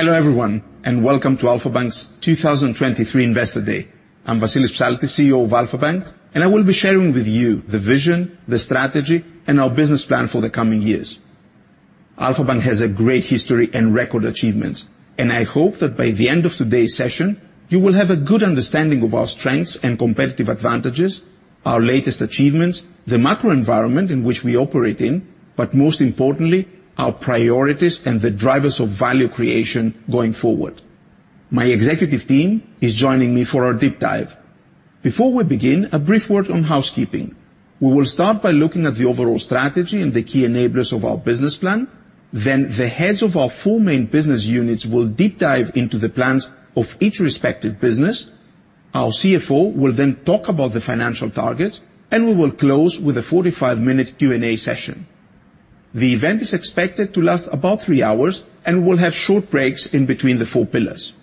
Hello everyone, welcome to Alpha Bank's 2023 Investor Day. I'm Vassilios Psaltis, CEO of Alpha Bank, I will be sharing with you the vision, the strategy, and our business plan for the coming years. Alpha Bank has a great history and record achievements, I hope that by the end of today's session, you will have a good understanding of our strengths and competitive advantages, our latest achievements, the macro environment in which we operate in, but most importantly, our priorities and the drivers of value creation going forward. My executive team is joining me for our deep dive. Before we begin, a brief word on housekeeping. We will start by looking at the overall strategy and the key enablers of our business plan. The heads of our four main business units will deep dive into the plans of each respective business. Our CFO will then talk about the financial targets, and we will close with a 45-minute Q&A session. The event is expected to last about three hours, and we'll have short breaks in between the four pillars.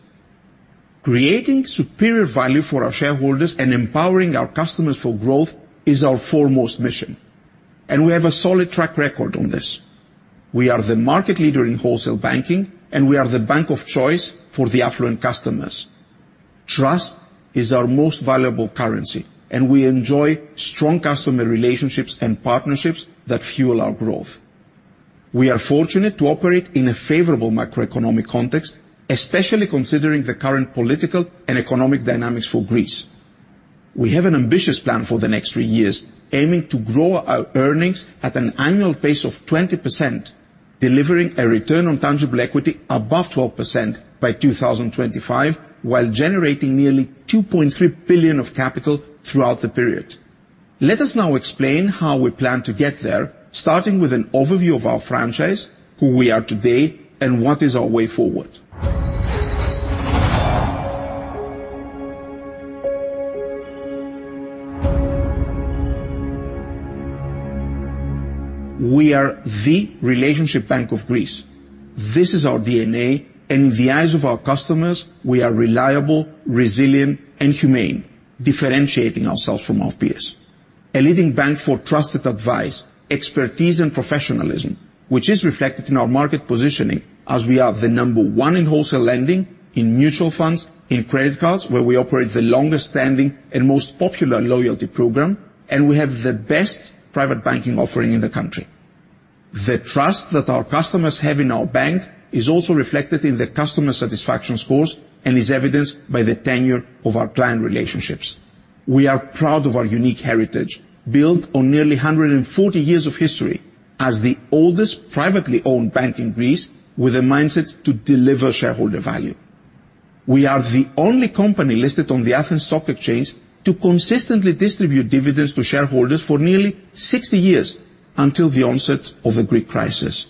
Creating superior value for our shareholders and empowering our customers for growth is our foremost mission, and we have a solid track record on this. We are the market leader in Wholesale Banking, and we are the bank of choice for the affluent customers. Trust is our most valuable currency, and we enjoy strong customer relationships and partnerships that fuel our growth. We are fortunate to operate in a favorable macroeconomic context, especially considering the current political and economic dynamics for Greece. We have an ambitious plan for the next three years, aiming to grow our earnings at an annual pace of 20%, delivering a return on tangible equity above 12% by 2025, while generating nearly 2.3 billion of capital throughout the period. Let us now explain how we plan to get there, starting with an overview of our franchise, who we are today, and what is our way forward. We are the relationship bank of Greece. This is our DNA, and in the eyes of our customers, we are reliable, resilient, and humane, differentiating ourselves from our peers. A leading bank for trusted advice, expertise, and professionalism, which is reflected in our market positioning as we are the number 1 in wholesale lending, in mutual funds, in credit cards, where we operate the longest standing and most popular loyalty program, and we have the best private banking offering in the country. The trust that our customers have in our bank is also reflected in the customer satisfaction scores and is evidenced by the tenure of our client relationships. We are proud of our unique heritage, built on nearly 140 years of history as the oldest privately owned bank in Greece, with a mindset to deliver shareholder value. We are the only company listed on the Athens Stock Exchange to consistently distribute dividends to shareholders for nearly 60 years, until the onset of the Greek crisis.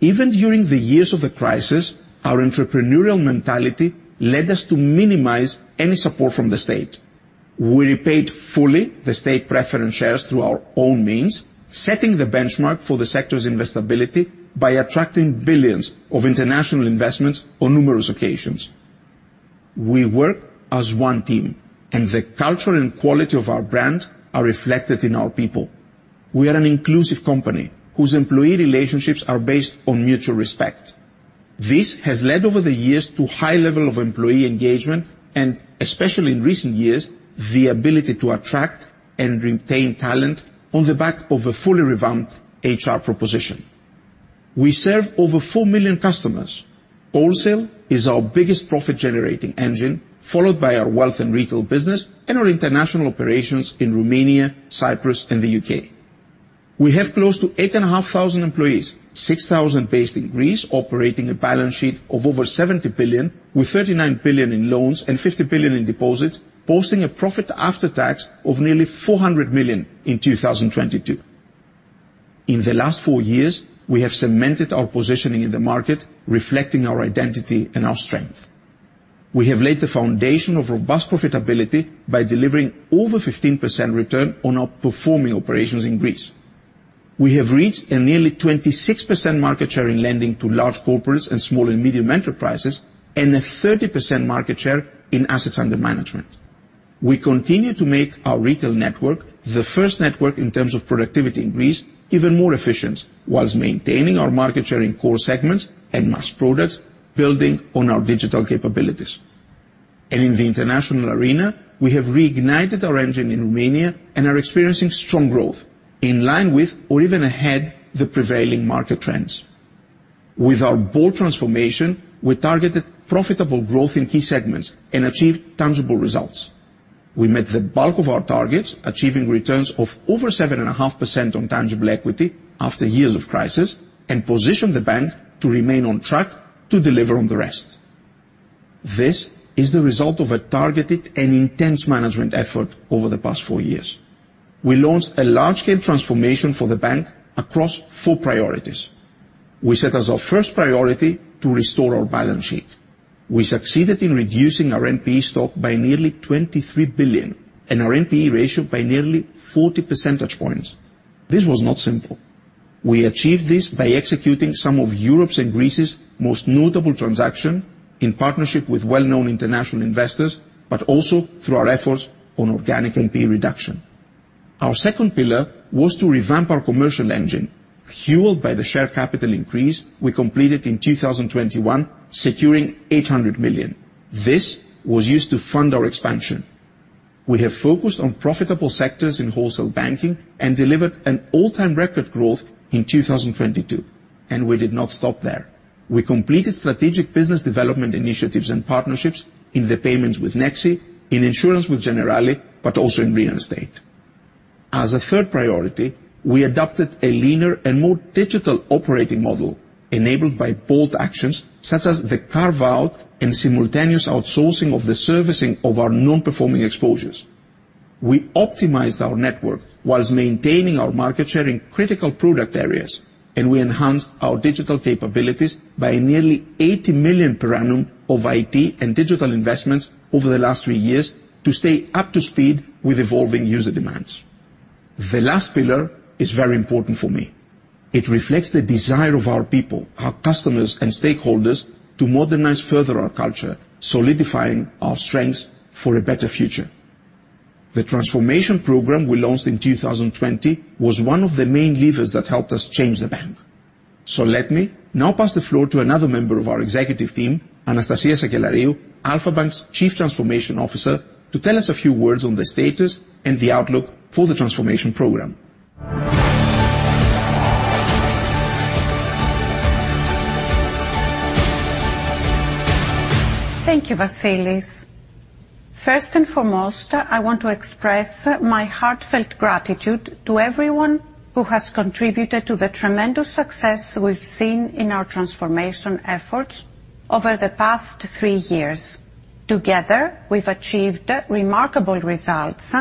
Even during the years of the crisis, our entrepreneurial mentality led us to minimize any support from the state. We repaid fully the state preference shares through our own means, setting the benchmark for the sector's investability by attracting billions of international investments on numerous occasions. We work as one team. The culture and quality of our brand are reflected in our people. We are an inclusive company whose employee relationships are based on mutual respect. This has led over the years to high level of employee engagement, and especially in recent years, the ability to attract and retain talent on the back of a fully revamped HR proposition. We serve over 4 million customers. Wholesale is our biggest profit-generating engine, followed by our wealth and retail business and our international operations in Romania, Cyprus, and the U.K. We have close to 8,500 employees, 6,000 based in Greece, operating a balance sheet of over 70 billion, with 39 billion in loans and 50 billion in deposits, posting a profit after tax of nearly 400 million in 2022. In the last four years, we have cemented our positioning in the market, reflecting our identity and our strength. We have laid the foundation of robust profitability by delivering over 15% return on our performing operations in Greece. We have reached a nearly 26% market share in lending to large corporates and SMEs, and a 30% market share in AUM. We continue to make our retail network, the first network in terms of productivity in Greece, even more efficient, while maintaining our market share in core segments and mass products, building on our digital capabilities. In the international arena, we have reignited our engine in Romania and are experiencing strong growth, in line with or even ahead the prevailing market trends. With our bold transformation, we targeted profitable growth in key segments and achieved tangible results. We met the bulk of our targets, achieving returns of over 7.5% on tangible equity after years of crisis, and positioned the bank to remain on track to deliver on the rest. This is the result of a targeted and intense management effort over the past four years. We launched a large-scale transformation for the bank across four priorities. We set as our first priority to restore our balance sheet. We succeeded in reducing our NPE stock by nearly 23 billion and our NPE ratio by nearly 40 percentage points. This was not simple. We achieved this by executing some of Europe's and Greece's most notable transaction in partnership with well-known international investors, but also through our efforts on organic NPE reduction. Our second pillar was to revamp our commercial engine, fueled by the share capital increase we completed in 2021, securing 800 million. This was used to fund our expansion. We have focused on profitable sectors in Wholesale Banking and delivered an all-time record growth in 2022. We did not stop there. We completed strategic business development initiatives and partnerships in the payments with Nexi, in insurance with Generali, also in real estate. As a third priority, we adopted a leaner and more digital operating model, enabled by bold actions such as the carve-out and simultaneous outsourcing of the servicing of our non-performing exposures. We optimized our network while maintaining our market share in critical product areas. We enhanced our digital capabilities by nearly 80 million per annum of IT and digital investments over the last three years to stay up to speed with evolving user demands. The last pillar is very important for me. It reflects the desire of our people, our customers, and stakeholders to modernize further our culture, solidifying our strengths for a better future. The transformation program we launched in 2020 was one of the main levers that helped us Change the Bank. Let me now pass the floor to another member of our executive team, Anastasia Sakellariou, Alpha Bank's Chief Transformation Officer, to tell us a few words on the status and the outlook for the transformation program. Thank you, Vassilis. First and foremost, I want to express my heartfelt gratitude to everyone who has contributed to the tremendous success we've seen in our transformation efforts over the past three years. Together, we've achieved remarkable results,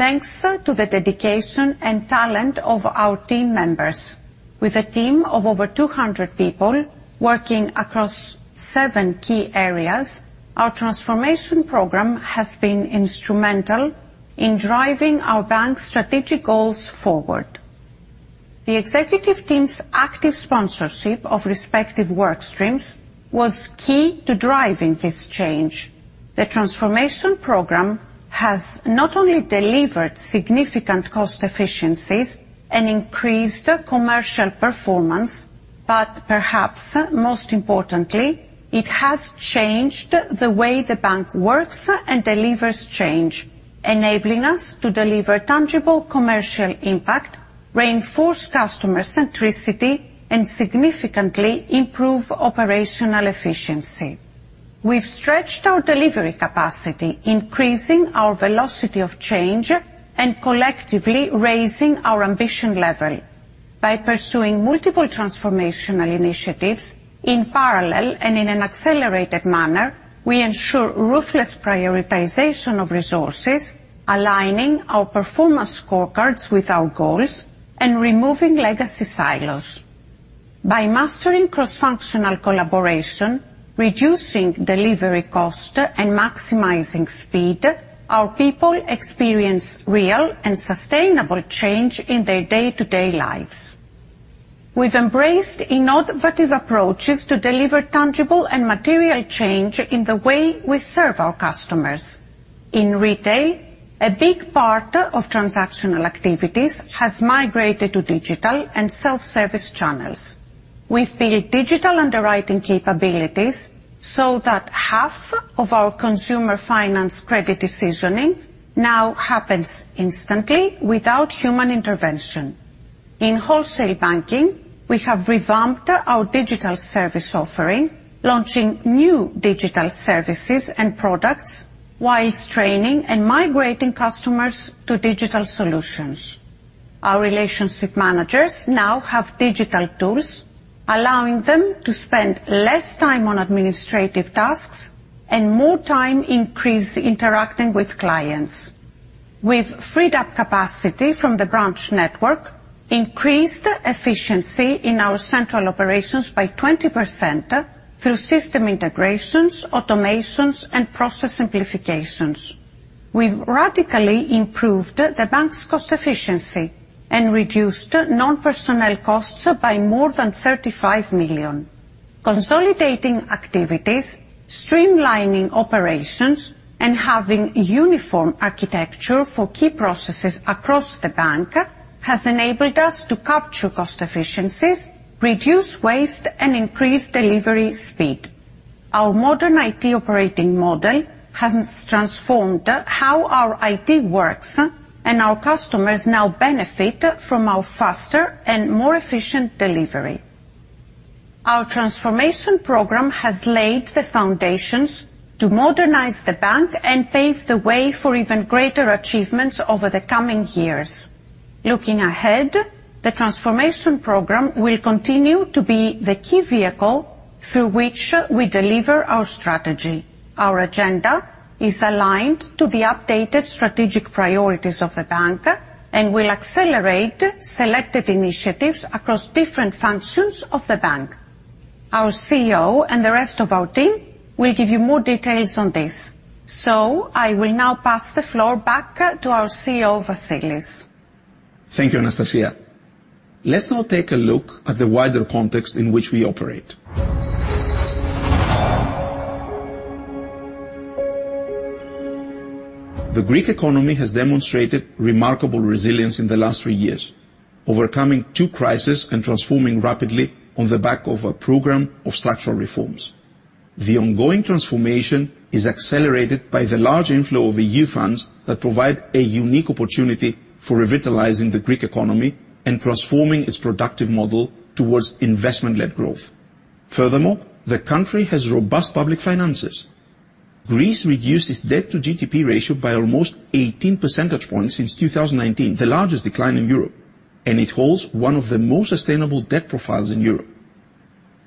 thanks to the dedication and talent of our team members. With a team of over 200 people working across seven key areas, our transformation program has been instrumental in driving our bank's strategic goals forward. The executive team's active sponsorship of respective work streams was key to driving this change. The transformation program has not only delivered significant cost efficiencies and increased commercial performance, but perhaps most importantly, it has changed the way the bank works and delivers change, enabling us to deliver tangible commercial impact, reinforce customer centricity, and significantly improve operational efficiency. We've stretched our delivery capacity, increasing our velocity of change and collectively raising our ambition level. By pursuing multiple transformational initiatives in parallel and in an accelerated manner, we ensure ruthless prioritization of resources, aligning our performance scorecards with our goals, and removing legacy silos. By mastering cross-functional collaboration, reducing delivery cost, and maximizing speed, our people experience real and sustainable change in their day-to-day lives. We've embraced innovative approaches to deliver tangible and material change in the way we serve our customers. In retail, a big part of transactional activities has migrated to digital and self-service channels. We've built digital underwriting capabilities so that half of our consumer finance credit decisioning now happens instantly without human intervention. In Wholesale Banking, we have revamped our digital service offering, launching new digital services and products, whilst training and migrating customers to digital solutions. Our relationship managers now have digital tools, allowing them to spend less time on administrative tasks and more time increase interacting with clients. With freed up capacity from the branch network, increased efficiency in our central operations by 20% through system integrations, automations, and process simplifications. We've radically improved the bank's cost efficiency and reduced non-personnel costs by more than 35 million. Consolidating activities, streamlining operations, and having uniform architecture for key processes across the bank has enabled us to capture cost efficiencies, reduce waste, and increase delivery speed. Our modern IT operating model has transformed how our IT works, and our customers now benefit from our faster and more efficient delivery. Our transformation program has laid the foundations to modernize the bank and pave the way for even greater achievements over the coming years. Looking ahead, the transformation program will continue to be the key vehicle through which we deliver our strategy. Our agenda is aligned to the updated strategic priorities of the bank and will accelerate selected initiatives across different functions of the bank. Our CEO and the rest of our team will give you more details on this. I will now pass the floor back to our CEO, Vassilis. Thank you, Anastasia. Let's now take a look at the wider context in which we operate. The Greek economy has demonstrated remarkable resilience in the last three years, overcoming 2 crisis and transforming rapidly on the back of a program of structural reforms. The ongoing transformation is accelerated by the large inflow of EU funds that provide a unique opportunity for revitalizing the Greek economy and transforming its productive model towards investment-led growth. The country has robust public finances. Greece reduced its debt to GDP ratio by almost 18 percentage points since 2019, the largest decline in Europe, and it holds one of the most sustainable debt profiles in Europe.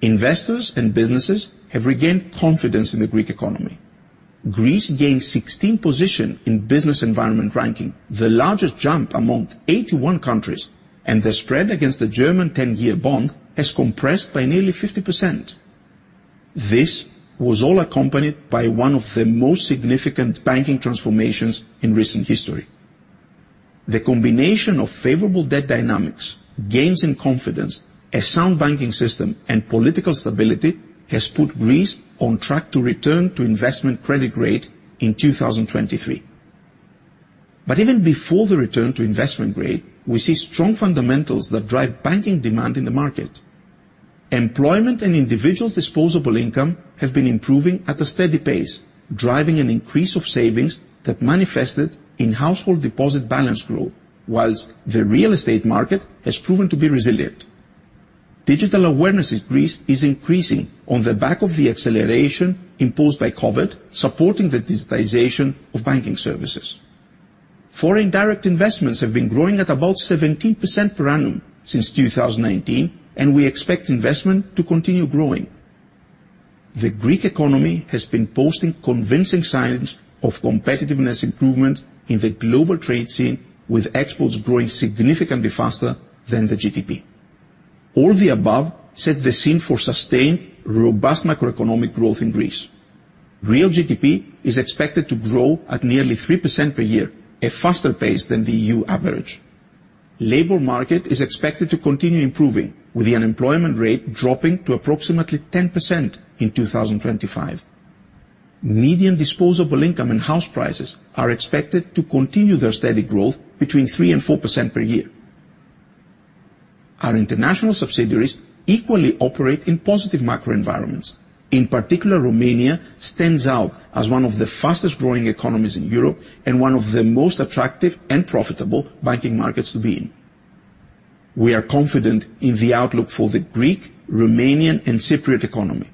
Investors and businesses have regained confidence in the Greek economy. Greece gained 16th position in business environment ranking, the largest jump among 81 countries, and the spread against the German 10-year bond has compressed by nearly 50%. This was all accompanied by one of the most significant banking transformations in recent history. The combination of favorable debt dynamics, gains in confidence, a sound banking system, and political stability has put Greece on track to return to investment grade in 2023. Even before the return to investment grade, we see strong fundamentals that drive banking demand in the market. Employment and individual's disposable income have been improving at a steady pace, driving an increase of savings that manifested in household deposit balance growth, whilst the real estate market has proven to be resilient. Digital awareness in Greece is increasing on the back of the acceleration imposed by COVID, supporting the digitization of banking services. Foreign direct investments have been growing at about 17% per annum since 2019, and we expect investment to continue growing. The Greek economy has been posting convincing signs of competitiveness improvement in the global trade scene, with exports growing significantly faster than the GDP. All the above set the scene for sustained, robust macroeconomic growth in Greece. Real GDP is expected to grow at nearly 3% per year, a faster pace than the EU average. Labor market is expected to continue improving, with the unemployment rate dropping to approximately 10% in 2025. Median disposable income and house prices are expected to continue their steady growth between 3% and 4% per year. Our international subsidiaries equally operate in positive macro environments. In particular, Romania stands out as one of the fastest growing economies in Europe and one of the most attractive and profitable banking markets to be in. We are confident in the outlook for the Greek, Romanian, and Cypriot economy.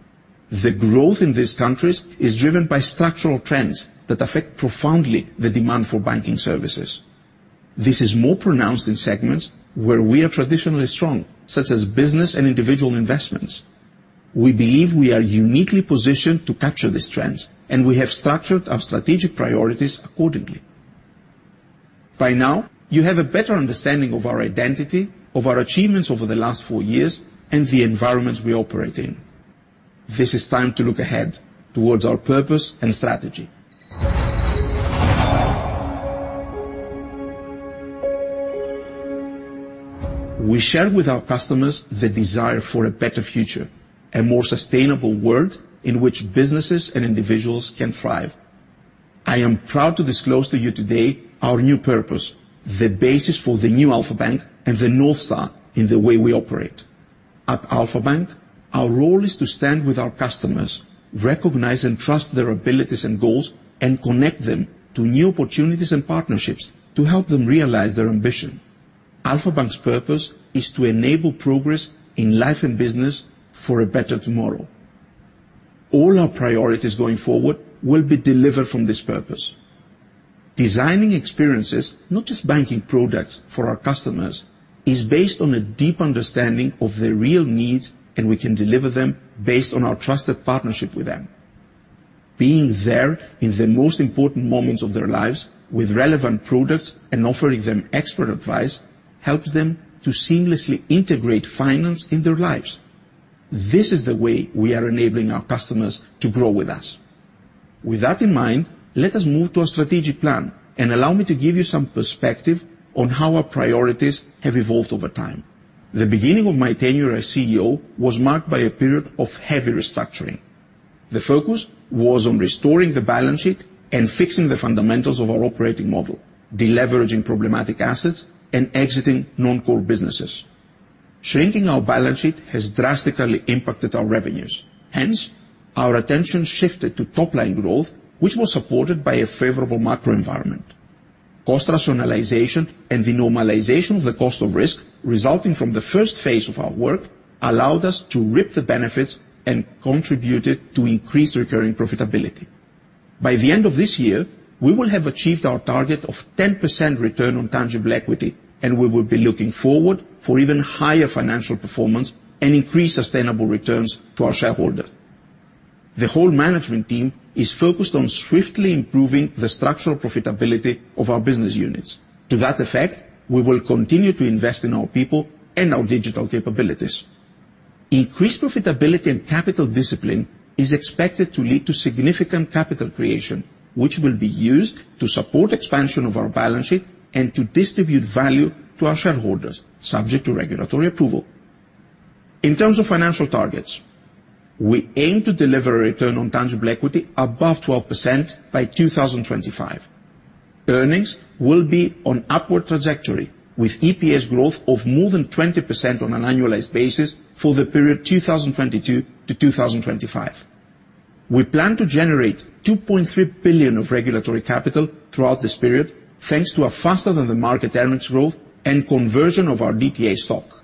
The growth in these countries is driven by structural trends that affect profoundly the demand for banking services. This is more pronounced in segments where we are traditionally strong, such as business and individual investments. We believe we are uniquely positioned to capture these trends, and we have structured our strategic priorities accordingly. By now, you have a better understanding of our identity, of our achievements over the last four years, and the environments we operate in. This is time to look ahead towards our purpose and strategy. We share with our customers the desire for a better future, a more sustainable world in which businesses and individuals can thrive. I am proud to disclose to you today our new purpose, the basis for the new Alpha Bank and the North Star in the way we operate. At Alpha Bank, our role is to stand with our customers, recognize and trust their abilities and goals, and connect them to new opportunities and partnerships to help them realize their ambition. Alpha Bank's purpose is to enable progress in life and business for a better tomorrow. All our priorities going forward will be delivered from this purpose. Designing experiences, not just banking products, for our customers, is based on a deep understanding of their real needs, and we can deliver them based on our trusted partnership with them. Being there in the most important moments of their lives with relevant products and offering them expert advice, helps them to seamlessly integrate finance in their lives. This is the way we are enabling our customers to grow with us. With that in mind, let us move to our strategic plan, allow me to give you some perspective on how our priorities have evolved over time. The beginning of my tenure as CEO was marked by a period of heavy restructuring. The focus was on restoring the balance sheet and fixing the fundamentals of our operating model, deleveraging problematic assets, and exiting non-core businesses. Shrinking our balance sheet has drastically impacted our revenues. Hence, our attention shifted to top-line growth, which was supported by a favorable macro environment. Cost rationalization and the normalization of the cost of risk, resulting from the first phase of our work, allowed us to reap the benefits and contributed to increased recurring profitability. By the end of this year, we will have achieved our target of 10% return on tangible equity, and we will be looking forward for even higher financial performance and increased sustainable returns to our shareholder. The whole management team is focused on swiftly improving the structural profitability of our business units. To that effect, we will continue to invest in our people and our digital capabilities. Increased profitability and capital discipline is expected to lead to significant capital creation, which will be used to support expansion of our balance sheet and to distribute value to our shareholders, subject to regulatory approval.... In terms of financial targets, we aim to deliver a return on tangible equity above 12% by 2025. Earnings will be on upward trajectory, with EPS growth of more than 20% on an annualized basis for the period 2022 to 2025. We plan to generate 2.3 billion of regulatory capital throughout this period, thanks to a faster than the market earnings growth and conversion of our DTA stock.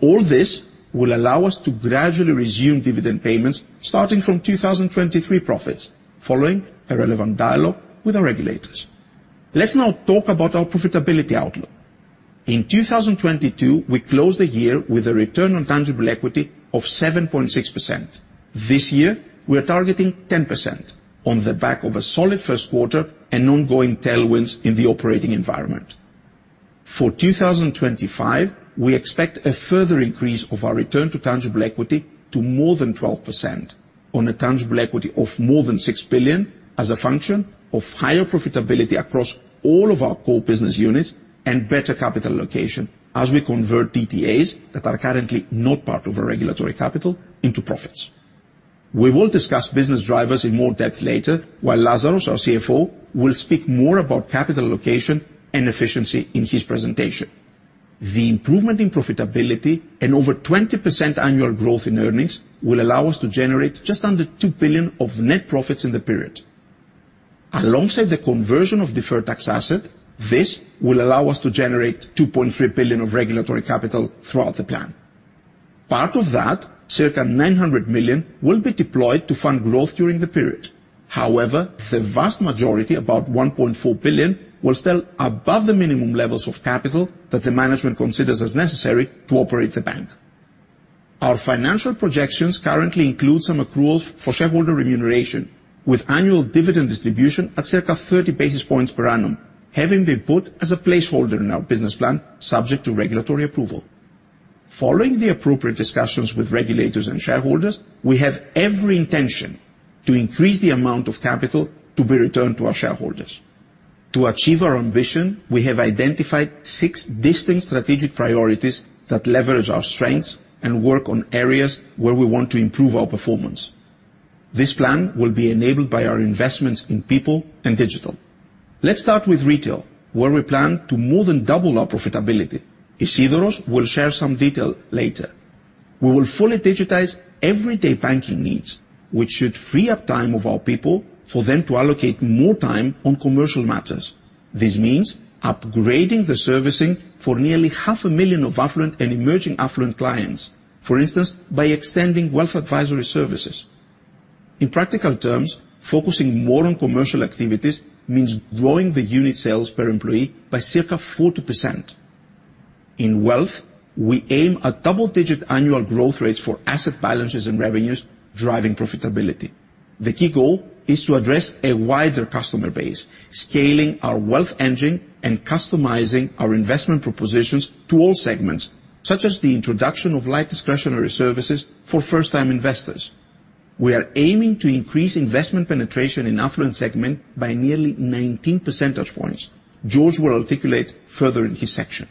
All this will allow us to gradually resume dividend payments starting from 2023 profits, following a relevant dialogue with our regulators. Let's now talk about our profitability outlook. In 2022, we closed the year with a return on tangible equity of 7.6%. This year, we are targeting 10% on the back of a solid first quarter and ongoing tailwinds in the operating environment. For 2025, we expect a further increase of our return to tangible equity to more than 12% on a tangible equity of more than 6 billion as a function of higher profitability across all of our core business units and better capital allocation as we convert DTAs that are currently not part of our regulatory capital into profits. We will discuss business drivers in more depth later, while Lazaros, our CFO, will speak more about capital allocation and efficiency in his presentation. The improvement in profitability and over 20% annual growth in earnings will allow us to generate just under 2 billion of net profits in the period. Alongside the conversion of Deferred Tax Asset, this will allow us to generate 2.3 billion of regulatory capital throughout the plan. Part of that, circa 900 million, will be deployed to fund growth during the period. However, the vast majority, about 1.4 billion, will sell above the minimum levels of capital that the management considers as necessary to operate the bank. Our financial projections currently include some accruals for shareholder remuneration, with annual dividend distribution at circa 30 basis points per annum, having been put as a placeholder in our business plan, subject to regulatory approval. Following the appropriate discussions with regulators and shareholders, we have every intention to increase the amount of capital to be returned to our shareholders. To achieve our ambition, we have identified six distinct strategic priorities that leverage our strengths and work on areas where we want to improve our performance. This plan will be enabled by our investments in people and digital. Let's start with retail, where we plan to more than double our profitability. Isidoros will share some detail later. We will fully digitize everyday banking needs, which should free up time of our people for them to allocate more time on commercial matters. This means upgrading the servicing for nearly half a million of affluent and emerging affluent clients, for instance, by extending wealth advisory services. In practical terms, focusing more on commercial activities means growing the unit sales per employee by circa 40%. In wealth, we aim at double-digit annual growth rates for asset balances and revenues, driving profitability. The key goal is to address a wider customer base, scaling our wealth engine and customizing our investment propositions to all segments, such as the introduction of light discretionary services for first-time investors. We are aiming to increase investment penetration in affluent segment by nearly 19 percentage points. George will articulate further in his section.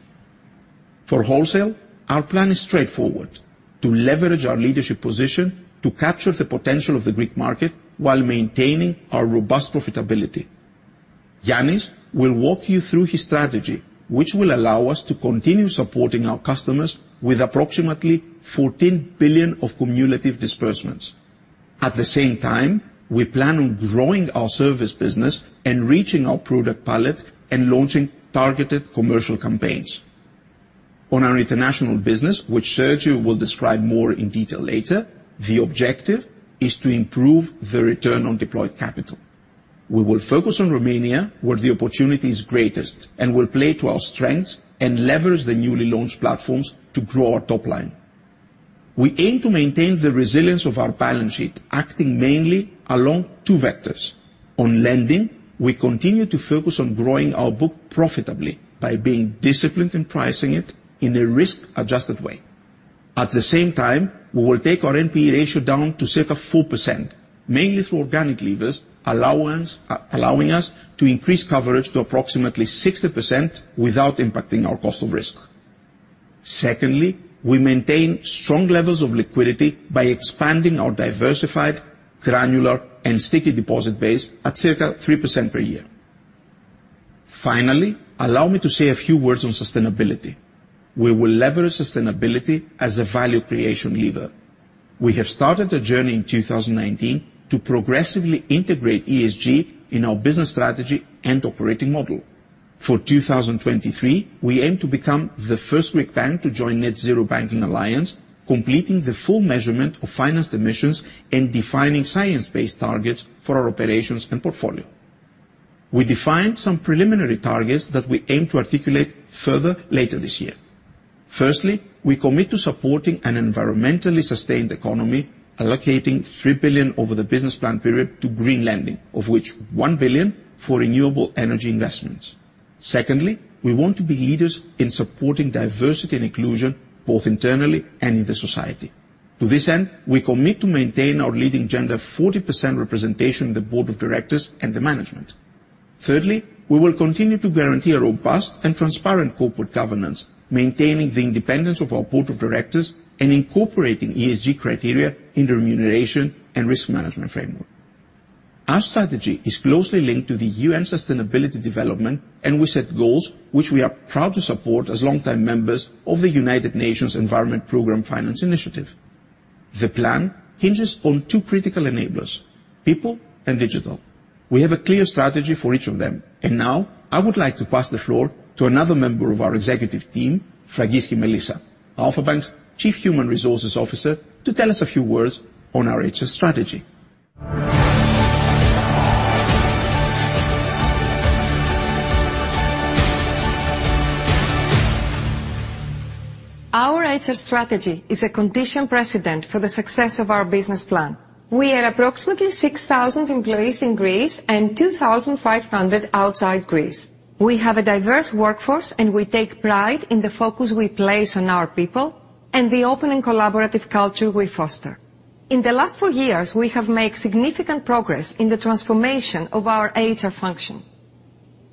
For wholesale, our plan is straightforward: to leverage our leadership position to capture the potential of the Greek market while maintaining our robust profitability. Yannis will walk you through his strategy, which will allow us to continue supporting our customers with approximately 14 billion of cumulative disbursements. At the same time, we plan on growing our service business and reaching our product palette and launching targeted commercial campaigns. On our international business, which Sergiu will describe more in detail later, the objective is to improve the return on deployed capital. We will focus on Romania, where the opportunity is greatest, and will play to our strengths and leverage the newly launched platforms to grow our top line. We aim to maintain the resilience of our balance sheet, acting mainly along two vectors. On lending, we continue to focus on growing our book profitably by being disciplined in pricing it in a risk-adjusted way. At the same time, we will take our NPE ratio down to circa 4%, mainly through organic levers, allowance, allowing us to increase coverage to approximately 60% without impacting our cost of risk. Secondly, we maintain strong levels of liquidity by expanding our diversified, granular, and sticky deposit base at circa 3% per year. Finally, allow me to say a few words on sustainability. We will leverage sustainability as a value creation lever. We have started a journey in 2019 to progressively integrate ESG in our business strategy and operating model. For 2023, we aim to become the first Greek bank to join Net-Zero Banking Alliance, completing the full measurement of financed emissions and defining science-based targets for our operations and portfolio. We defined some preliminary targets that we aim to articulate further later this year. Firstly, we commit to supporting an environmentally sustained economy, allocating 3 billion over the business plan period to green lending, of which 1 billion for renewable energy investments. Secondly, we want to be leaders in supporting diversity and inclusion, both internally and in the society. To this end, we commit to maintain our leading gender, 40% representation in the board of directors and the management. Thirdly, we will continue to guarantee a robust and transparent corporate governance, maintaining the independence of our board of directors and incorporating ESG criteria in the remuneration and risk management framework. Our strategy is closely linked to the UN sustainability development. We set goals which we are proud to support as long-time members of the United Nations Environment Programme Finance Initiative. The plan hinges on two critical enablers, people and digital. We have a clear strategy for each of them. Now I would like to pass the floor to another member of our executive team, Fragiski Melissa, Alpha Bank's Chief Human Resources Officer, to tell us a few words on our HR strategy. Our HR strategy is a condition precedent for the success of our business plan. We are approximately 6,000 employees in Greece and 2,500 outside Greece. We have a diverse workforce, and we take pride in the focus we place on our people and the open and collaborative culture we foster. In the last four years, we have made significant progress in the transformation of our HR function.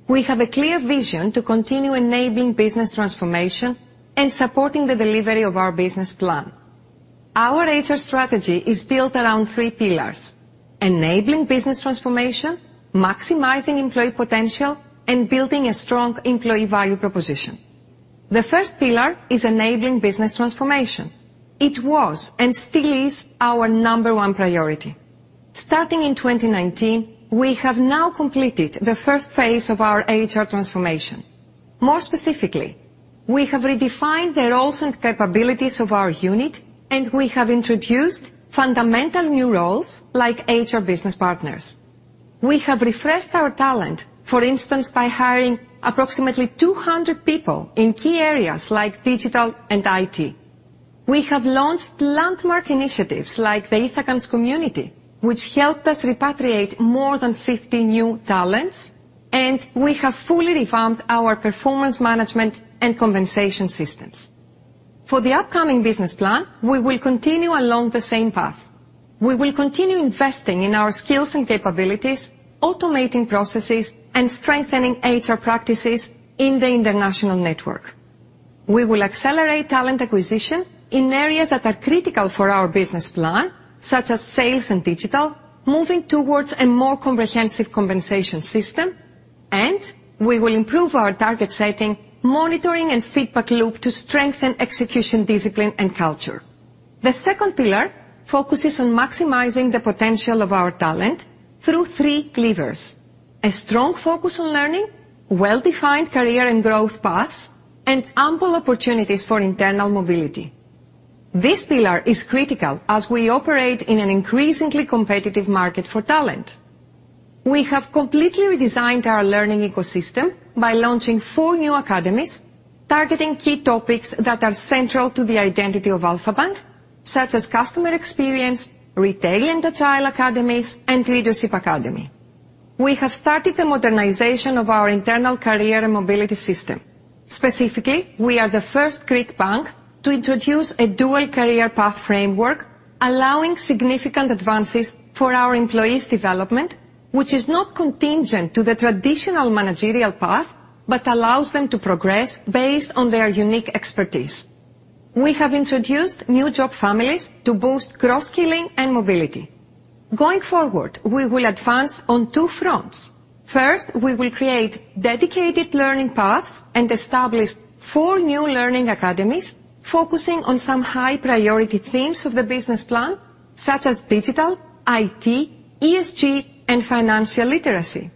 We have a clear vision to continue enabling business transformation and supporting the delivery of our business plan. Our HR strategy is built around three pillars: enabling business transformation, maximizing employee potential, and building a strong employee value proposition. The first pillar is enabling business transformation. It was, and still is, our number one priority. Starting in 2019, we have now completed the first phase of our HR transformation. More specifically, we have redefined the roles and capabilities of our unit, and we have introduced fundamental new roles, like HR business partners. We have refreshed our talent, for instance, by hiring approximately 200 people in key areas like digital and IT. We have launched landmark initiatives, like the Ithacans community, which helped us repatriate more than 50 new talents, and we have fully revamped our performance management and compensation systems. For the upcoming business plan, we will continue along the same path. We will continue investing in our skills and capabilities, automating processes, and strengthening HR practices in the international network. We will accelerate talent acquisition in areas that are critical for our business plan, such as sales and digital, moving towards a more comprehensive compensation system, and we will improve our target setting, monitoring, and feedback loop to strengthen execution, discipline, and culture. The second pillar focuses on maximizing the potential of our talent through three levers: a strong focus on learning, well-defined career and growth paths, and ample opportunities for internal mobility. This pillar is critical as we operate in an increasingly competitive market for talent. We have completely redesigned our learning ecosystem by launching four new academies, targeting key topics that are central to the identity of Alpha Bank, such as customer experience, retail and retail academies, and leadership academy. We have started the modernization of our internal career and mobility system. Specifically, we are the first Greek bank to introduce a dual career path framework, allowing significant advances for our employees' development, which is not contingent to the traditional managerial path, but allows them to progress based on their unique expertise. We have introduced new job families to boost cross-skilling and mobility. Going forward, we will advance on two fronts. First, we will create dedicated learning paths and establish four new learning academies, focusing on some high priority themes of the business plan, such as digital, IT, ESG, and financial literacy.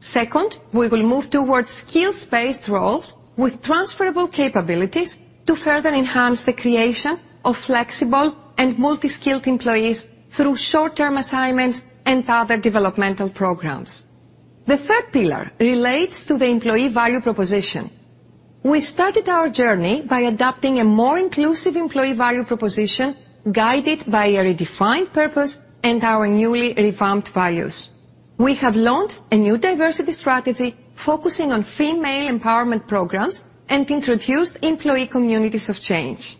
Second, we will move towards skills-based roles with transferable capabilities to further enhance the creation of flexible and multi-skilled employees through short-term assignments and other developmental programs. The third pillar relates to the employee value proposition. We started our journey by adopting a more inclusive employee value proposition, guided by a redefined purpose and our newly revamped values. We have launched a new diversity strategy, focusing on female empowerment programs and introduced employee communities of change.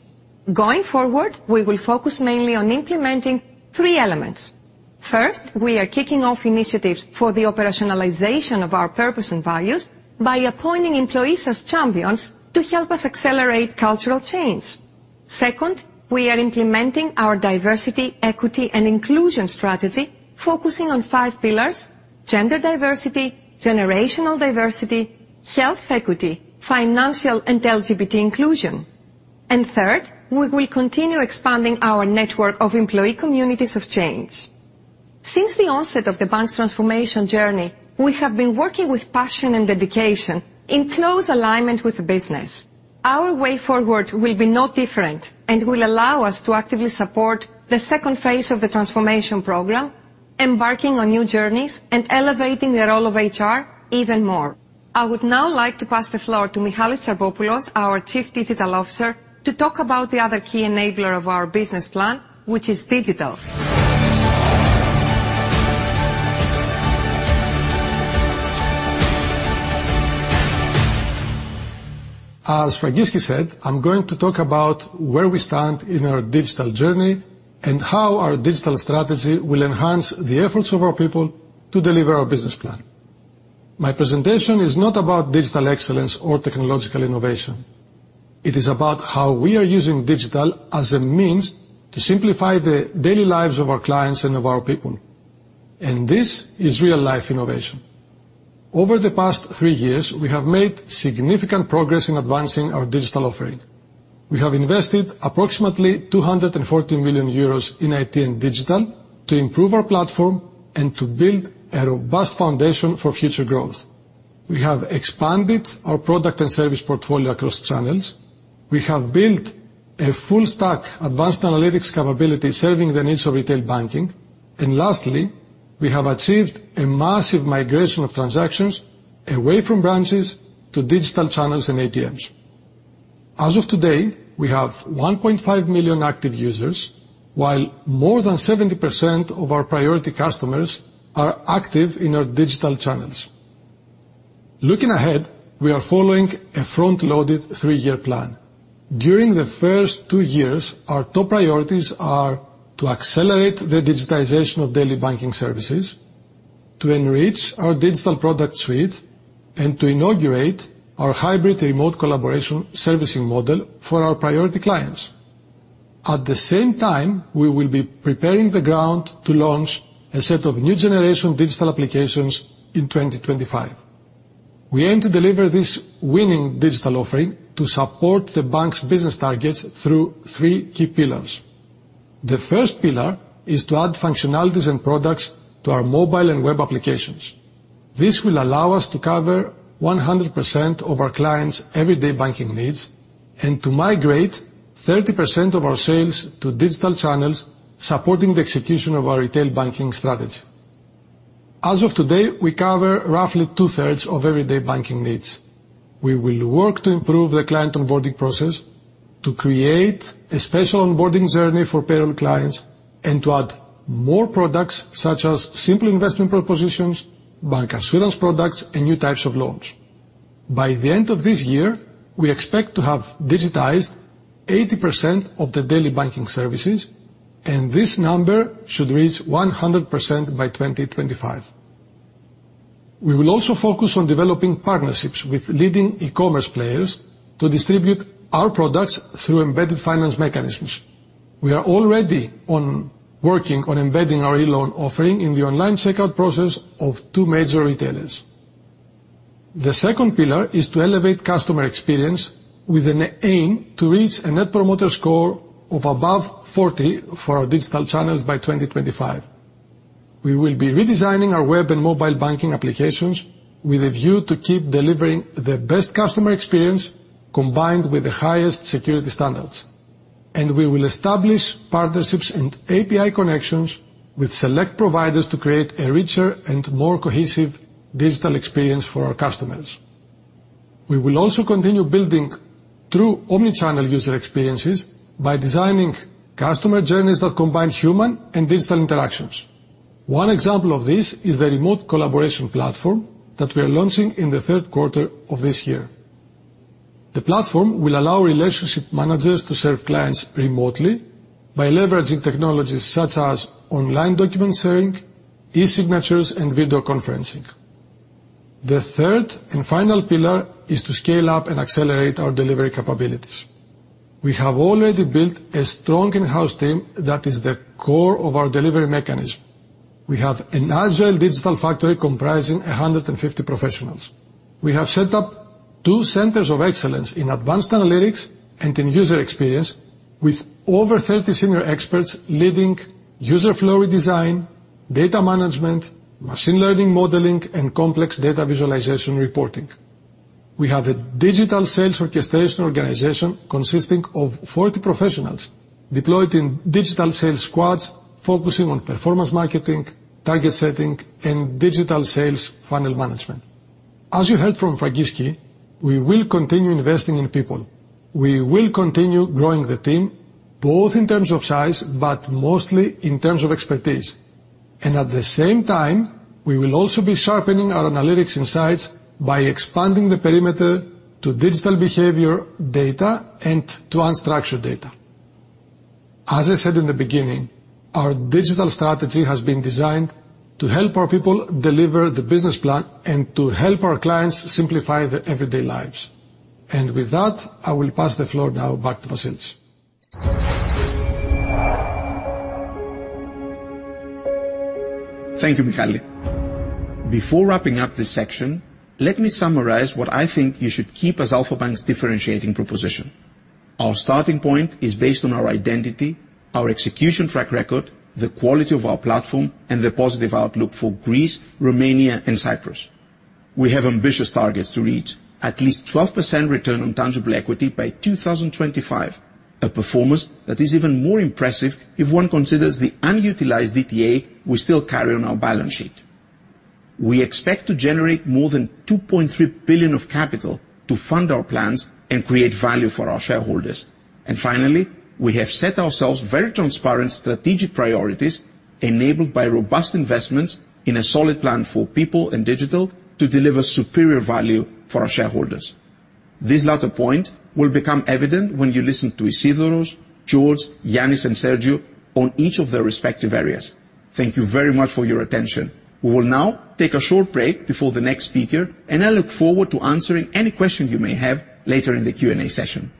Going forward, we will focus mainly on implementing three elements. First, we are kicking off initiatives for the operationalization of our purpose and values by appointing employees as champions to help us accelerate cultural change. Second, we are implementing our diversity, equity, and inclusion strategy, focusing on 5 pillars: gender diversity, generational diversity, health equity, financial and LGBT inclusion. Third, we will continue expanding our network of employee communities of change. Since the onset of the bank's transformation journey, we have been working with passion and dedication in close alignment with the business. Our way forward will be no different and will allow us to actively support the 2nd phase of the transformation program, embarking on new journeys, and elevating the role of HR even more. I would now like to pass the floor to Michalis Tsarbopoulos, our Chief Digital Officer, to talk about the other key enabler of our business plan, which is digital. As Fragiski said, I'm going to talk about where we stand in our digital journey and how our digital strategy will enhance the efforts of our people to deliver our business plan. My presentation is not about digital excellence or technological innovation. It is about how we are using digital as a means to simplify the daily lives of our clients and of our people, and this is real-life innovation. Over the past three years, we have made significant progress in advancing our digital offering. We have invested approximately 240 million euros in IT and digital to improve our platform and to build a robust foundation for future growth. We have expanded our product and service portfolio across channels. We have built a full stack, advanced analytics capability, serving the needs of retail banking. Lastly, we have achieved a massive migration of transactions away from branches to digital channels and ATMs. As of today, we have 1.5 million active users, while more than 70% of our priority customers are active in our digital channels. Looking ahead, we are following a front-loaded three-year plan. During the first two years, our top priorities are to accelerate the digitization of daily banking services, to enrich our digital product suite, and to inaugurate our hybrid remote collaboration servicing model for our priority clients. At the same time, we will be preparing the ground to launch a set of new generation digital applications in 2025. We aim to deliver this winning digital offering to support the bank's business targets through three key pillars. The first pillar is to add functionalities and products to our mobile and web applications. This will allow us to cover 100% of our clients' everyday banking needs and to migrate 30% of our sales to digital channels, supporting the execution of our retail banking strategy. As of today, we cover roughly two-thirds of everyday banking needs. We will work to improve the client onboarding process, to create a special onboarding journey for payroll clients, and to add more products such as simple investment propositions, bancassurance products, and new types of loans. By the end of this year, we expect to have digitized 80% of the daily banking services, and this number should reach 100% by 2025. We will also focus on developing partnerships with leading e-commerce players to distribute our products through embedded finance mechanisms. We are already on working on embedding our e-loan offering in the online checkout process of two major retailers. The second pillar is to elevate customer experience with an aim to reach a net promoter score of above 40 for our digital channels by 2025. We will be redesigning our web and mobile banking applications with a view to keep delivering the best customer experience, combined with the highest security standards. We will establish partnerships and API connections with select providers to create a richer and more cohesive digital experience for our customers. We will also continue building true omni-channel user experiences by designing customer journeys that combine human and digital interactions. One example of this is the remote collaboration platform that we are launching in the third quarter of this year. The platform will allow relationship managers to serve clients remotely by leveraging technologies such as online document sharing, e-signatures, and video conferencing. The third and final pillar is to scale up and accelerate our delivery capabilities. We have already built a strong in-house team that is the core of our delivery mechanism. We have an agile digital factory comprising 150 professionals. We have set up two centers of excellence in advanced analytics and in user experience, with over 30 senior experts leading user flow redesign, data management, machine learning, modeling, and complex data visualization reporting. We have a digital sales orchestration organization consisting of 40 professionals deployed in digital sales squads, focusing on performance marketing, target setting, and digital sales funnel management. As you heard from Fragiski, we will continue investing in people. We will continue growing the team, both in terms of size, but mostly in terms of expertise. At the same time, we will also be sharpening our analytics insights by expanding the perimeter to digital behavior data and to unstructured data. As I said in the beginning, our digital strategy has been designed to help our people deliver the business plan and to help our clients simplify their everyday lives. With that, I will pass the floor now back to Vassilis. Thank you, Michalis. Before wrapping up this section, let me summarize what I think you should keep as Alpha Bank's differentiating proposition. Our starting point is based on our identity, our execution track record, the quality of our platform, and the positive outlook for Greece, Romania, and Cyprus. We have ambitious targets to reach at least 12% return on tangible equity by 2025, a performance that is even more impressive if one considers the unutilized DTA we still carry on our balance sheet. We expect to generate more than 2.3 billion of capital to fund our plans and create value for our shareholders. Finally, we have set ourselves very transparent strategic priorities, enabled by robust investments in a solid plan for people and digital to deliver superior value for our shareholders. This latter point will become evident when you listen to Isidoros, George, Yannis, and Sergiu on each of their respective areas. Thank you very much for your attention. We will now take a short break before the next speaker. I look forward to answering any questions you may have later in the Q&A session.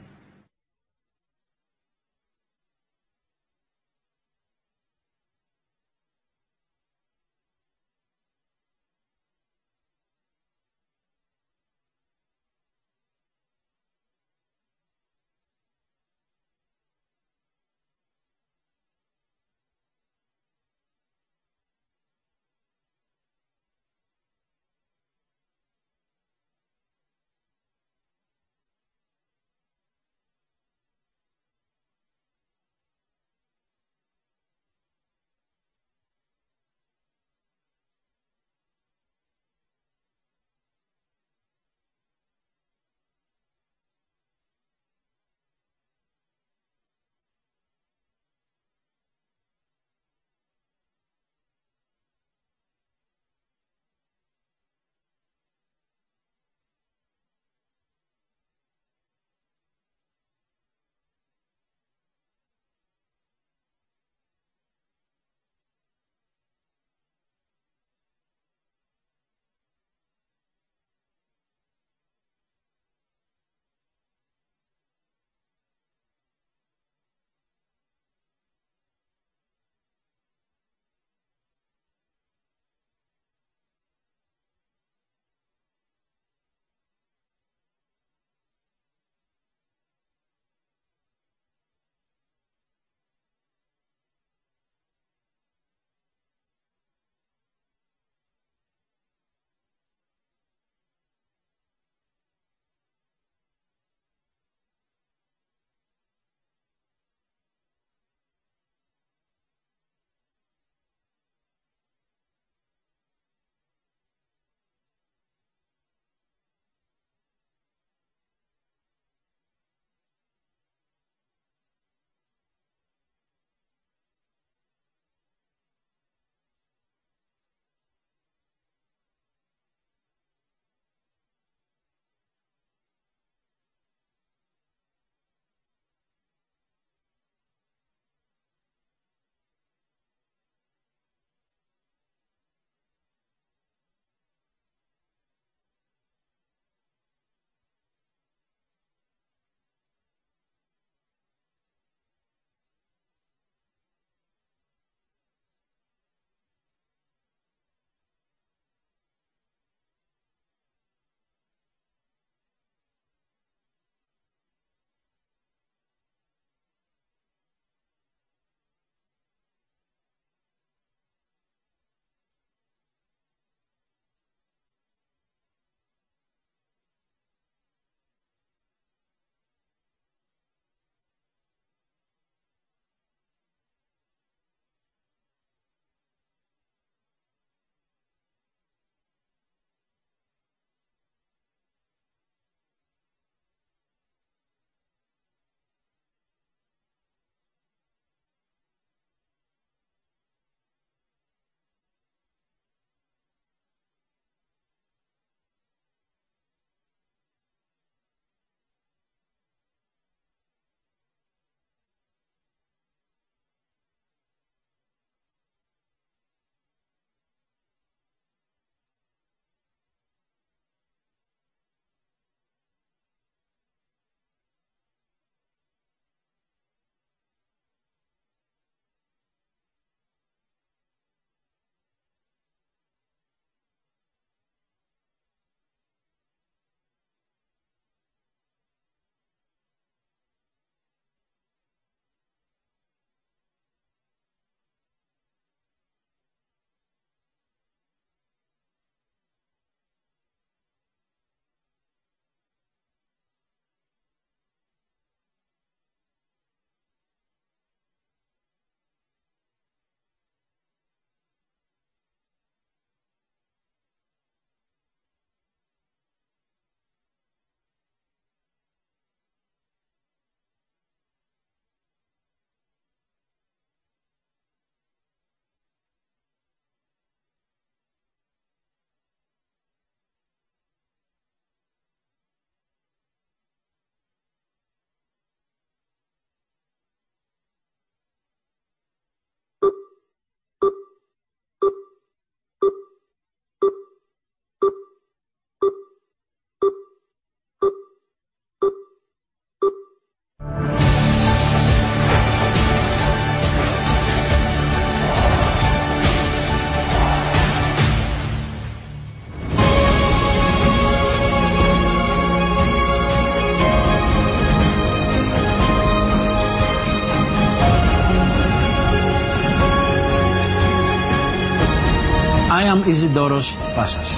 I am Isidoros Passas,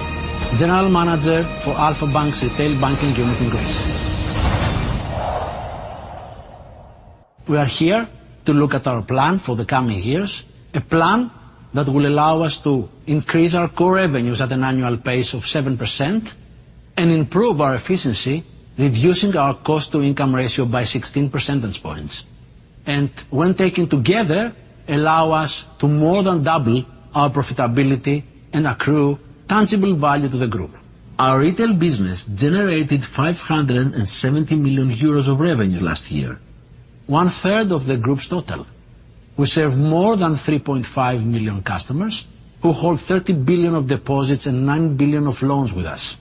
General Manager for Alpha Bank's Retail Banking Unit in Greece. We are here to look at our plan for the coming years, a plan that will allow us to increase our core revenues at an annual pace of 7% and improve our efficiency, reducing our cost to income ratio by 16 percentage points. When taken together, allow us to more than double our profitability and accrue tangible value to the group. Our retail business generated 570 million euros of revenue last year, one third of the group's total. We serve more than 3.5 million customers, who hold 30 billion of deposits and 9 billion of loans with us.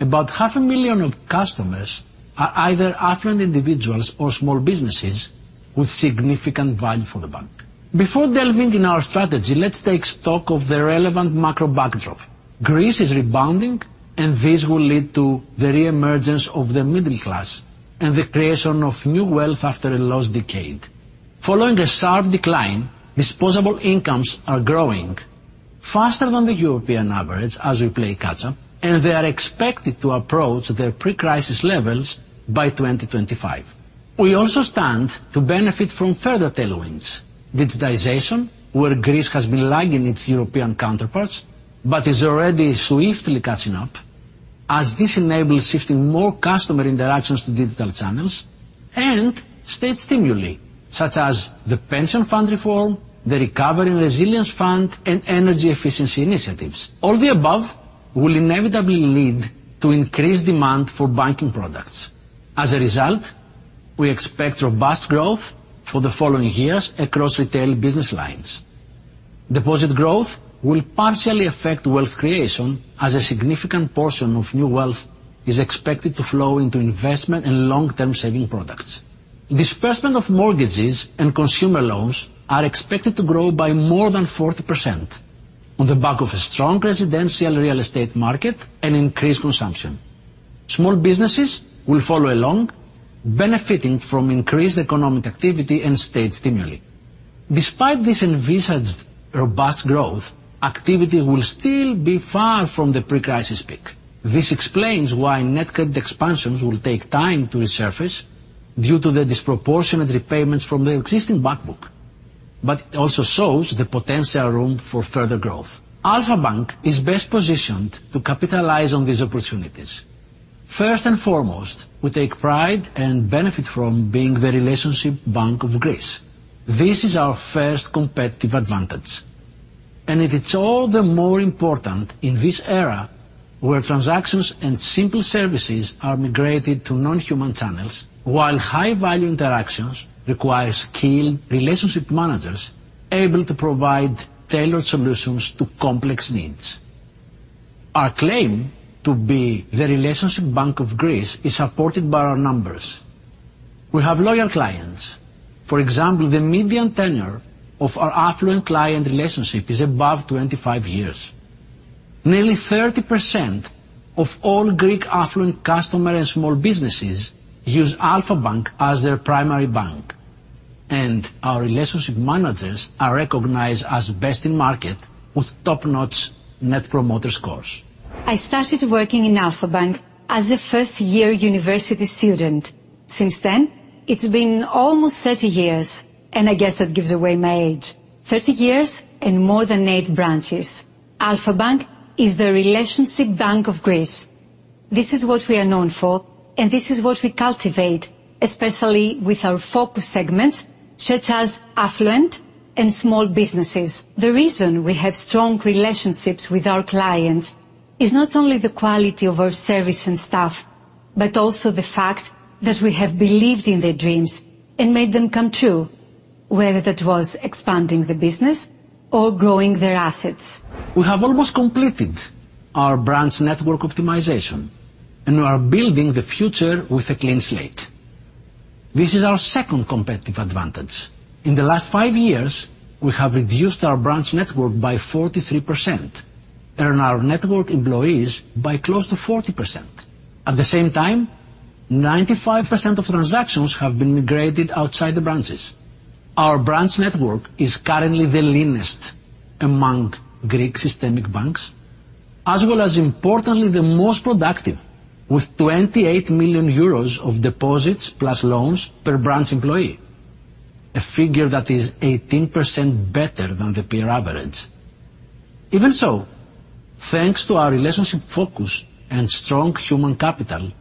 About half a million of customers are either affluent individuals or small businesses with significant value for Alpha Bank. Before delving in our strategy, let's take stock of the relevant macro backdrop. Greece is rebounding. This will lead to the reemergence of the middle class and the creation of new wealth after a lost decade. Following a sharp decline, disposable incomes are growing faster than the European average as we play catch up, and they are expected to approach their pre-crisis levels by 2025. We also stand to benefit from further tailwinds, digitization, where Greece has been lagging its European counterparts, but is already swiftly catching up as this enables shifting more customer interactions to digital channels and state stimuli, such as the pension fund reform, the Recovery and Resilience fund, and energy efficiency initiatives. All the above will inevitably lead to increased demand for banking products. As a result, we expect robust growth for the following years across retail business lines. Deposit growth will partially affect wealth creation as a significant portion of new wealth is expected to flow into investment and long-term saving products. Disbursement of mortgages and consumer loans are expected to grow by more than 40% on the back of a strong residential real estate market and increased consumption. Small businesses will follow along, benefiting from increased economic activity and state stimuli. Despite this envisaged robust growth, activity will still be far from the pre-crisis peak. This explains why net credit expansions will take time to resurface due to the disproportionate repayments from the existing back book, but it also shows the potential room for further growth. Alpha Bank is best positioned to capitalize on these opportunities. First and foremost, we take pride and benefit from being the relationship bank of Greece. This is our first competitive advantage, and it is all the more important in this era where transactions and simple services are migrated to non-human channels, while high value interactions require skilled relationship managers able to provide tailored solutions to complex needs. Our claim to be the relationship bank of Greece is supported by our numbers. We have loyal clients. For example, the median tenure of our affluent client relationship is above 25 years. Nearly 30% of all Greek affluent customer and small businesses use Alpha Bank as their primary bank, and our relationship managers are recognized as best in market with top-notch net promoter scores. I started working in Alpha Bank as a first-year university student. Since then, it's been almost 30 years. I guess that gives away my age. 30 years and more than eight branches. Alpha Bank is the relationship Bank of Greece. This is what we are known for. This is what we cultivate, especially with our focus segments such as affluent and small businesses. The reason we have strong relationships with our clients is not only the quality of our service and staff, but also the fact that we have believed in their dreams and made them come true, whether that was expanding the business or growing their assets. We have almost completed our branch network optimization, and we are building the future with a clean slate. This is our second competitive advantage. In the last five years, we have reduced our branch network by 43% and our network employees by close to 40%. At the same time, 95% of transactions have been migrated outside the branches. Our branch network is currently the leanest among Greek systemic banks, as well as importantly, the most productive, with 28 million euros of deposits plus loans per branch employee, a figure that is 18% better than the peer average. Even so, thanks to our relationship focus and strong human capital,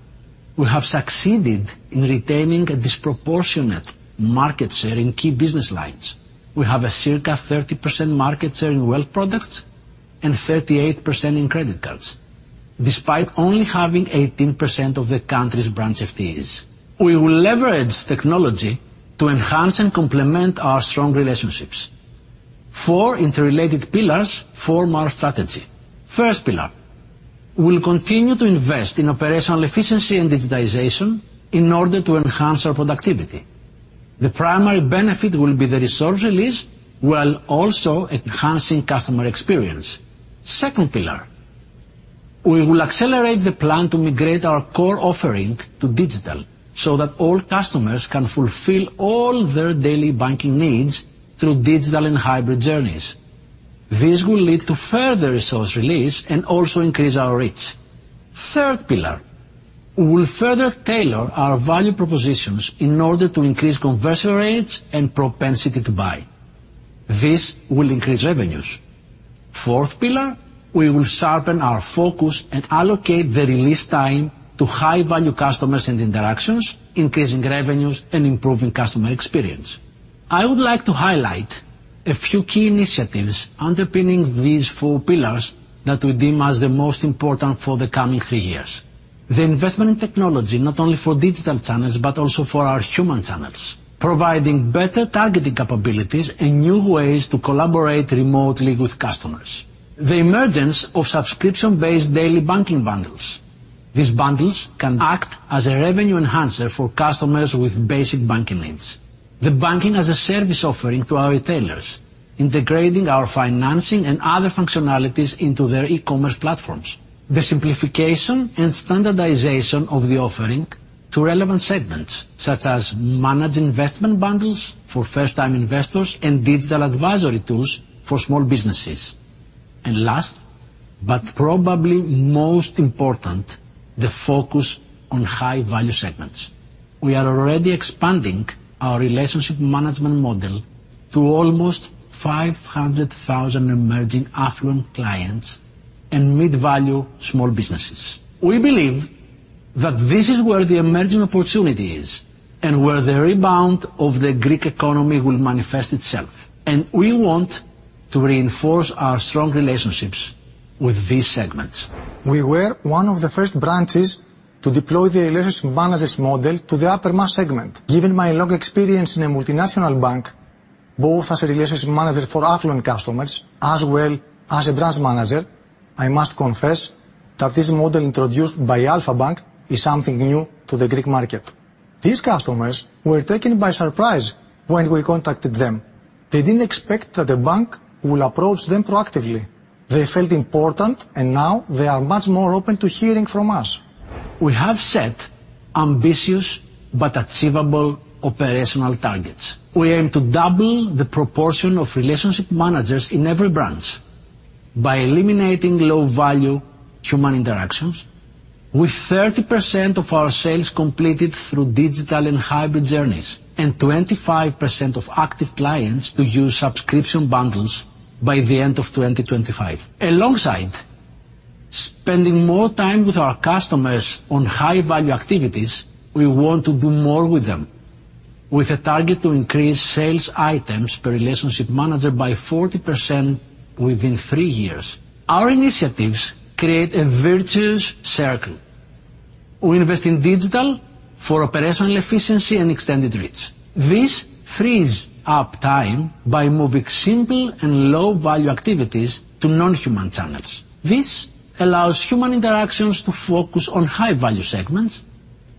we have succeeded in retaining a disproportionate market share in key business lines. We have a circa 30% market share in wealth products and 38% in credit cards, despite only having 18% of the country's branch FTEs. We will leverage technology to enhance and complement our strong relationships. Four interrelated pillars form our strategy. First pillar, we'll continue to invest in operational efficiency and digitization in order to enhance our productivity. The primary benefit will be the resource release, while also enhancing customer experience. Second pillar, we will accelerate the plan to migrate our core offering to digital, so that all customers can fulfill all their daily banking needs through digital and hybrid journeys. This will lead to further resource release and also increase our reach. Third pillar, we will further tailor our value propositions in order to increase conversion rates and propensity to buy. This will increase revenues. Fourth pillar, we will sharpen our focus and allocate the release time to high-value customers and interactions, increasing revenues and improving customer experience. I would like to highlight a few key initiatives underpinning these four pillars that we deem as the most important for the coming three years. The investment in technology, not only for digital channels, but also for our human channels, providing better targeting capabilities and new ways to collaborate remotely with customers. The emergence of subscription-based daily banking bundles. These bundles can act as a revenue enhancer for customers with basic banking needs. The banking-as-a-service offering to our retailers, integrating our financing and other functionalities into their e-commerce platforms. The simplification and standardization of the offering to relevant segments, such as managed investment bundles for first-time investors and digital advisory tools for small businesses. Last, but probably most important, the focus on high-value segments. We are already expanding our relationship management model to almost 500,000 emerging affluent clients and mid-value small businesses. We believe that this is where the emerging opportunity is, and where the rebound of the Greek economy will manifest itself, and we want to reinforce our strong relationships with these segments. We were one of the first branches to deploy the relationship managers model to the upper mass segment. Given my long experience in a multinational bank, both as a relationship manager for affluent customers as well as a branch manager, I must confess that this model introduced by Alpha Bank is something new to the Greek market. These customers were taken by surprise when we contacted them. They didn't expect that a bank will approach them proactively. They felt important, and now they are much more open to hearing from us. We have set ambitious, but achievable, operational targets. We aim to double the proportion of relationship managers in every branch by eliminating low-value human interactions, with 30% of our sales completed through digital and hybrid journeys, and 25% of active clients to use subscription bundles by the end of 2025. Alongside spending more time with our customers on high-value activities, we want to do more with them, with a target to increase sales items per relationship manager by 40% within three years. Our initiatives create a virtuous circle. We invest in digital for operational efficiency and extended reach. This frees up time by moving simple and low-value activities to non-human channels. This allows human interactions to focus on high-value segments,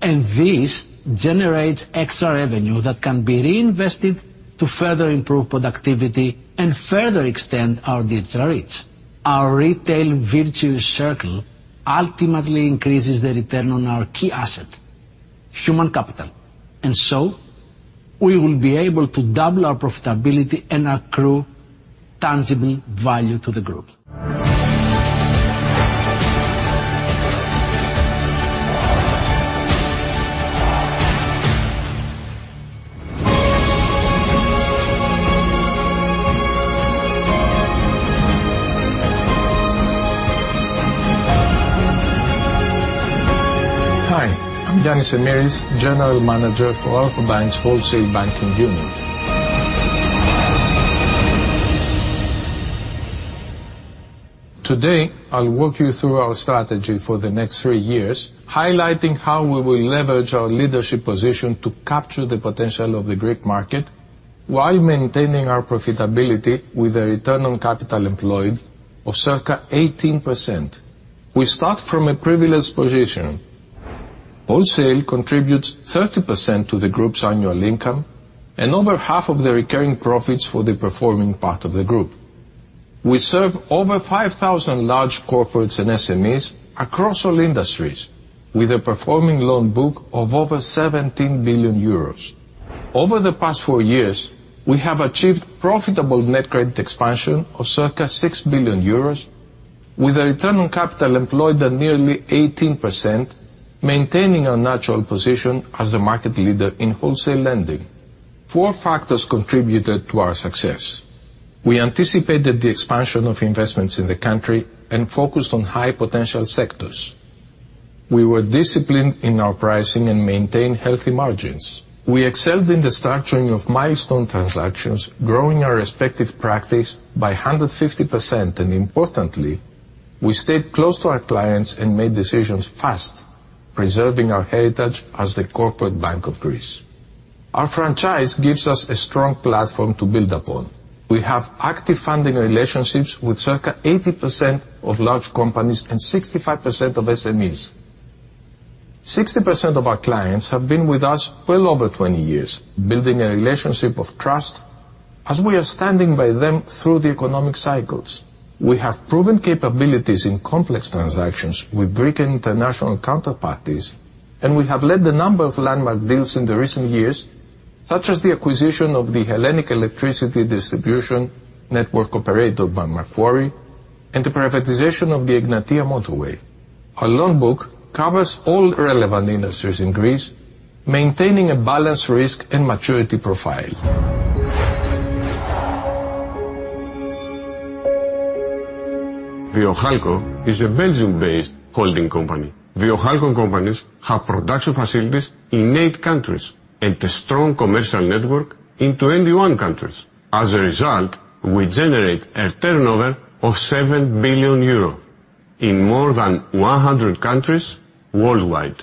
and this generates extra revenue that can be reinvested to further improve productivity and further extend our digital reach. Our retail virtuous circle ultimately increases the return on our key asset, human capital, and so we will be able to double our profitability and accrue tangible value to the group. Hi, I'm Yannis Emiris, General Manager for Alpha Bank's Wholesale Banking Unit. Today, I'll walk you through our strategy for the next three years, highlighting how we will leverage our leadership position to capture the potential of the Greek market while maintaining our profitability with a return on capital employed of circa 18%. We start from a privileged position. Wholesale contributes 30% to the group's annual income and over half of the recurring profits for the performing part of the group. We serve over 5,000 large corporates and SMEs across all industries, with a performing loan book of over 17 billion euros. Over the past four years, we have achieved profitable net credit expansion of circa 6 billion euros with a return on capital employed at nearly 18%, maintaining our natural position as the market leader in Wholesale lending. Four factors contributed to our success. We anticipated the expansion of investments in the country and focused on high-potential sectors. We were disciplined in our pricing and maintained healthy margins. We excelled in the structuring of milestone transactions, growing our respective practice by 150%. Importantly, we stayed close to our clients and made decisions fast, preserving our heritage as the corporate bank of Greece. Our franchise gives us a strong platform to build upon. We have active funding relationships with circa 80% of large companies and 65% of SMEs. 60% of our clients have been with us well over 20 years, building a relationship of trust as we are standing by them through the economic cycles. We have proven capabilities in complex transactions with Greek and international counterparties. We have led the number of landmark deals in the recent years. such as the acquisition of the Hellenic Electricity Distribution Network operated by Macquarie, and the privatization of the Egnatia Motorway. Our loan book covers all relevant industries in Greece, maintaining a balanced risk and maturity profile. Viohalco is a Belgium-based holding company. Viohalco companies have production facilities in eight countries and a strong commercial network in 21 countries. As a result, we generate a turnover of 7 billion euro in more than 100 countries worldwide.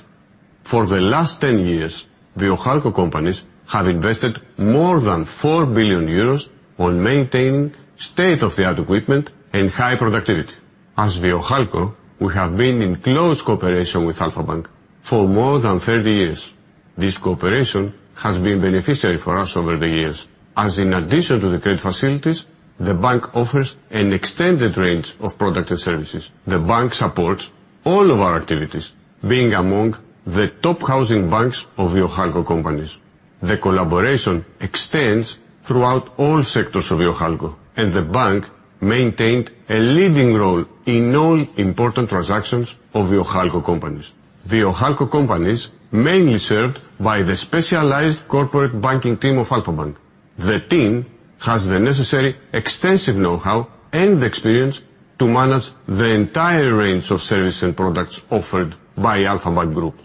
For the last 10 years, Viohalco companies have invested more than 4 billion euros on maintaining state-of-the-art equipment and high productivity. As Viohalco, we have been in close cooperation with Alpha Bank for more than 30 years. This cooperation has been beneficial for us over the years, as in addition to the credit facilities, the bank offers an extended range of products and services. The bank supports all of our activities, being among the top housing banks of Viohalco companies. The collaboration extends throughout all sectors of Viohalco. The bank maintained a leading role in all important transactions of Viohalco companies. Viohalco companies, mainly served by the specialized corporate banking team of Alpha Bank. The team has the necessary extensive know-how and experience to manage the entire range of services and products offered by Alpha Bank Group.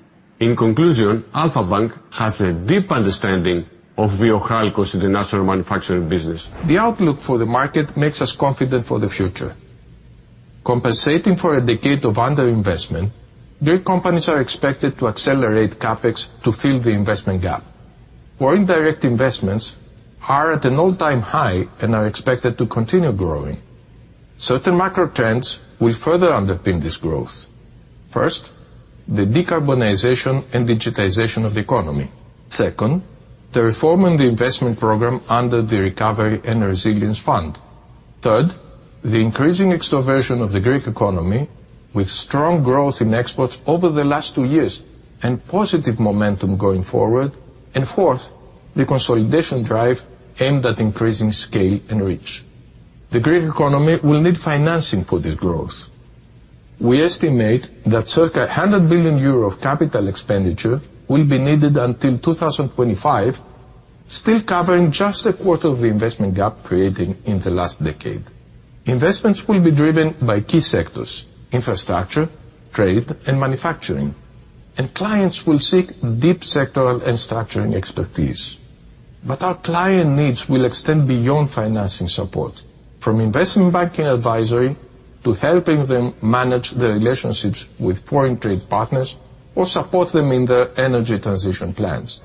In conclusion, Alpha Bank has a deep understanding of Viohalco's international manufacturing business. The outlook for the market makes us confident for the future. Compensating for a decade of underinvestment, Greek companies are expected to accelerate CapEx to fill the investment gap, where indirect investments are at an all-time high and are expected to continue growing. Certain macro trends will further underpin this growth. First, the decarbonization and digitization of the economy. Second, the reform and the investment program under the Recovery and Resilience Fund. Third, the increasing extroversion of the Greek economy, with strong growth in exports over the last two years and positive momentum going forward. Fourth, the consolidation drive aimed at increasing scale and reach. The Greek economy will need financing for this growth. We estimate that circa 100 billion euro of capital expenditure will be needed until 2025, still covering just a quarter of the investment gap created in the last decade. Investments will be driven by key sectors: infrastructure, trade, and manufacturing. Clients will seek deep sectoral and structuring expertise. Our client needs will extend beyond financing support, from investment banking advisory to helping them manage their relationships with foreign trade partners or support them in their energy transition plans.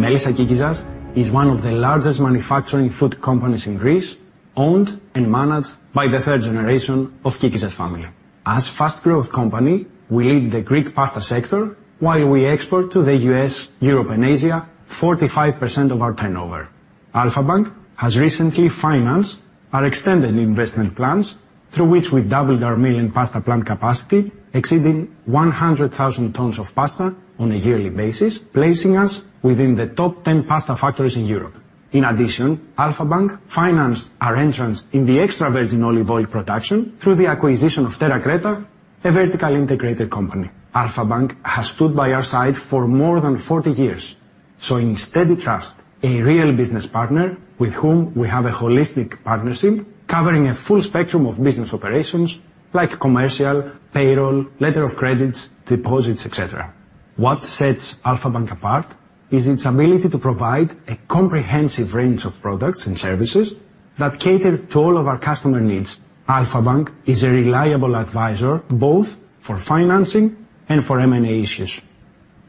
Melissa Kikizas is one of the largest manufacturing food companies in Greece, owned and managed by the third generation of Kikizas family. As fast growth company, we lead the Greek pasta sector, while we export to the U.S., Europe, and Asia, 45% of our turnover. Alpha Bank has recently financed our extended investment plans, through which we've doubled our meal and pasta plant capacity, exceeding 100,000 tons of pasta on a yearly basis, placing us within the top 10 pasta factories in Europe. In addition, Alpha Bank financed our entrance in the extra virgin olive oil production through the acquisition of Terra Creta, a vertically integrated company. Alpha Bank has stood by our side for more than 40 years, showing steady trust, a real business partner with whom we have a holistic partnership covering a full spectrum of business operations like commercial, payroll, letter of credits, deposits, et cetera. What sets Alpha Bank apart is its ability to provide a comprehensive range of products and services that cater to all of our customer needs. Alpha Bank is a reliable advisor, both for financing and for M&A issues.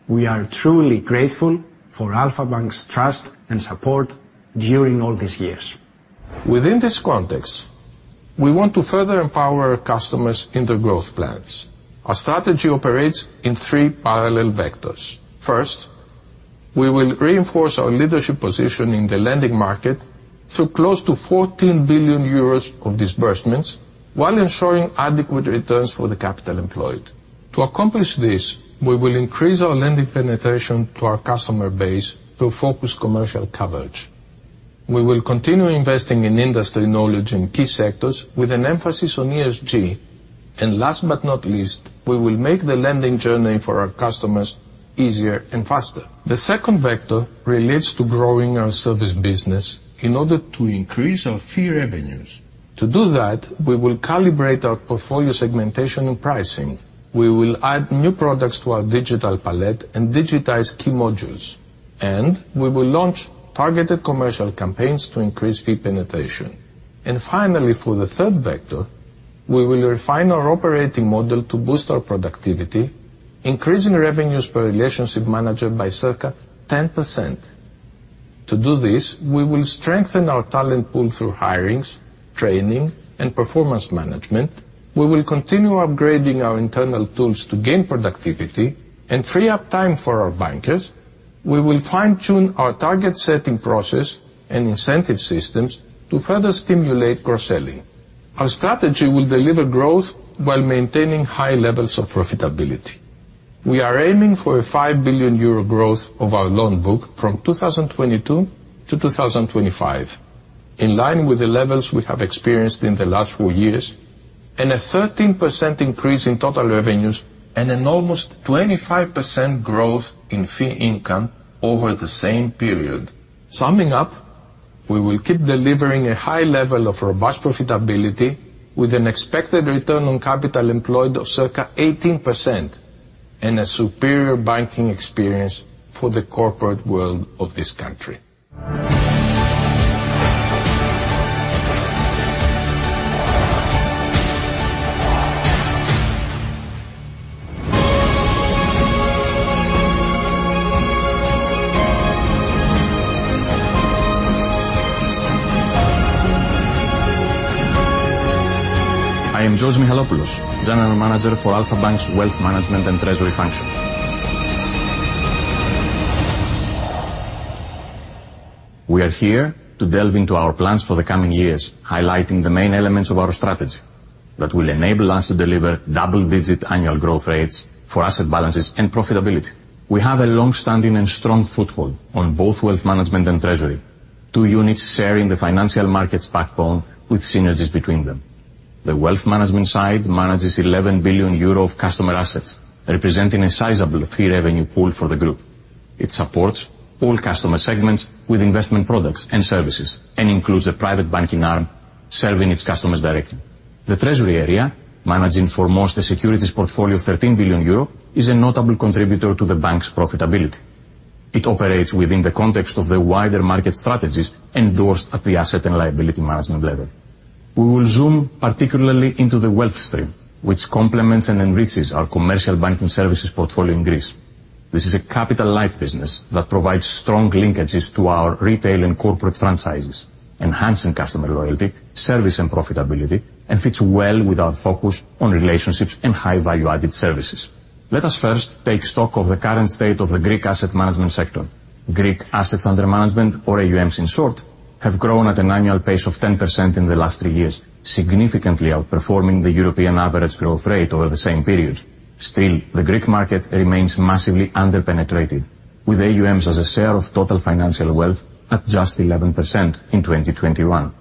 We are truly grateful for Alpha Bank's trust and support during all these years. Within this context, we want to further empower our customers in their growth plans. Our strategy operates in three parallel vectors. First, we will reinforce our leadership position in the lending market through close to 14 billion euros of disbursements, while ensuring adequate returns for the capital employed. To accomplish this, we will increase our lending penetration to our customer base through focused commercial coverage. We will continue investing in industry knowledge in key sectors with an emphasis on ESG. Last but not least, we will make the lending journey for our customers easier and faster. The second vector relates to growing our service business in order to increase our fee revenues. To do that, we will calibrate our portfolio segmentation and pricing. We will add new products to our digital palette and digitize key modules, and we will launch targeted commercial campaigns to increase fee penetration. Finally, for the third vector, we will refine our operating model to boost our productivity, increasing revenues per relationship manager by circa 10%. To do this, we will strengthen our talent pool through hirings, training, and performance management. We will continue upgrading our internal tools to gain productivity and free up time for our bankers. We will fine-tune our target setting process and incentive systems to further stimulate cross-selling. Our strategy will deliver growth while maintaining high levels of profitability. We are aiming for a 5 billion euro growth of our loan book from 2022 to 2025, in line with the levels we have experienced in the last four years, and a 13% increase in total revenues, and an almost 25% growth in fee income over the same period. Summing up, we will keep delivering a high level of robust profitability with an expected return on capital employed of circa 18% and a superior banking experience for the corporate world of this country. I am George Michalopoulos, General Manager for Alpha Bank's Wealth Management and Treasury functions. We are here to delve into our plans for the coming years, highlighting the main elements of our strategy that will enable us to deliver double-digit annual growth rates for asset balances and profitability. We have a long-standing and strong foothold on both wealth management and treasury. Two units sharing the financial markets backbone with synergies between them. The wealth management side manages 11 billion euro of customer assets, representing a sizable fee revenue pool for the group. It supports all customer segments with investment products and services, and includes a private banking arm serving its customers directly. The treasury area, managing, for most, a securities portfolio of 13 billion euro, is a notable contributor to the bank's profitability. It operates within the context of the wider market strategies endorsed at the asset and liability management level. We will zoom particularly into the wealth stream, which complements and enriches our commercial banking services portfolio in Greece. This is a capital-light business that provides strong linkages to our retail and corporate franchises, enhancing customer loyalty, service and profitability, and fits well with our focus on relationships and high value-added services. Let us first take stock of the current state of the Greek asset management sector. Greek assets under management, or AUM in short, have grown at an annual pace of 10% in the last three years, significantly outperforming the European average growth rate over the same period. The Greek market remains massively underpenetrated, with AUM as a share of total financial wealth at just 11% in 2021.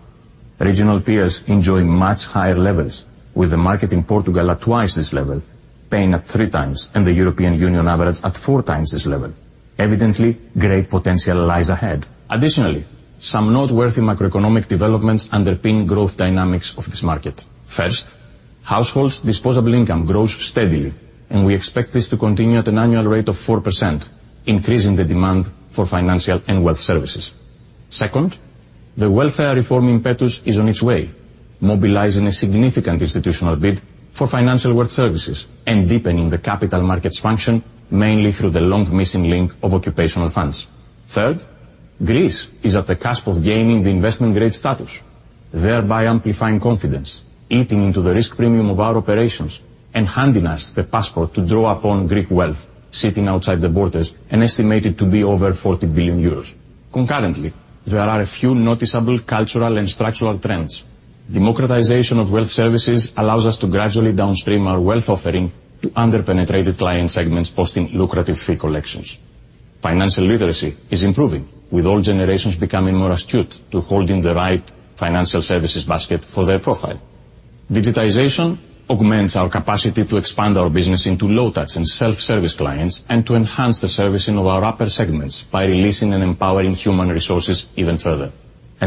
Regional peers enjoy much higher levels, with the market in Portugal at 2x this level, Spain at 3x, and the European Union average at 4x this level. Evidently, great potential lies ahead. Additionally, some noteworthy macroeconomic developments underpin growth dynamics of this market. First, households' disposable income grows steadily, and we expect this to continue at an annual rate of 4%, increasing the demand for financial and wealth services. Second, the welfare reform impetus is on its way, mobilizing a significant institutional bid for financial work services and deepening the capital markets function, mainly through the long missing link of occupational funds. Third, Greece is at the cusp of gaining the investment grade status, thereby amplifying confidence, eating into the risk premium of our operations, and handing us the passport to draw upon Greek wealth sitting outside the borders and estimated to be over 40 billion euros. Concurrently, there are a few noticeable cultural and structural trends. Democratization of wealth services allows us to gradually downstream our wealth offering to underpenetrated client segments, posting lucrative fee collections. Financial literacy is improving, with all generations becoming more astute to holding the right financial services basket for their profile. Digitization augments our capacity to expand our business into low-touch and self-service clients, and to enhance the servicing of our upper segments by releasing and empowering human resources even further.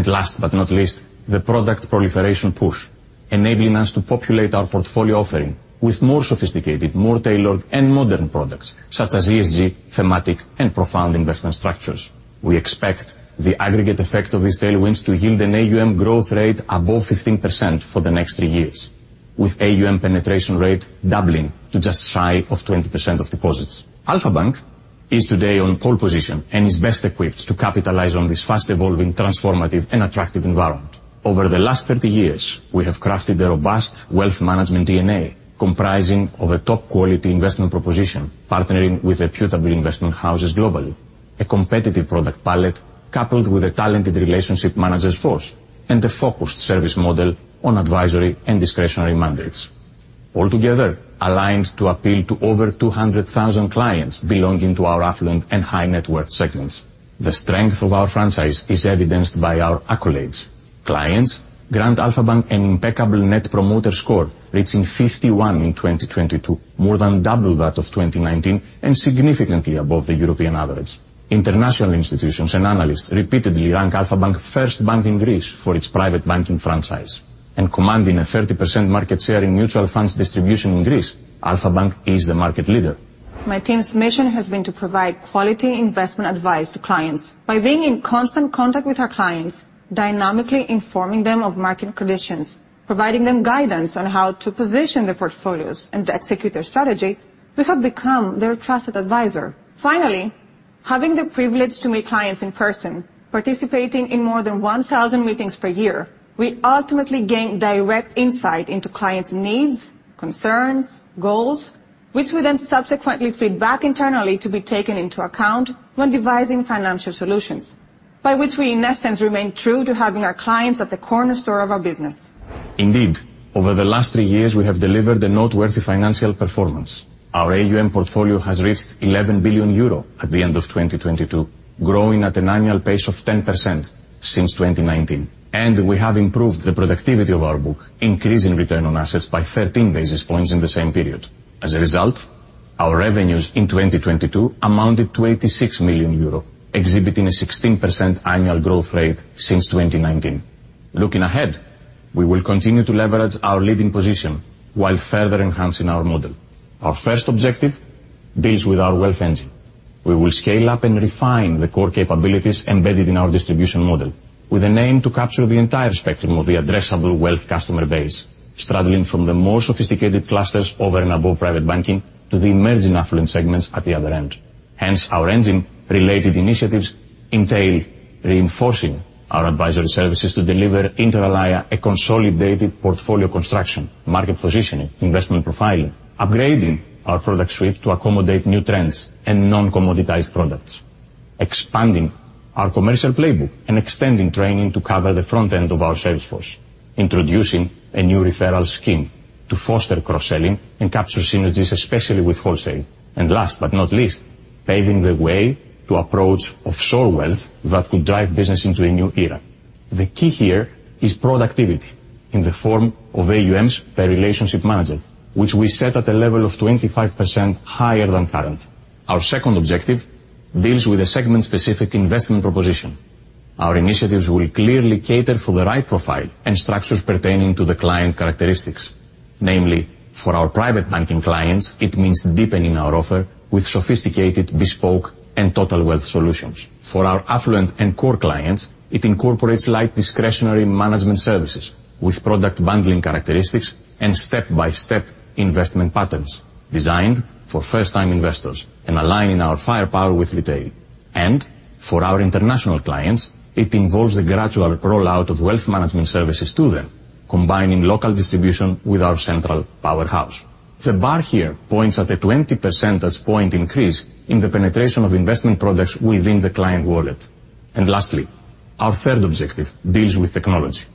Last but not least, the product proliferation push, enabling us to populate our portfolio offering with more sophisticated, more tailored, and modern products such as ESG, thematic, and profound investment structures. We expect the aggregate effect of these tailwinds to yield an AUM growth rate above 15% for the next three years, with AUM penetration rate doubling to just shy of 20% of deposits. Alpha Bank is today on pole position and is best equipped to capitalize on this fast-evolving, transformative, and attractive environment. Over the last 30 years, we have crafted a robust wealth management DNA comprising of a top-quality investment proposition, partnering with reputable investment houses globally, a competitive product palette, coupled with a talented relationship managers force, and a focused service model on advisory and discretionary mandates. Altogether, aligns to appeal to over 200,000 clients belonging to our affluent and high-net-worth segments. The strength of our franchise is evidenced by our accolades. Clients grant Alpha Bank an impeccable net promoter score, reaching 51 in 2022, more than double that of 2019, and significantly above the European average. International institutions and analysts repeatedly rank Alpha Bank first bank in Greece for its private banking franchise. Commanding a 30% market share in mutual funds distribution in Greece, Alpha Bank is the market leader. My team's mission has been to provide quality investment advice to clients. By being in constant contact with our clients, dynamically informing them of market conditions, providing them guidance on how to position their portfolios and execute their strategy, we have become their trusted advisor. Finally, having the privilege to meet clients in person, participating in more than 1,000 meetings per year, we ultimately gain direct insight into clients' needs, concerns, goals, which we then subsequently feed back internally to be taken into account when devising financial solutions by which we, in essence, remain true to having our clients at the cornerstone of our business. Indeed, over the last three years, we have delivered a noteworthy financial performance. Our AUM portfolio has reached 11 billion euro at the end of 2022, growing at an annual pace of 10% since 2019, and we have improved the productivity of our book, increasing return on assets by 13 basis points in the same period. As a result, our revenues in 2022 amounted to 86 million euro, exhibiting a 16% annual growth rate since 2019. Looking ahead, we will continue to leverage our leading position while further enhancing our model. Our first objective deals with our wealth engine. We will scale up and refine the core capabilities embedded in our distribution model, with an aim to capture the entire spectrum of the addressable wealth customer base, straddling from the more sophisticated clusters over and above private banking to the emerging affluent segments at the other end. Hence, our engine-related initiatives entail reinforcing our advisory services to deliver, inter alia, a consolidated portfolio construction, market positioning, investment profiling, upgrading our product suite to accommodate new trends and non-commoditized products, expanding our commercial playbook, and extending training to cover the front end of our sales force, introducing a new referral scheme to foster cross-selling and capture synergies, especially with wholesale. Last but not least, paving the way to approach offshore wealth that could drive business into a new era. The key here is productivity in the form of AUM by relationship manager, which we set at a level of 25% higher than current. Our second objective deals with a segment-specific investment proposition. Our initiatives will clearly cater for the right profile and structures pertaining to the client characteristics. Namely, for our private banking clients, it means deepening our offer with sophisticated, bespoke, and total wealth solutions. For our affluent and core clients, it incorporates light discretionary management services with product bundling characteristics and step-by-step investment patterns designed for first-time investors and aligning our firepower with retail. For our international clients, it involves the gradual rollout of wealth management services to them, combining local distribution with our central powerhouse. The bar here points at a 20 percentage point increase in the penetration of investment products within the client wallet. Lastly, our third objective deals with technology.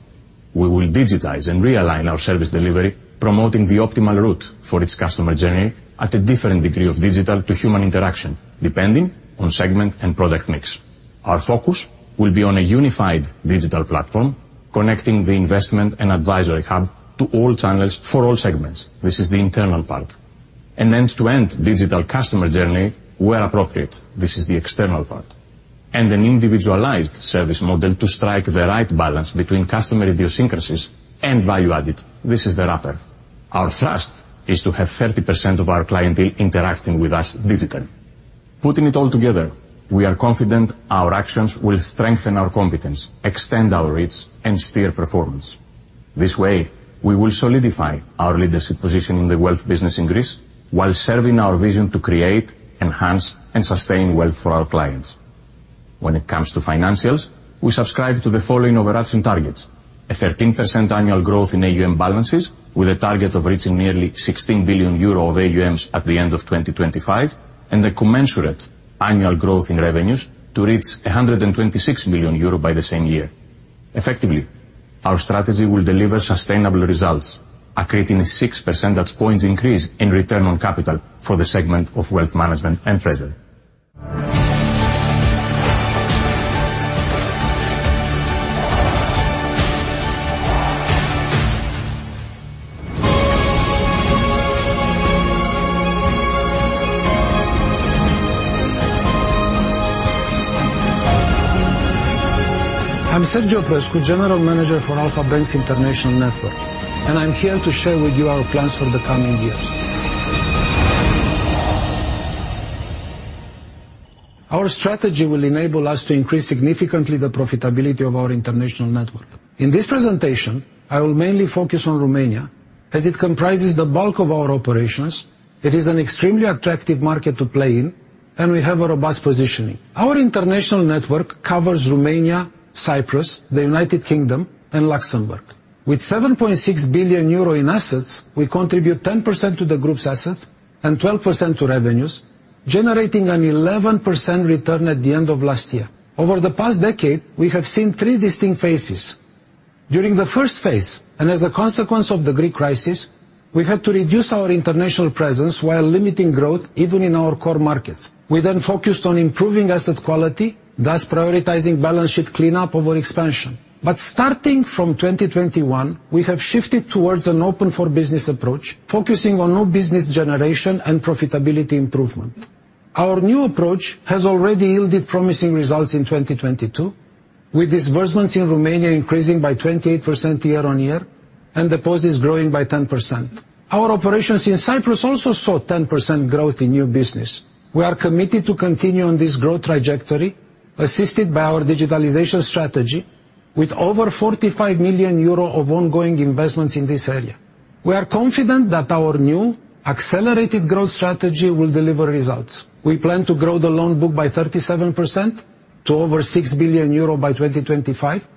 We will digitize and realign our service delivery, promoting the optimal route for its customer journey at a different degree of digital to human interaction, depending on segment and product mix. Our focus will be on a unified digital platform, connecting the investment and advisory hub to all channels for all segments. This is the internal part. An end-to-end digital customer journey where appropriate, this is the external part, and an individualized service model to strike the right balance between customer idiosyncrasies and value added. This is the wrapper. Our trust is to have 30% of our clientele interacting with us digitally. Putting it all together, we are confident our actions will strengthen our competence, extend our reach, and steer performance. This way, we will solidify our leadership position in the wealth business in Greece while serving our vision to create, enhance, and sustain wealth for our clients. When it comes to financials, we subscribe to the following overarching targets: a 13% annual growth in AUM balances, with a target of reaching nearly 16 billion euro of AUM at the end of 2025, and a commensurate annual growth in revenues to reach 126 billion euro by the same year. Effectively, our strategy will deliver sustainable results, accreting a 6 percentage points increase in return on capital for the segment of wealth management and treasury. I'm Sergiu Oprescu, General Manager for Alpha Bank's international network, and I'm here to share with you our plans for the coming years. Our strategy will enable us to increase significantly the profitability of our international network. In this presentation, I will mainly focus on Romania, as it comprises the bulk of our operations, it is an extremely attractive market to play in, and we have a robust positioning. Our international network covers Romania, Cyprus, the United Kingdom, and Luxembourg. With 7.6 billion euro in assets, we contribute 10% to the group's assets and 12% to revenues, generating an 11% return at the end of last year. Over the past decade, we have seen three distinct phases. During the first phase, and as a consequence of the Greek crisis, we had to reduce our international presence while limiting growth even in our core markets. We then focused on improving asset quality, thus prioritizing balance sheet cleanup over expansion. Starting from 2021, we have shifted towards an open for business approach, focusing on new business generation and profitability improvement. Our new approach has already yielded promising results in 2022, with disbursements in Romania increasing by 28% year-on-year, and deposits growing by 10%. Our operations in Cyprus also saw 10% growth in new business. We are committed to continue on this growth trajectory, assisted by our digitalization strategy with over 45 million euro of ongoing investments in this area. We are confident that our new accelerated growth strategy will deliver results. We plan to grow the loan book by 37% to over 6 billion euro by 2025.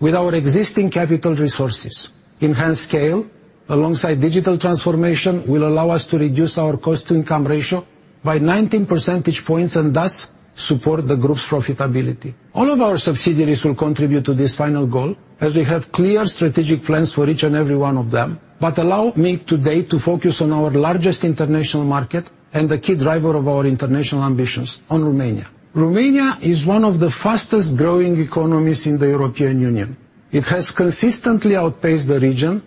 With our existing capital resources, enhanced scale, alongside digital transformation, will allow us to reduce our cost-to-income ratio by 19 percentage points, and thus support the group's profitability. All of our subsidiaries will contribute to this final goal, as we have clear strategic plans for each and every one of them. Allow me today to focus on our largest international market and the key driver of our international ambitions, on Romania. Romania is one of the fastest-growing economies in the European Union. It has consistently outpaced the region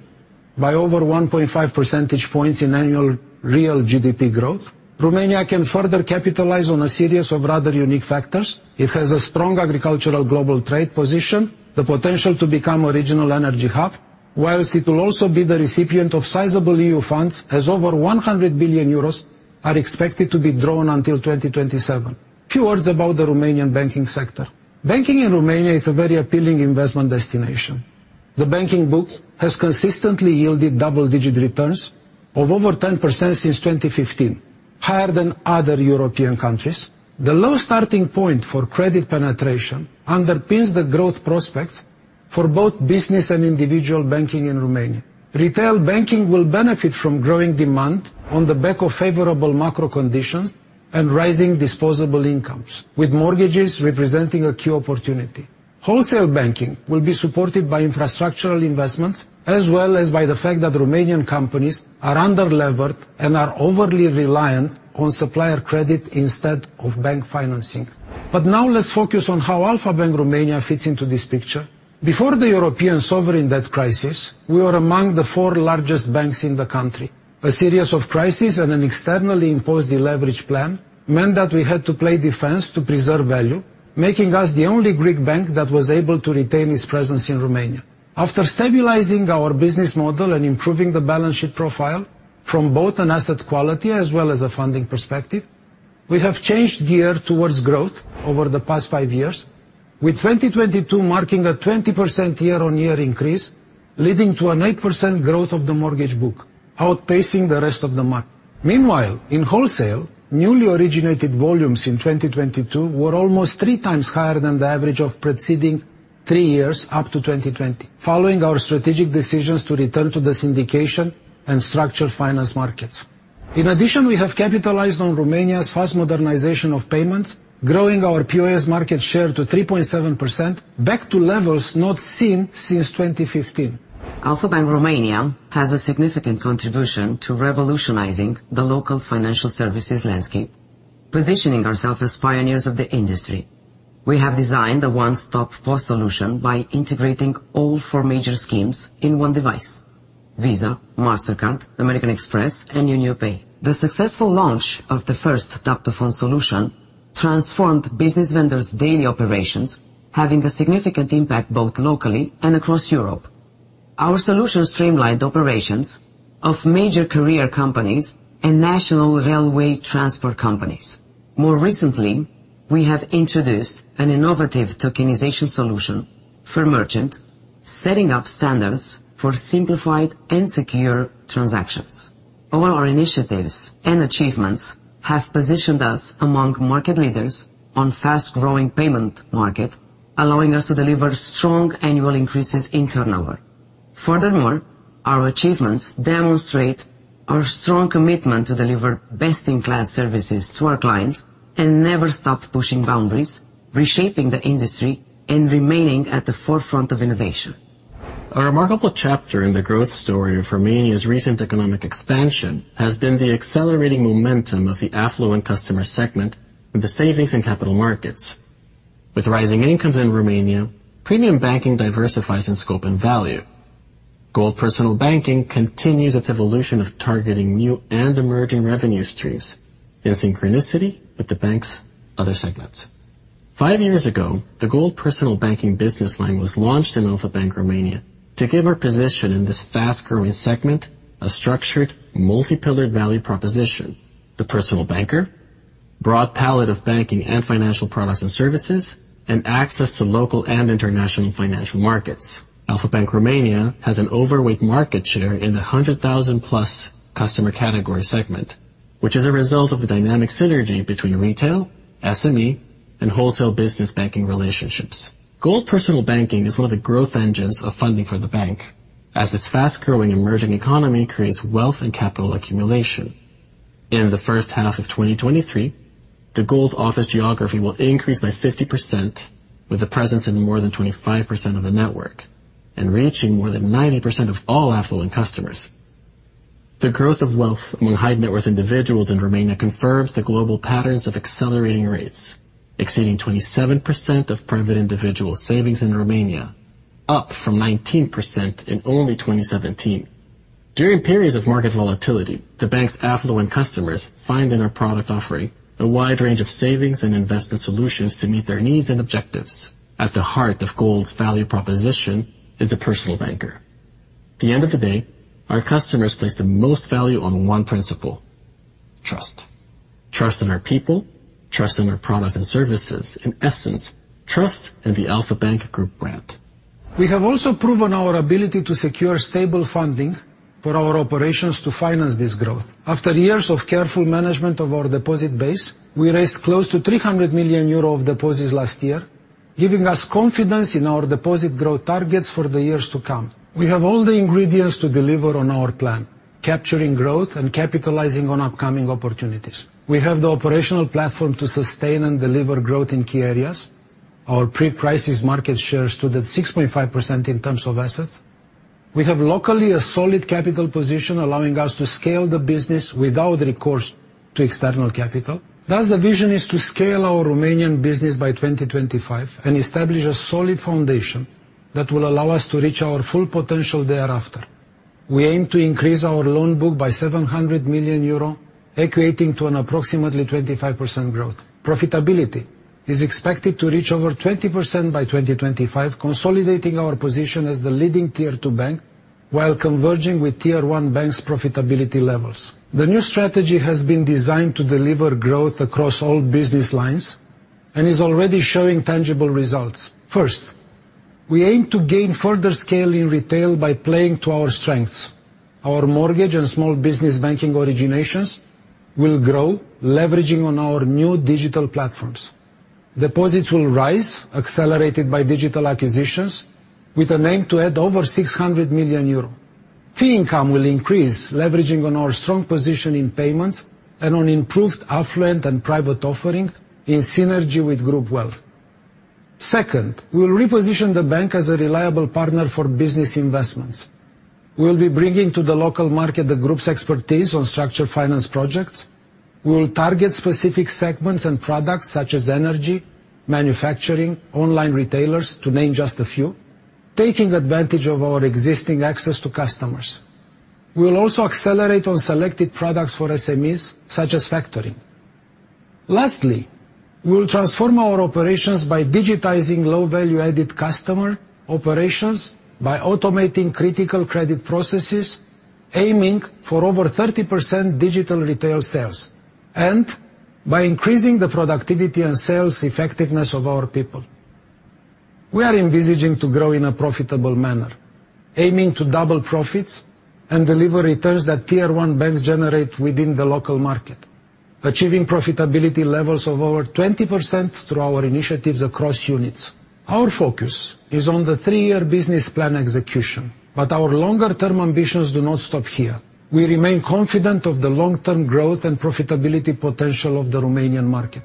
by over 1.5 percentage points in annual real GDP growth. Romania can further capitalize on a series of rather unique factors. It has a strong agricultural global trade position, the potential to become a regional energy hub, whilst it will also be the recipient of sizable EU funds, as over 100 billion euros are expected to be drawn until 2027. A few words about the Romanian banking sector. Banking in Romania is a very appealing investment destination. The banking book has consistently yielded double-digit returns of over 10% since 2015, higher than other European countries. The low starting point for credit penetration underpins the growth prospects for both business and individual banking in Romania. Retail banking will benefit from growing demand on the back of favorable macro conditions and rising disposable incomes, with mortgages representing a key opportunity. Wholesale banking will be supported by infrastructural investments, as well as by the fact that Romanian companies are under-levered and are overly reliant on supplier credit instead of bank financing. Now let's focus on how Alpha Bank Romania fits into this picture. Before the European sovereign debt crisis, we were among the four largest banks in the country. A series of crises and an externally imposed deleverage plan meant that we had to play defense to preserve value, making us the only Greek bank that was able to retain its presence in Romania. After stabilizing our business model and improving the balance sheet profile from both an asset quality as well as a funding perspective, we have changed gear towards growth over the past five years, with 2022 marking a 20% year-on-year increase, leading to an 8% growth of the mortgage book, outpacing the rest of the market. Meanwhile, in wholesale, newly originated volumes in 2022 were almost three times higher than the average of preceding three years up to 2020, following our strategic decisions to return to the syndication and structured finance markets. In addition, we have capitalized on Romania's fast modernization of payments, growing our POS market share to 3.7%, back to levels not seen since 2015. Alpha Bank Romania has a significant contribution to revolutionizing the local financial services landscape, positioning ourselves as pioneers of the industry. We have designed a one-stop POS solution by integrating all four major schemes in one device: Visa, Mastercard, American Express, and UnionPay. The successful launch of the first tap-to-phone solution transformed business vendors' daily operations, having a significant impact both locally and across Europe. Our solution streamlined operations of major courier companies and national railway transport companies. More recently, we have introduced an innovative tokenization solution for merchant, setting up standards for simplified and secure transactions. All our initiatives and achievements have positioned us among market leaders on fast-growing payment market, allowing us to deliver strong annual increases in turnover. Furthermore, our achievements demonstrate our strong commitment to deliver best-in-class services to our clients and never stop pushing boundaries, reshaping the industry, and remaining at the forefront of innovation. A remarkable chapter in the growth story of Romania's recent economic expansion has been the accelerating momentum of the affluent customer segment with the savings and capital markets. With rising incomes in Romania, premium banking diversifies in scope and value. Gold Personal Banking continues its evolution of targeting new and emerging revenue streams in synchronicity with the bank's other segments. Five years ago, the Gold Personal Banking business line was launched in Alpha Bank Romania to give our position in this fast-growing segment a structured, multi-pillared value proposition. The personal banker, broad palette of banking and financial products and services, and access to local and international financial markets. Alpha Bank Romania has an overweight market share in the 100,000-plus customer category segment, which is a result of a dynamic synergy between retail, SME, and wholesale business banking relationships. Gold Personal Banking is one of the growth engines of funding for the bank, as its fast-growing, emerging economy creates wealth and capital accumulation. In the first half of 2023, the Gold office geography will increase by 50%, with a presence in more than 25% of the network and reaching more than 90% of all affluent customers. The growth of wealth among high-net-worth individuals in Romania confirms the global patterns of accelerating rates, exceeding 27% of private individual savings in Romania, up from 19% in only 2017. During periods of market volatility, the bank's affluent customers find in our product offering a wide range of savings and investment solutions to meet their needs and objectives. At the heart of Gold's value proposition is a personal banker. At the end of the day, our customers place the most value on one principle: trust. Trust in our people, trust in our products and services. In essence, trust in the Alpha Bank Group brand. We have also proven our ability to secure stable funding for our operations to finance this growth. After years of careful management of our deposit base, we raised close to 300 million euro of deposits last year, giving us confidence in our deposit growth targets for the years to come. We have all the ingredients to deliver on our plan, capturing growth and capitalizing on upcoming opportunities. We have the operational platform to sustain and deliver growth in key areas. Our pre-crisis market share stood at 6.5% in terms of assets. We have locally a solid capital position, allowing us to scale the business without recourse to external capital. The vision is to scale our Romanian business by 2025 and establish a solid foundation that will allow us to reach our full potential thereafter. We aim to increase our loan book by 700 million euro, equating to an approximately 25% growth. Profitability is expected to reach over 20% by 2025, consolidating our position as the leading Tier 2 bank, while converging with Tier 1 banks' profitability levels. The new strategy has been designed to deliver growth across all business lines and is already showing tangible results. First, we aim to gain further scale in retail by playing to our strengths. Our mortgage and small business banking originations will grow, leveraging on our new digital platforms. Deposits will rise, accelerated by digital acquisitions, with an aim to add over 600 million euro. Fee income will increase, leveraging on our strong position in payments and on improved affluent and private offering in synergy with group wealth. Second, we will reposition the bank as a reliable partner for business investments. We will be bringing to the local market the group's expertise on structured finance projects. We will target specific segments and products such as energy, manufacturing, online retailers, to name just a few, taking advantage of our existing access to customers. We will also accelerate on selected products for SMEs such as factoring. Lastly, we will transform our operations by digitizing low value-added customer operations, by automating critical credit processes, aiming for over 30% digital retail sales, and by increasing the productivity and sales effectiveness of our people. We are envisaging to grow in a profitable manner, aiming to double profits and deliver returns that Tier 1 banks generate within the local market, achieving profitability levels of over 20% through our initiatives across units. Our focus is on the three-year business plan execution, but our longer-term ambitions do not stop here. We remain confident of the long-term growth and profitability potential of the Romanian market.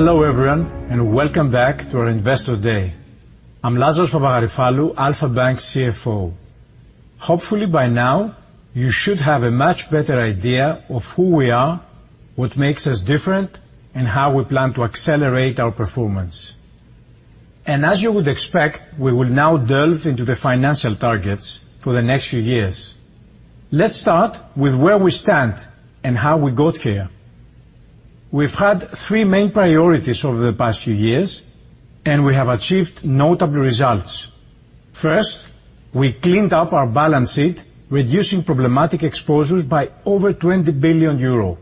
Hello, everyone, and welcome back to our Investor Day. I'm Lazaros Papagaryfallou, Alpha Bank's CFO. Hopefully, by now, you should have a much better idea of who we are, what makes us different, and how we plan to accelerate our performance. As you would expect, we will now delve into the financial targets for the next few years. Let's start with where we stand and how we got here. We've had three main priorities over the past few years, we have achieved notable results. First, we cleaned up our balance sheet, reducing problematic exposures by over 20 billion euro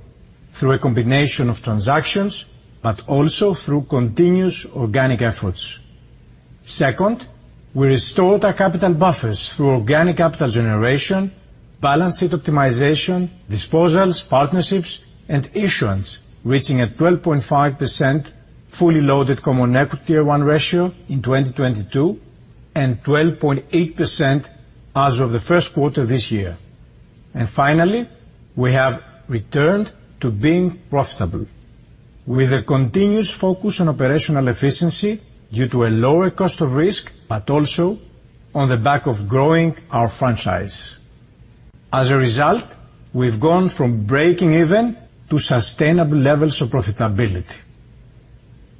through a combination of transactions, but also through continuous organic efforts. Second, we restored our capital buffers through organic capital generation, balance sheet optimization, disposals, partnerships, and issuance, reaching a 12.5% fully loaded Common Equity Tier 1 ratio in 2022, and 12.8% as of the first quarter of this year. Finally, we have returned to being profitable with a continuous focus on operational efficiency due to a lower cost of risk, but also on the back of growing our franchise. As a result, we've gone from breaking even to sustainable levels of profitability.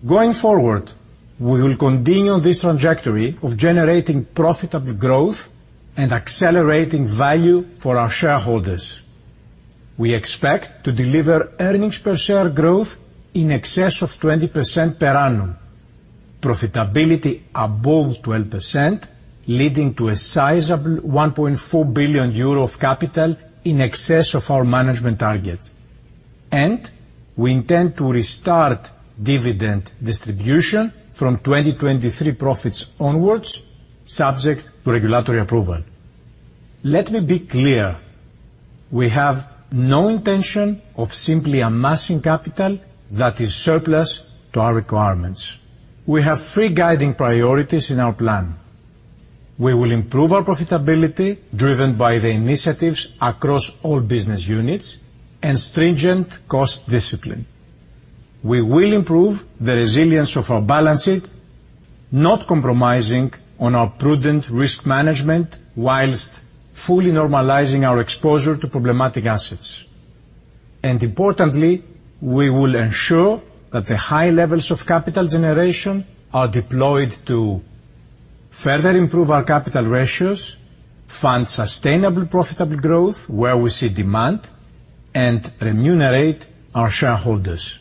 Going forward, we will continue on this trajectory of generating profitable growth and accelerating value for our shareholders. We expect to deliver earnings per share growth in excess of 20% per annum. Profitability above 12%, leading to a sizable 1.4 billion euro of capital in excess of our management target. We intend to restart dividend distribution from 2023 profits onwards, subject to regulatory approval. Let me be clear, we have no intention of simply amassing capital that is surplus to our requirements. We have three guiding priorities in our plan. We will improve our profitability, driven by the initiatives across all business units and stringent cost discipline. We will improve the resilience of our balance sheet, not compromising on our prudent risk management, while fully normalizing our exposure to problematic assets. Importantly, we will ensure that the high levels of capital generation are deployed to further improve our capital ratios, fund sustainable, profitable growth, where we see demand, and remunerate our shareholders.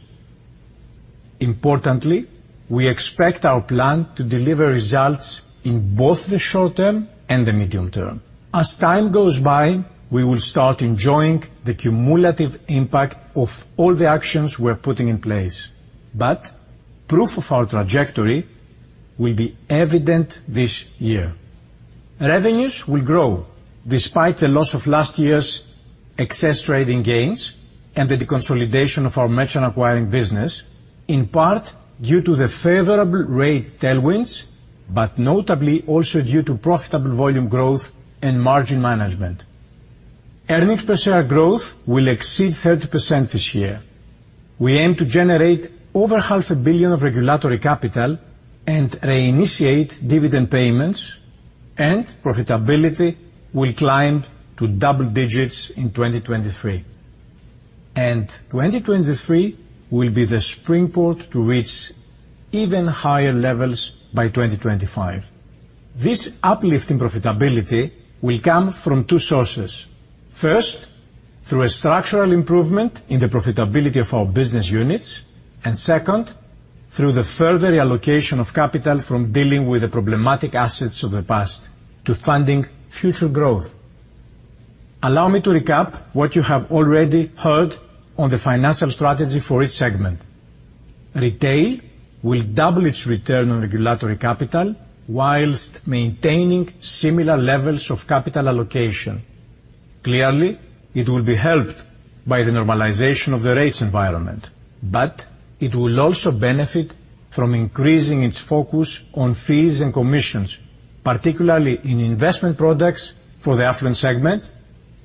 Importantly, we expect our plan to deliver results in both the short term and the medium term. As time goes by, we will start enjoying the cumulative impact of all the actions we're putting in place. Proof of our trajectory will be evident this year. Revenues will grow despite the loss of last year's excess trading gains and the deconsolidation of our merchant acquiring business, in part due to the favorable rate tailwinds, but notably also due to profitable volume growth and margin management. Earnings per share growth will exceed 30% this year. We aim to generate over half a billion of regulatory capital and reinitiate dividend payments, profitability will climb to double digits in 2023. 2023 will be the springboard to reach even higher levels by 2025. This uplift in profitability will come from two sources. First, through a structural improvement in the profitability of our business units, and second, through the further reallocation of capital from dealing with the problematic assets of the past to funding future growth. Allow me to recap what you have already heard on the financial strategy for each segment. Retail will double its return on regulatory capital whilst maintaining similar levels of capital allocation. Clearly, it will be helped by the normalization of the rates environment, but it will also benefit from increasing its focus on fees and commissions, particularly in investment products for the affluent segment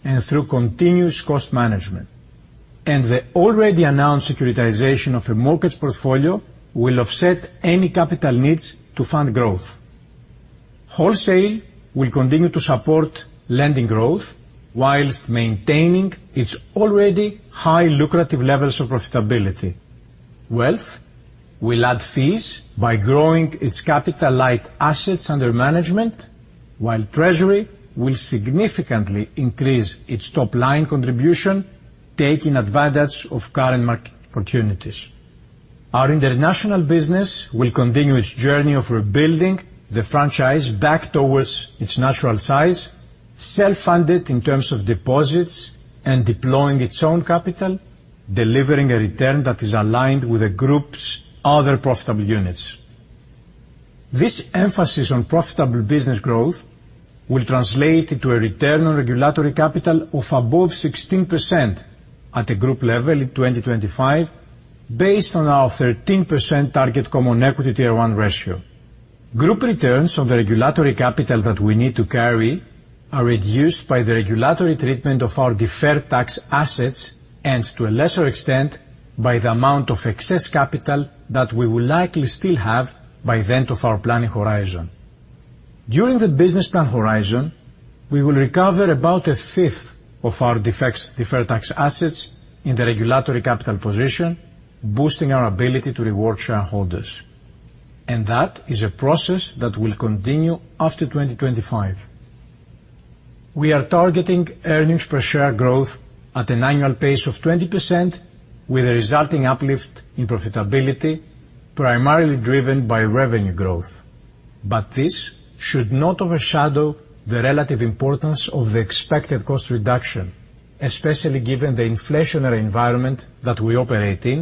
and through continuous cost management. The already announced securitization of a mortgage portfolio will offset any capital needs to fund growth. Wholesale will continue to support lending growth whilst maintaining its already high lucrative levels of profitability. Wealth will add fees by growing its capital, like Assets Under Management, while treasury will significantly increase its top line contribution, taking advantage of current market opportunities. Our international business will continue its journey of rebuilding the franchise back towards its natural size, self-funded in terms of deposits and deploying its own capital, delivering a return that is aligned with the group's other profitable units. This emphasis on profitable business growth will translate into a return on regulatory capital of above 16% at a group level in 2025, based on our 13% target Common Equity Tier 1 ratio. Group returns on the regulatory capital that we need to carry are reduced by the regulatory treatment of our Deferred Tax Assets and, to a lesser extent, by the amount of excess capital that we will likely still have by the end of our planning horizon. During the business plan horizon, we will recover about a fifth of our Deferred Tax Assets in the regulatory capital position, boosting our ability to reward shareholders, and that is a process that will continue after 2025. We are targeting earnings per share growth at an annual pace of 20%, with a resulting uplift in profitability, primarily driven by revenue growth. This should not overshadow the relative importance of the expected cost reduction, especially given the inflationary environment that we operate in,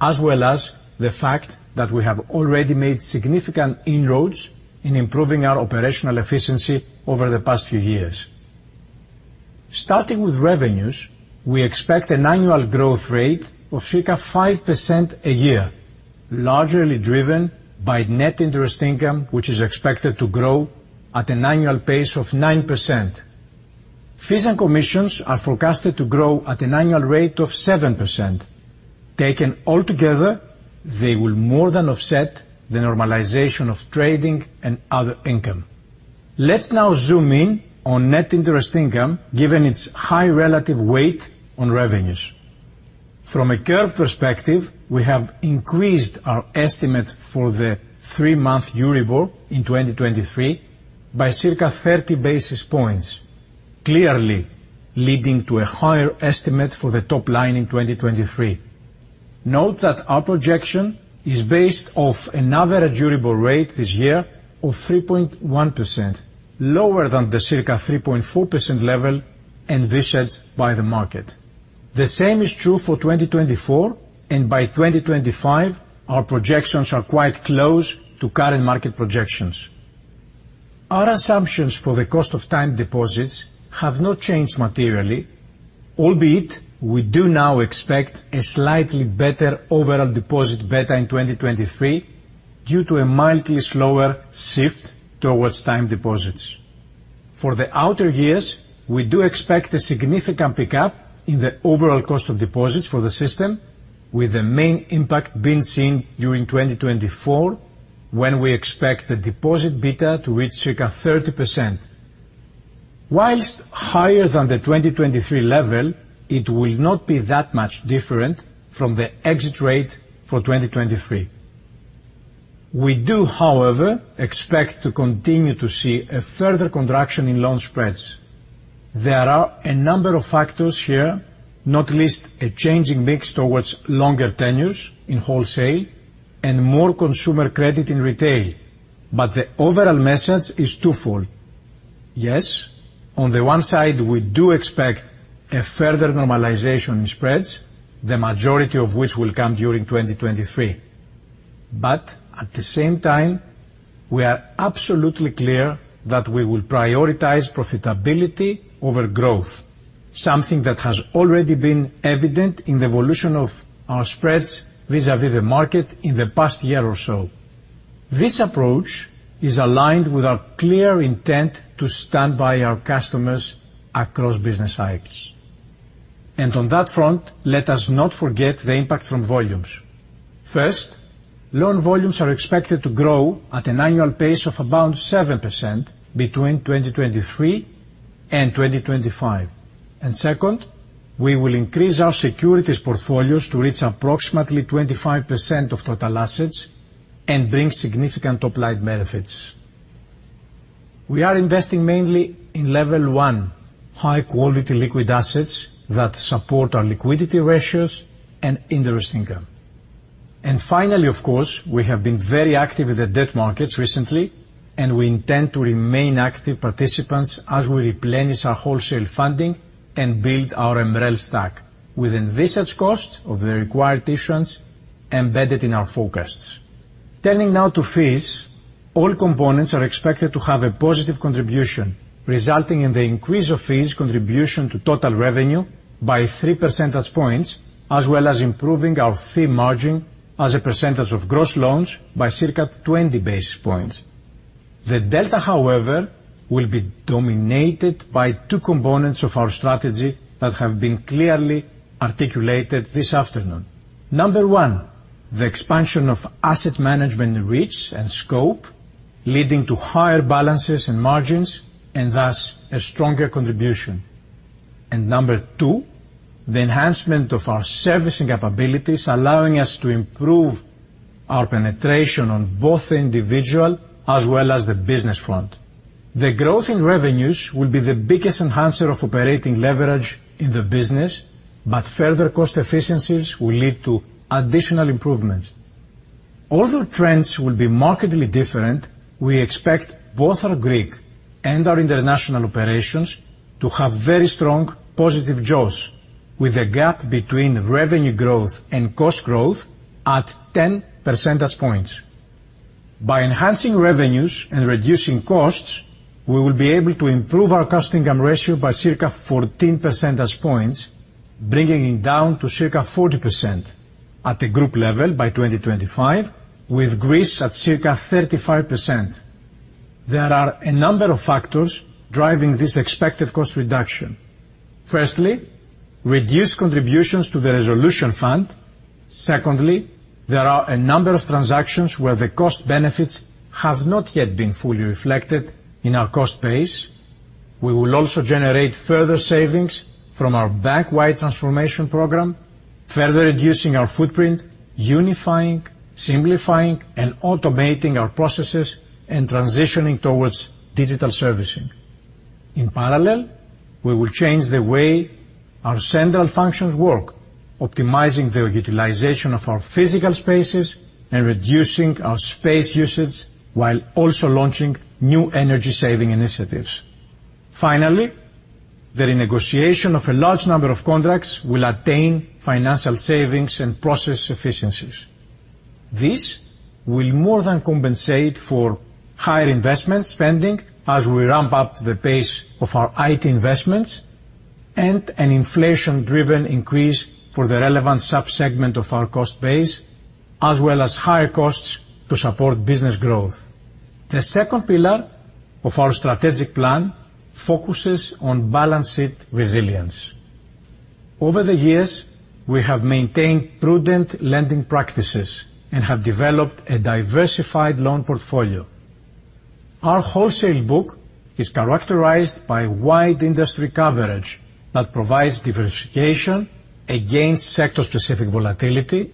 as well as the fact that we have already made significant inroads in improving our operational efficiency over the past few years. Starting with revenues, we expect an annual growth rate of circa 5% a year, largely driven by net interest income, which is expected to grow at an annual pace of 9%. Fees and commissions are forecasted to grow at an annual rate of 7%. Taken altogether, they will more than offset the normalization of trading and other income. Let's now zoom in on net interest income, given its high relative weight on revenues. From a curve perspective, we have increased our estimate for the three-month Euribor in 2023 by circa 30 basis points, clearly leading to a higher estimate for the top line in 2023. Note that our projection is based off an average Euribor rate this year of 3.1%, lower than the circa 3.4% level envisioned by the market. The same is true for 2024, and by 2025, our projections are quite close to current market projections. Our assumptions for the cost of time deposits have not changed materially, albeit we do now expect a slightly better overall deposit beta in 2023 due to a mildly slower shift towards time deposits. For the outer years, we do expect a significant pickup in the overall cost of deposits for the system, with the main impact being seen during 2024, when we expect the deposit beta to reach circa 30%. Higher than the 2023 level, it will not be that much different from the exit rate for 2023. We do, however, expect to continue to see a further contraction in loan spreads. There are a number of factors here, not least a changing mix towards longer tenures in wholesale and more consumer credit in retail. The overall message is twofold. Yes, on the one side, we do expect a further normalization in spreads, the majority of which will come during 2023. At the same time, we are absolutely clear that we will prioritize profitability over growth, something that has already been evident in the evolution of our spreads vis-à-vis the market in the past year or so. This approach is aligned with our clear intent to stand by our customers across business cycles. On that front, let us not forget the impact from volumes. First, loan volumes are expected to grow at an annual pace of about 7% between 2023 and 2025. Second, we will increase our securities portfolios to reach approximately 25% of total assets and bring significant top-line benefits. We are investing mainly in level 1, high quality liquid assets that support our liquidity ratios and interest income. Finally, of course, we have been very active in the debt markets recently, and we intend to remain active participants as we replenish our wholesale funding and build our MREL stack with envisaged cost of the required issuance embedded in our forecasts. Turning now to fees, all components are expected to have a positive contribution, resulting in the increase of fees contribution to total revenue by 3 percentage points, as well as improving our fee margin as a percentage of gross loans by circa 20 basis points. The delta, however, will be dominated by two components of our strategy that have been clearly articulated this afternoon. Number one, the expansion of asset management reach and scope, leading to higher balances and margins, and thus a stronger contribution. Number 2, the enhancement of our servicing capabilities, allowing us to improve our penetration on both the individual as well as the business front. The growth in revenues will be the biggest enhancer of operating leverage in the business, but further cost efficiencies will lead to additional improvements. Although trends will be markedly different, we expect both our Greek and our international operations to have very strong positive jaws, with a gap between revenue growth and cost growth at 10 percentage points. By enhancing revenues and reducing costs, we will be able to improve our cost income ratio by circa 14 percentage points, bringing it down to circa 40% at a group level by 2025, with Greece at circa 35%. There are a number of factors driving this expected cost reduction. Firstly, reduced contributions to the resolution fund. Secondly, there are a number of transactions where the cost benefits have not yet been fully reflected in our cost base. We will also generate further savings from our bank-wide transformation program, further reducing our footprint, unifying, simplifying, and automating our processes, and transitioning towards digital servicing. In parallel, we will change the way our central functions work, optimizing the utilization of our physical spaces and reducing our space usage, while also launching new energy saving initiatives. Finally, the renegotiation of a large number of contracts will attain financial savings and process efficiencies. This will more than compensate for higher investment spending as we ramp up the pace of our IT investments and an inflation-driven increase for the relevant subsegment of our cost base, as well as higher costs to support business growth. The second pillar of our strategic plan focuses on balance sheet resilience. Over the years, we have maintained prudent lending practices and have developed a diversified loan portfolio. Our wholesale book is characterized by wide industry coverage that provides diversification against sector-specific volatility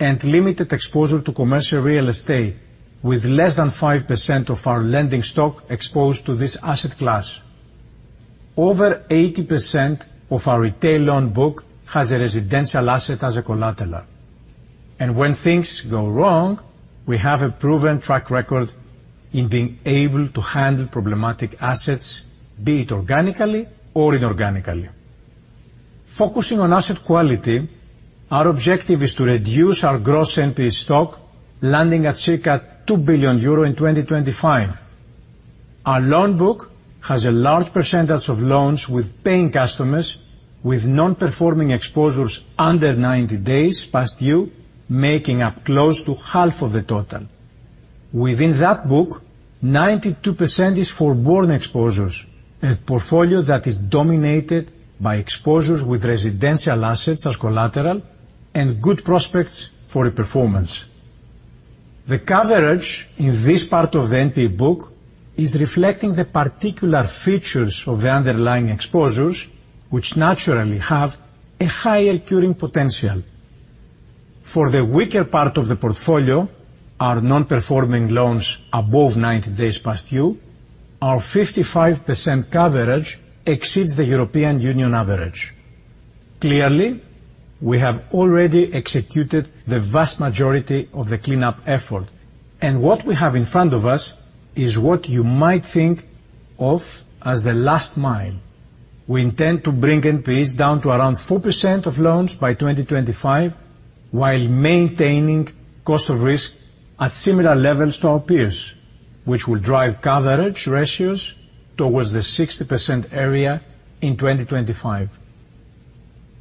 and limited exposure to commercial real estate, with less than 5% of our lending stock exposed to this asset class. Over 80% of our retail loan book has a residential asset as a collateral, and when things go wrong, we have a proven track record in being able to handle problematic assets, be it organically or inorganically. Focusing on asset quality, our objective is to reduce our gross NPE stock, landing at circa 2 billion euro in 2025. Our loan book has a large percentage of loans with paying customers, with non-performing exposures under 90 days past due, making up close to half of the total. Within that book, 92% is forborne exposures, a portfolio that is dominated by exposures with residential assets as collateral and good prospects for reperformance. The coverage in this part of the NPE book is reflecting the particular features of the underlying exposures, which naturally have a higher curing potential. For the weaker part of the portfolio, our non-performing loans above 90 days past due, our 55% coverage exceeds the European Union average. We have already executed the vast majority of the cleanup effort. What we have in front of us is what you might think of as the last mile. We intend to bring NPLs down to around 4% of loans by 2025, while maintaining cost of risk at similar levels to our peers, which will drive coverage ratios towards the 60% area in 2025.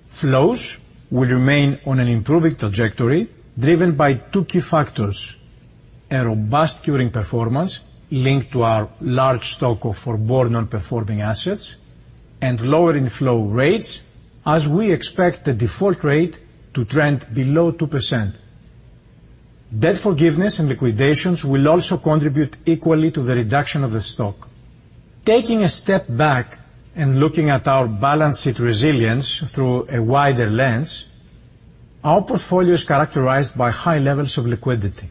Flows will remain on an improving trajectory, driven by two key factors, a robust curing performance linked to our large stock of forborne non-performing assets, and lower inflow rates as we expect the default rate to trend below 2%. Debt forgiveness and liquidations will also contribute equally to the reduction of the stock. Taking a step back and looking at our balance sheet resilience through a wider lens, our portfolio is characterized by high levels of liquidity.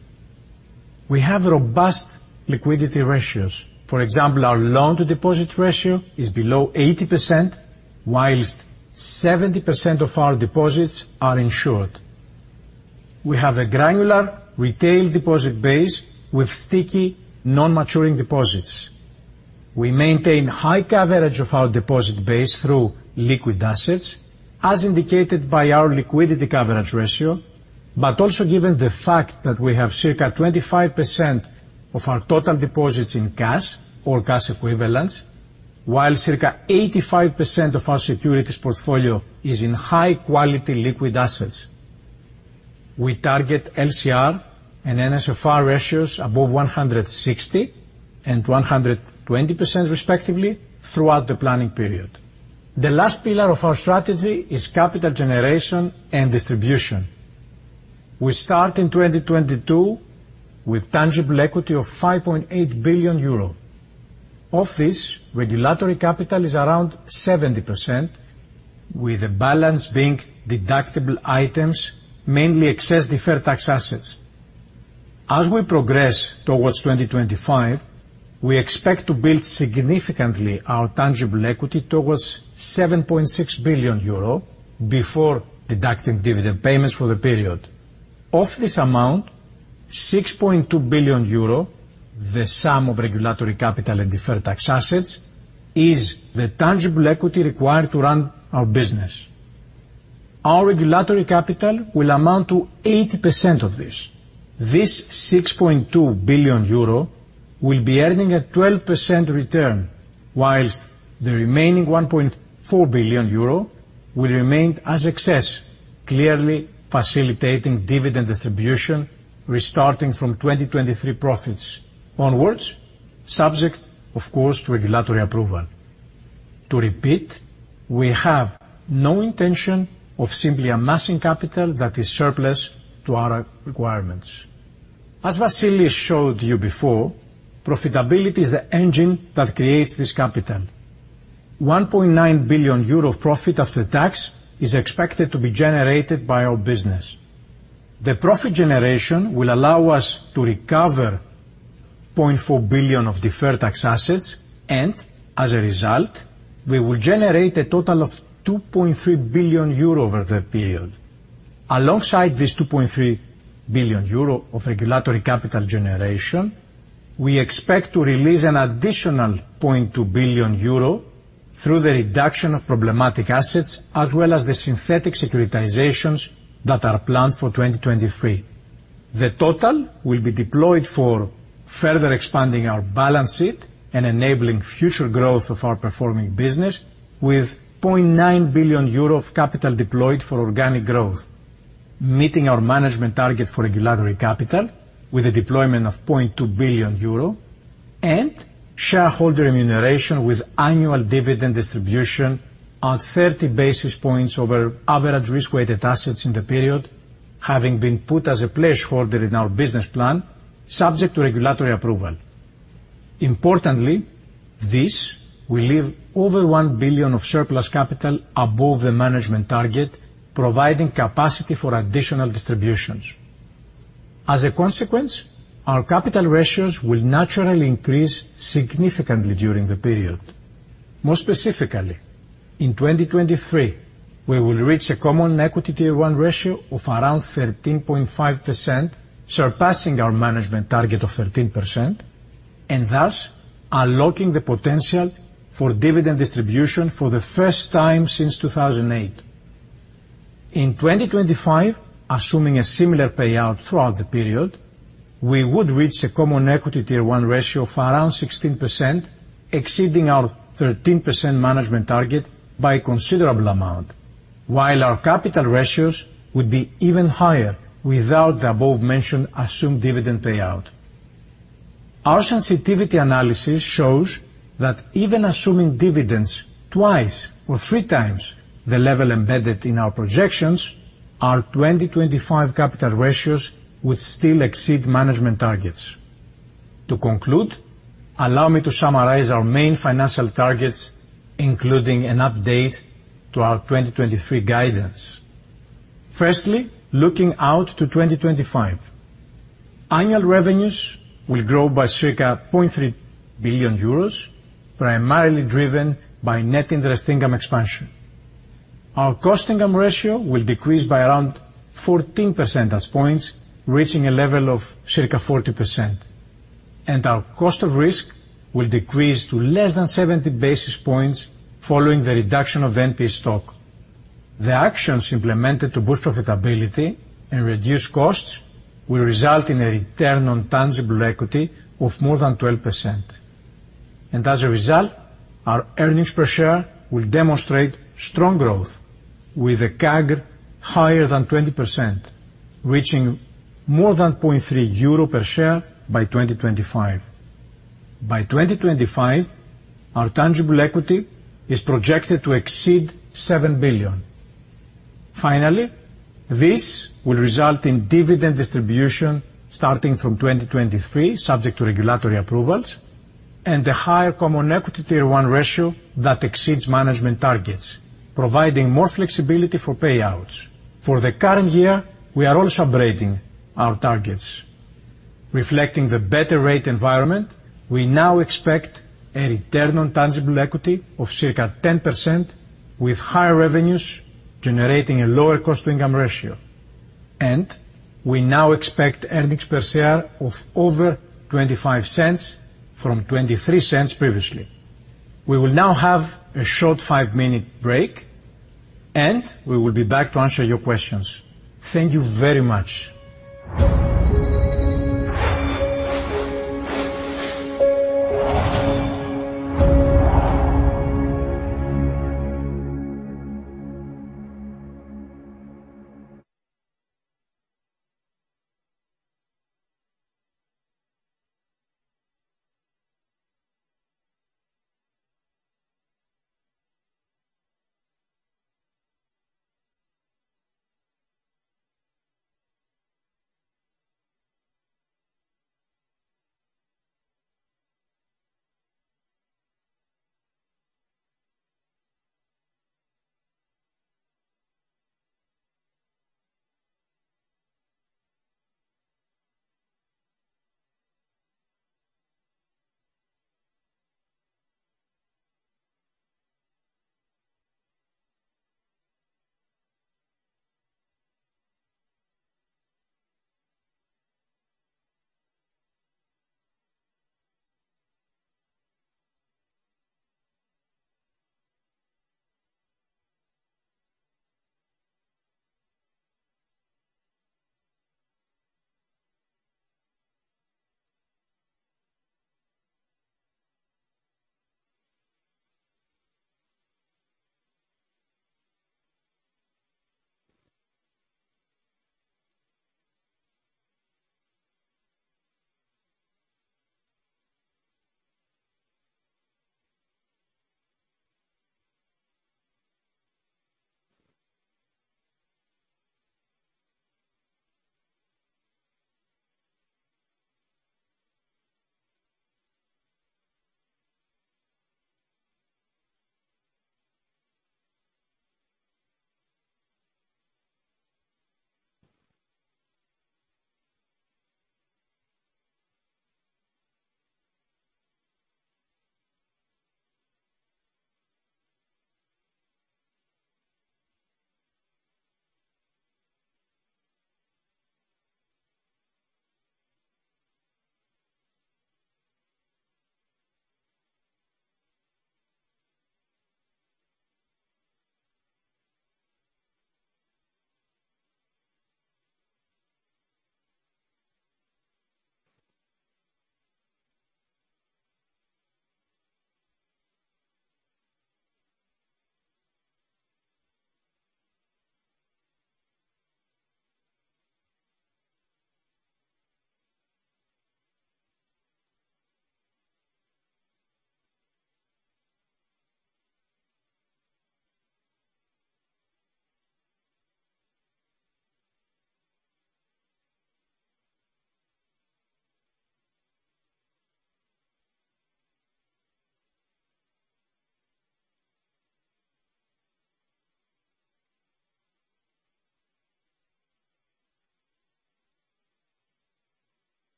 We have robust liquidity ratios. For example, our loan-to-deposit ratio is below 80%, whilst 70% of our deposits are insured. We have a granular retail deposit base with sticky, non-maturing deposits. We maintain high coverage of our deposit base through liquid assets, as indicated by our liquidity coverage ratio, also given the fact that we have circa 25% of our total deposits in cash or cash equivalents, while circa 85% of our securities portfolio is in high quality liquid assets. We target LCR and NSFR ratios above 160 and 120%, respectively, throughout the planning period. The last pillar of our strategy is capital generation and distribution. We start in 2022 with tangible equity of 5.8 billion euro. Of this, regulatory capital is around 70%, with the balance being deductible items, mainly excess deferred tax assets. As we progress towards 2025, we expect to build significantly our tangible equity towards 7.6 billion euro before deducting dividend payments for the period. Of this amount, 6.2 billion euro, the sum of regulatory capital and deferred tax assets, is the tangible equity required to run our business. Our regulatory capital will amount to 80% of this. This 6.2 billion euro will be earning a 12% return, whilst the remaining 1.4 billion euro will remain as excess, clearly facilitating dividend distribution, restarting from 2023 profits onwards, subject, of course, to regulatory approval. To repeat, we have no intention of simply amassing capital that is surplus to our requirements. As Vassilis showed you before, profitability is the engine that creates this capital. 1.9 billion euro of profit after tax is expected to be generated by our business. The profit generation will allow us to recover 0.4 billion of deferred tax assets. As a result, we will generate a total of 2.3 billion euro over the period. Alongside this 2.3 billion euro of regulatory capital generation, we expect to release an additional 0.2 billion euro through the reduction of problematic assets, as well as the synthetic securitizations that are planned for 2023. The total will be deployed for further expanding our balance sheet and enabling future growth of our performing business with 0.9 billion euro of capital deployed for organic growth, meeting our management target for regulatory capital with a deployment of 0.2 billion euro, and shareholder remuneration with annual dividend distribution on 30 basis points over average risk-weighted assets in the period, having been put as a placeholder in our business plan, subject to regulatory approval. Importantly, this will leave over 1 billion of surplus capital above the management target, providing capacity for additional distributions. As a consequence, our capital ratios will naturally increase significantly during the period. More specifically, in 2023, we will reach a Common Equity Tier 1 ratio of around 13.5%, surpassing our management target of 13%, and thus unlocking the potential for dividend distribution for the first time since 2008. In 2025, assuming a similar payout throughout the period, we would reach a Common Equity Tier 1 ratio of around 16%, exceeding our 13% management target by a considerable amount, while our capital ratios would be even higher without the above-mentioned assumed dividend payout. Our sensitivity analysis shows that even assuming dividends twice or three times the level embedded in our projections, our 2025 capital ratios would still exceed management targets. Allow me to summarize our main financial targets, including an update to our 2023 guidance. Looking out to 2025. Annual revenues will grow by circa 0.3 billion euros, primarily driven by Net Interest Income expansion. Our cost to income ratio will decrease by around 14 percentage points, reaching a level of circa 40%, and our cost of risk will decrease to less than 70 basis points following the reduction of the NPE stock. The actions implemented to boost profitability and reduce costs will result in a return on tangible equity of more than 12%. As a result, our earnings per share will demonstrate strong growth, with a CAGR higher than 20%, reaching more than 0.3 euro per share by 2025. By 2025, our tangible equity is projected to exceed 7 billion. Finally, this will result in dividend distribution starting from 2023, subject to regulatory approvals, and a higher Common Equity Tier 1 ratio that exceeds management targets, providing more flexibility for payouts. For the current year, we are also upgrading our targets. Reflecting the better rate environment, we now expect a return on tangible equity of circa 10%, with higher revenues generating a lower cost to income ratio, and we now expect earnings per share of over 0.25 from 0.23 previously. We will now have a short five-minute break, and we will be back to answer your questions. Thank you very much.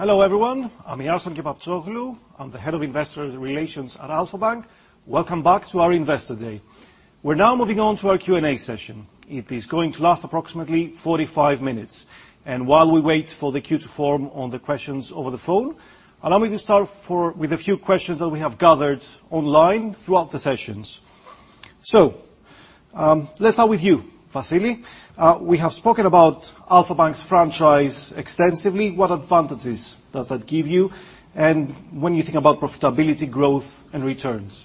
Hello, everyone. I'm Iason Kepaptsoglou. I'm the Head of Investor Relations at Alpha Bank. Welcome back to our Investor Day. We're now moving on to our Q&A session. It is going to last approximately 45 minutes. While we wait for the queue to form on the questions over the phone, allow me to start with a few questions that we have gathered online throughout the sessions. Let's start with you, Vassilis. We have spoken about Alpha Bank's franchise extensively. What advantages does that give you, and when you think about profitability, growth and returns?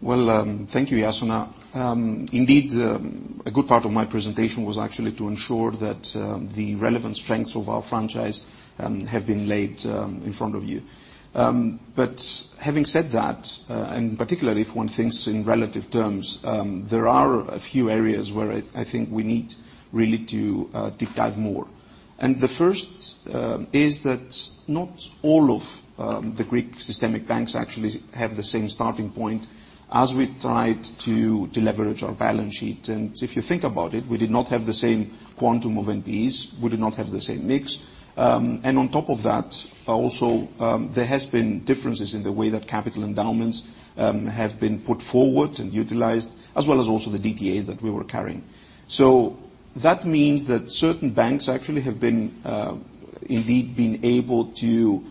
Well, thank you, Iason. Indeed, a good part of my presentation was actually to ensure that the relevant strengths of our franchise have been laid in front of you. Having said that, and particularly if one thinks in relative terms, there are a few areas where I think we need really to deep dive more. The first is that not all of the Greek systemic banks actually have the same starting point as we tried to deleverage our balance sheet. If you think about it, we did not have the same quantum of NPEs, we did not have the same mix. On top of that, there has been differences in the way that capital endowments have been put forward and utilized, as well as the DTAs that we were carrying. That means that certain banks have indeed been able to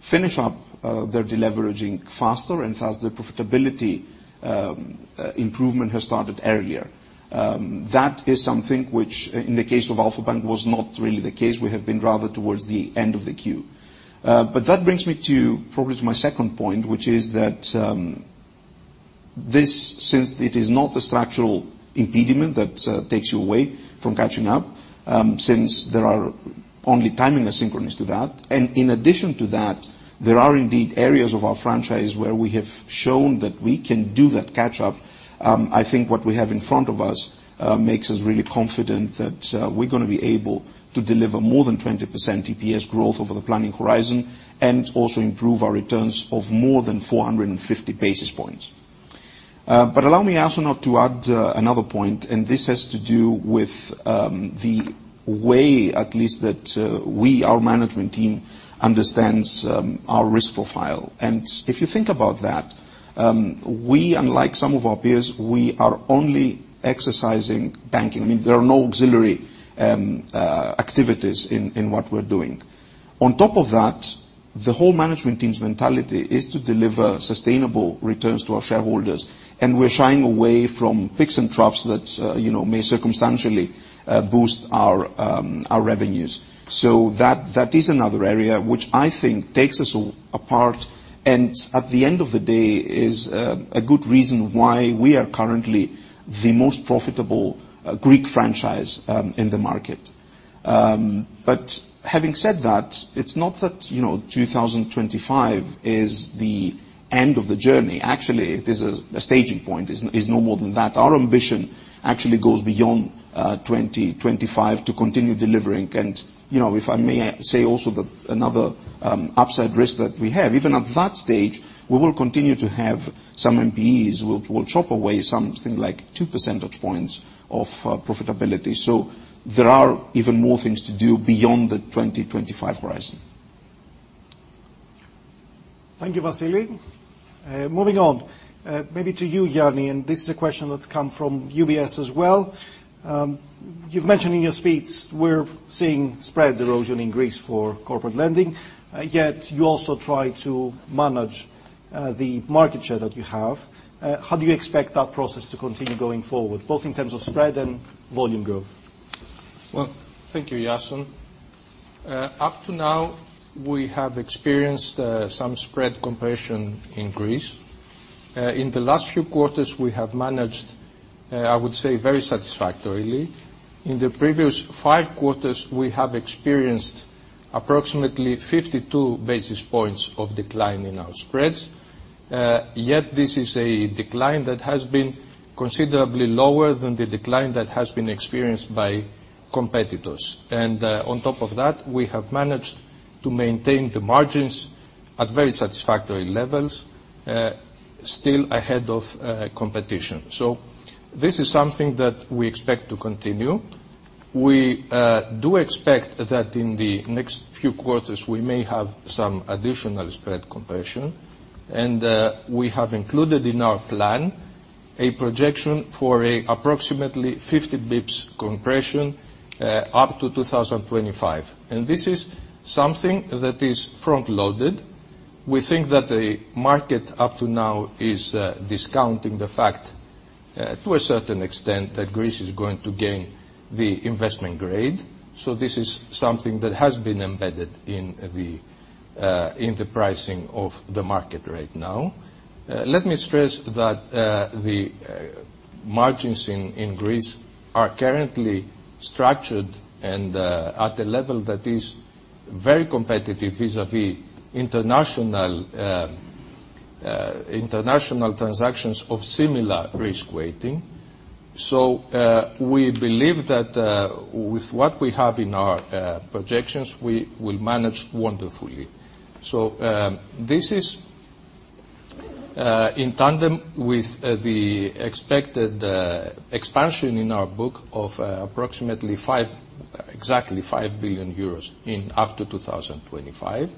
finish up their deleveraging faster, and thus the profitability improvement has started earlier. That is something which in the case of Alpha Bank, was not really the case, we have been rather towards the end of the queue. That brings me to, probably to my second point, which is that this, since it is not a structural impediment that takes you away from catching up, since there are only timing asynchronous to that. In addition to that, there are indeed areas of our franchise where we have shown that we can do that catch-up. I think what we have in front of us makes us really confident that we're gonna be able to deliver more than 20% EPS growth over the planning horizon, and also improve our returns of more than 450 basis points. Allow me, Iason, now to add another point, and this has to do with the way at least that we, our management team, understands our risk profile. If you think about that, we, unlike some of our peers, we are only exercising banking. I mean, there are no auxiliary activities in what we're doing. On top of that, the whole management team's mentality is to deliver sustainable returns to our shareholders, and we're shying away from picks and troughs that, you know, may circumstantially boost our revenues. That, that is another area which I think takes us apart, and at the end of the day, is a good reason why we are currently the most profitable Greek franchise in the market. Having said that, it's not that, you know, 2025 is the end of the journey. Actually, it is a staging point, is no more than that. Our ambition actually goes beyond 2025 to continue delivering. You know, if I may say also that another upside risk that we have, even at that stage, we will continue to have some NPEs. We'll chop away something like 2 percentage points of profitability. There are even more things to do beyond the 2025 horizon. Thank you, Vassilis. Moving on, maybe to you, Yiannis. This is a question that's come from UBS as well. You've mentioned in your speech, we're seeing spread erosion in Greece for corporate lending. You also try to manage the market share that you have. How do you expect that process to continue going forward, both in terms of spread and volume growth? Well, thank you, Iason. Up to now, we have experienced some spread compression in Greece. In the last few quarters we have managed, I would say, very satisfactorily. In the previous five quarters, we have experienced approximately 52 basis points of decline in our spreads. This is a decline that has been considerably lower than the decline that has been experienced by competitors. On top of that, we have managed to maintain the margins at very satisfactory levels, still ahead of competition. This is something that we expect to continue. We do expect that in the next few quarters, we may have some additional spread compression, and we have included in our plan a projection for approximately 50 basis points compression up to 2025. This is something that is front-loaded. We think that the market up to now is discounting the fact to a certain extent, that Greece is going to gain the investment grade. This is something that has been embedded in the pricing of the market right now. Let me stress that the margins in Greece are currently structured and at a level that is very competitive vis-à-vis international international transactions of similar risk weighting. We believe that with what we have in our projections, we will manage wonderfully. This is in tandem with the expected expansion in our book of exactly 5 billion euros in up to 2025.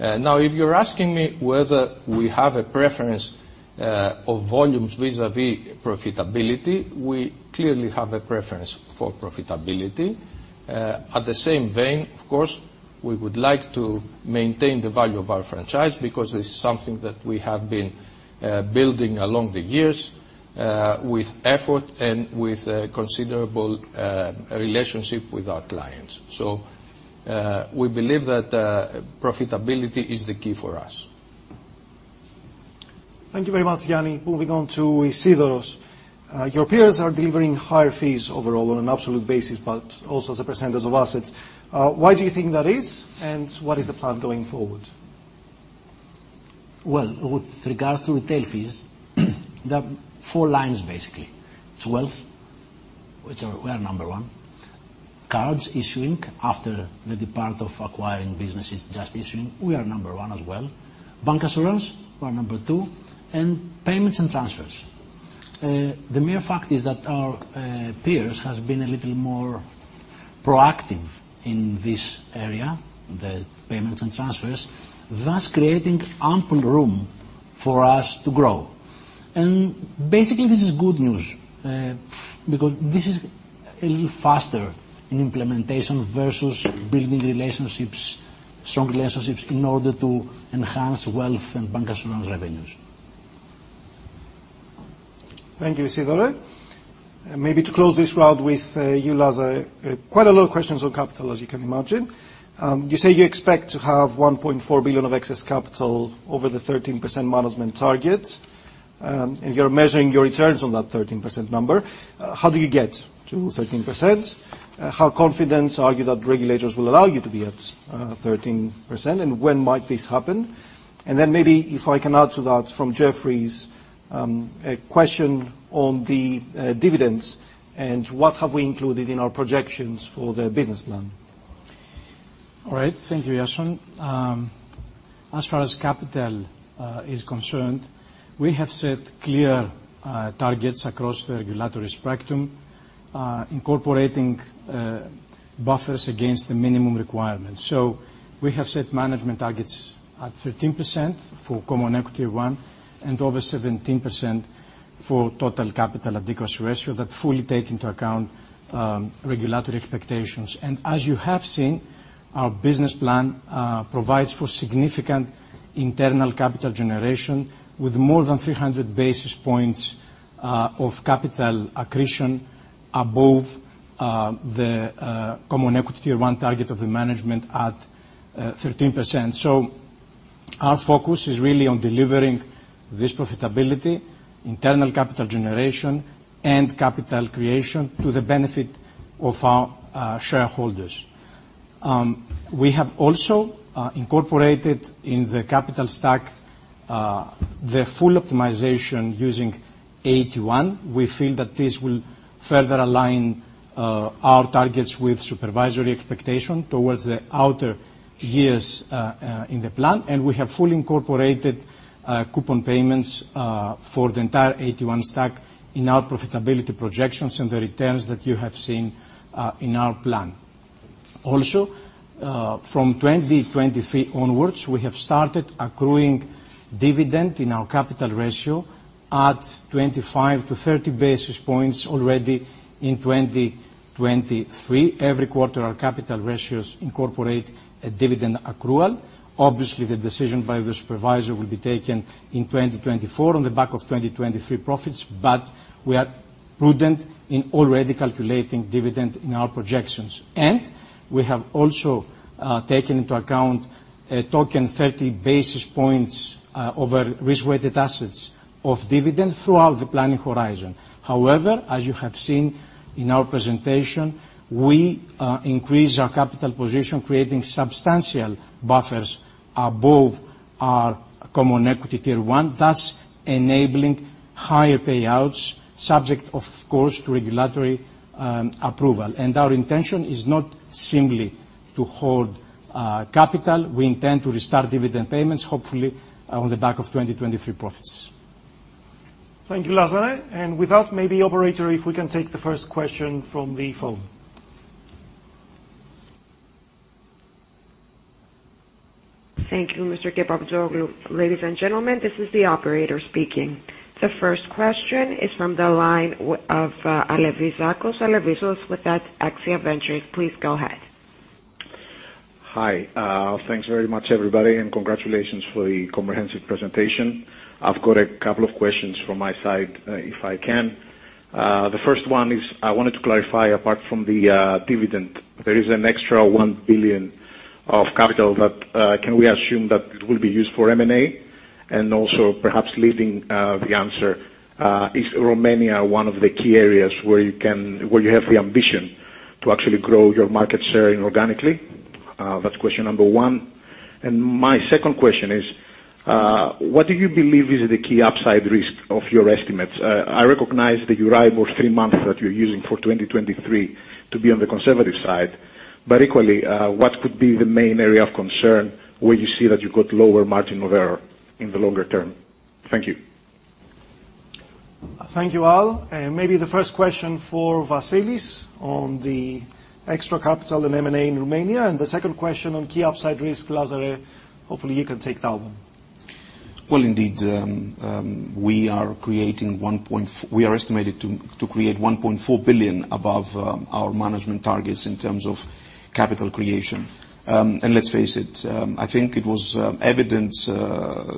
Now, if you're asking me whether we have a preference of volumes vis-à-vis profitability, we clearly have a preference for profitability. At the same vein, of course, we would like to maintain the value of our franchise because this is something that we have been building along the years with effort and with considerable relationship with our clients. We believe that profitability is the key for us. Thank you very much, Yannis. Moving on to Isidoros. Your peers are delivering higher fees overall on an absolute basis, but also as a percent of assets. Why do you think that is, and what is the plan going forward? Well, with regard to retail fees, there are four lines, basically. It's wealth, which are, we are number 1. Cards issuing, after the depart of acquiring businesses, just issuing, we are number 1 as well. Bancassurance, we are number 2, and payments and transfers. The mere fact is that our peers has been a little more proactive in this area, the payments and transfers, thus creating ample room for us to grow. Basically, this is good news, because this is a little faster in implementation versus building relationships, strong relationships, in order to enhance wealth and bancassurance revenues. Thank you, Isidoros. Maybe to close this round with you, Lazaros. Quite a lot of questions on capital, as you can imagine. You say you expect to have 1.4 billion of excess capital over the 13% management target, and you're measuring your returns on that 13% number. How do you get to 13%? How confident are you that regulators will allow you to be at 13%, and when might this happen? Maybe if I can add to that, from Jefferies, a question on the dividends and what have we included in our projections for the business plan. All right. Thank you, Iason. As far as capital is concerned, we have set clear targets across the regulatory spectrum, incorporating buffers against the minimum requirements. We have set management targets at 13% for Common Equity one, and over 17% for total capital adequacy ratio that fully take into account regulatory expectations. As you have seen, our business plan provides for significant internal capital generation with more than 300 basis points of capital accretion above the Common Equity one target of the management at 13%. Our focus is really on delivering this profitability, internal capital generation, and capital creation to the benefit of our shareholders. We have also incorporated in the capital stack the full optimization using AT1. We feel that this will further align our targets with supervisory expectation towards the outer years in the plan. We have fully incorporated coupon payments for the entire AT1 stack in our profitability projections and the returns that you have seen in our plan. Also, from 2023 onwards, we have started accruing dividend in our capital ratio at 25 to 30 basis points already in 2023. Every quarter, our capital ratios incorporate a dividend accrual. Obviously, the decision by the supervisor will be taken in 2024 on the back of 2023 profits, but we are prudent in already calculating dividend in our projections. We have also taken into account a token 30 basis points over risk-weighted assets of dividend throughout the planning horizon. However, as you have seen in our presentation, we increase our capital position, creating substantial buffers above our Common Equity Tier 1, thus enabling higher payouts, subject, of course, to regulatory approval. Our intention is not simply to hold capital. We intend to restart dividend payments, hopefully, on the back of 2023 profits. Thank you, Lazaros. With that, maybe operator, if we can take the first question from the phone. Thank you, Mr. Kepaptsoglou. Ladies and gentlemen, this is the operator speaking. The first question is from the line of Alevizakos. Alevizakos with AXIA Ventures, please go ahead. Hi. Thanks very much, everybody, and congratulations for the comprehensive presentation. I've got a couple of questions from my side, if I can. The first one is, I wanted to clarify, apart from the dividend, there is an extra 1 billion of capital that, can we assume that it will be used for M&A? Also perhaps leading the answer, is Romania one of the key areas where you have the ambition to actually grow your market sharing organically? That's question number one. My second question is, what do you believe is the key upside risk of your estimates? I recognize the arrival three months that you're using for 2023 to be on the conservative side, but equally, what could be the main area of concern where you see that you've got lower margin of error in the longer term? Thank you. Thank you, Al. Maybe the first question for Vassilis on the extra capital and M&A in Romania, and the second question on key upside risk, Lazaros, hopefully you can take that one. Well, indeed, we are estimated to create 1.4 billion above our management targets in terms of capital creation. Let's face it, I think it was evident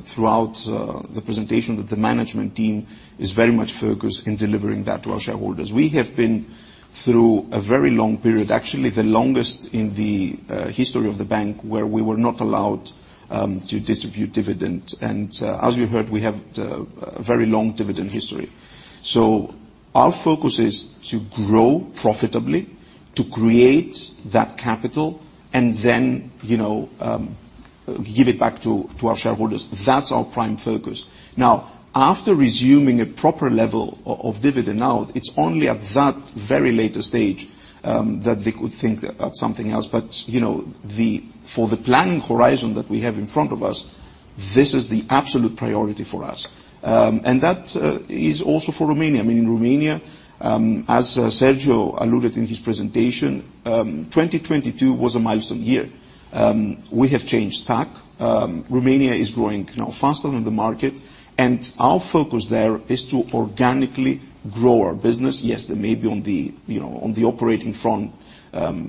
throughout the presentation that the management team is very much focused in delivering that to our shareholders. We have been through a very long period, actually, the longest in the history of the bank, where we were not allowed to distribute dividend. As you heard, we have a very long dividend history. Our focus is to grow profitably, to create that capital, and then, you know, give it back to our shareholders. That's our prime focus. After resuming a proper level of dividend out, it's only at that very later stage that we could think at something else. You know, for the planning horizon that we have in front of us, this is the absolute priority for us. That is also for Romania. I mean, in Romania, as Sergiu alluded in his presentation, 2022 was a milestone year. We have changed tack. Romania is growing now faster than the market, our focus there is to organically grow our business. Yes, there may be on the, you know, on the operating front,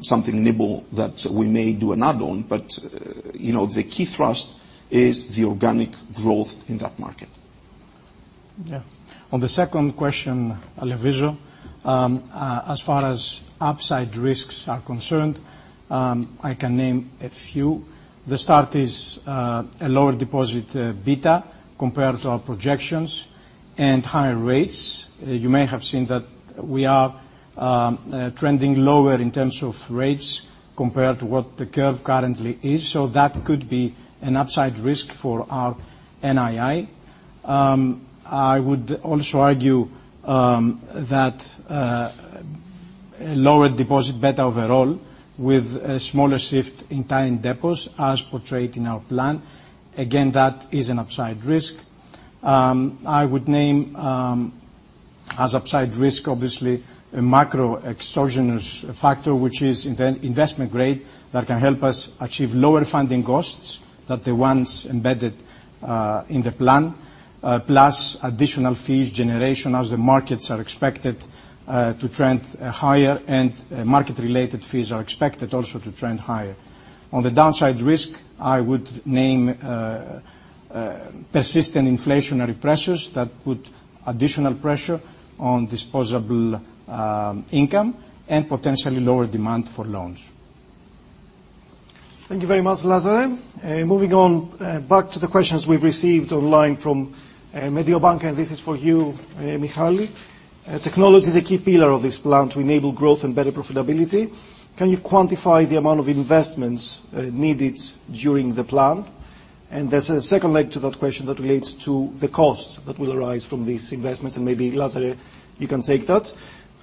something nibble that we may do an add-on, you know, the key thrust is the organic growth in that market. On the second question, Alevizakos, as far as upside risks are concerned, I can name a few. The start is a lower deposit beta, compared to our projections and higher rates. You may have seen that we are trending lower in terms of rates compared to what the curve currently is, so that could be an upside risk for our NII. I would also argue that a lower deposit beta overall, with a smaller shift in time deposits as portrayed in our plan. That is an upside risk. I would name as upside risk, a macro extortionist factor, which is investment grade, that can help us achieve lower funding costs than the ones embedded in the plan, plus additional fees generation as the markets are expected to trend higher, market-related fees are expected to trend higher. On the downside risk, I would name persistent inflationary pressures that put additional pressure on disposable income and potentially lower demand for loans. Thank you very much, Lazaros. Moving on, back to the questions we've received online from Mediobanca, this is for you, Michalis. Technology is a key pillar of this plan to enable growth and better profitability. Can you quantify the amount of investments needed during the plan? There's a second leg to that question that relates to the cost that will arise from these investments, and maybe, Lazaros, you can take that.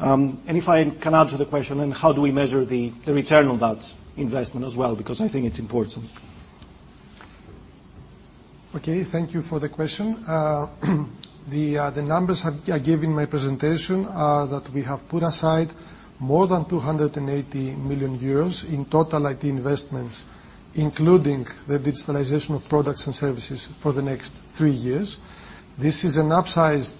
If I can add to the question, and how do we measure the return on that investment as well? Because I think it's important. Okay, thank you for the question. The numbers I gave in my presentation are that we have put aside more than 280 million euros in total IT investments, including the digitalization of products and services for the next three years. This is an upsized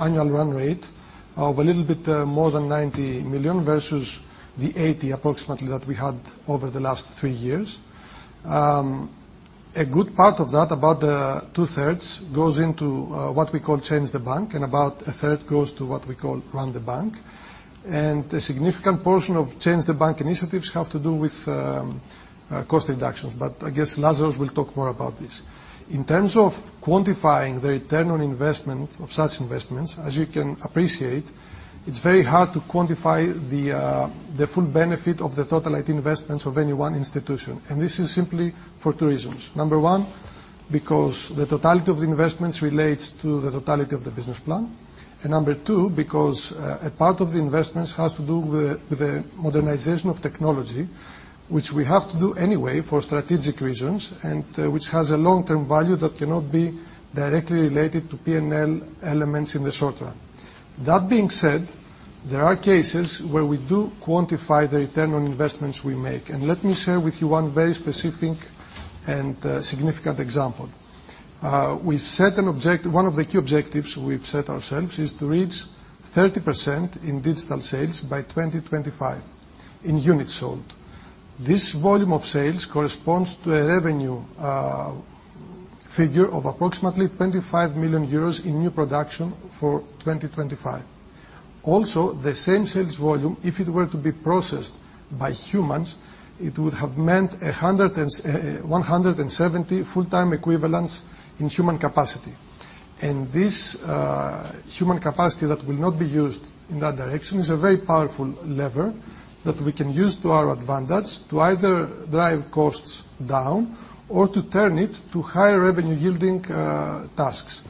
annual run rate of a little bit more than 90 million versus the 80 approximately that we had over the last three years. A good part of that, about two-thirds, goes into what we call Change the Bank, and about a third goes to what we call Run the Bank. A significant portion of Change the Bank initiatives have to do with cost reductions, but I guess Lazaros will talk more about this. In terms of quantifying the return on investment of such investments, as you can appreciate, it's very hard to quantify the full benefit of the total IT investments of any one institution, this is simply for two reasons. Number one, because the totality of the investments relates to the totality of the business plan. Number two, because a part of the investments has to do with the modernization of technology, which we have to do anyway for strategic reasons, and which has a long-term value that cannot be directly related to P&L elements in the short term. That being said, there are cases where we do quantify the return on investments we make, and let me share with you one very specific and significant example. We've set one of the key objectives we've set ourselves is to reach 30% in digital sales by 2025 in units sold. This volume of sales corresponds to a revenue figure of approximately 25 million euros in new production for 2025. The same sales volume, if it were to be processed by humans, it would have meant 170 full-time equivalence in human capacity. This human capacity that will not be used in that direction is a very powerful lever that we can use to our advantage to either drive costs down or to turn it to higher revenue-yielding tasks.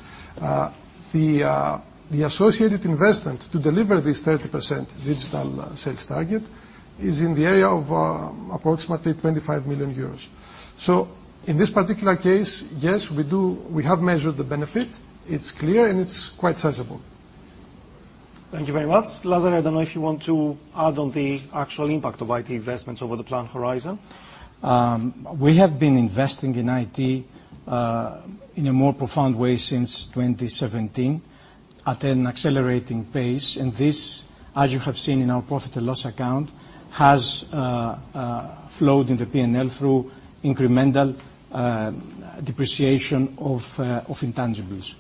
The associated investment to deliver this 30% digital sales target is in the area of approximately 25 million euros. In this particular case, yes, we have measured the benefit. It's clear, and it's quite sizable. Thank you very much. Lazaros, I don't know if you want to add on the actual impact of IT investments over the planned horizon? We have been investing in IT in a more profound way since 2017, at an accelerating pace. This, as you have seen in our profit and loss account, has flowed in the P&L through incremental depreciation of intangibles.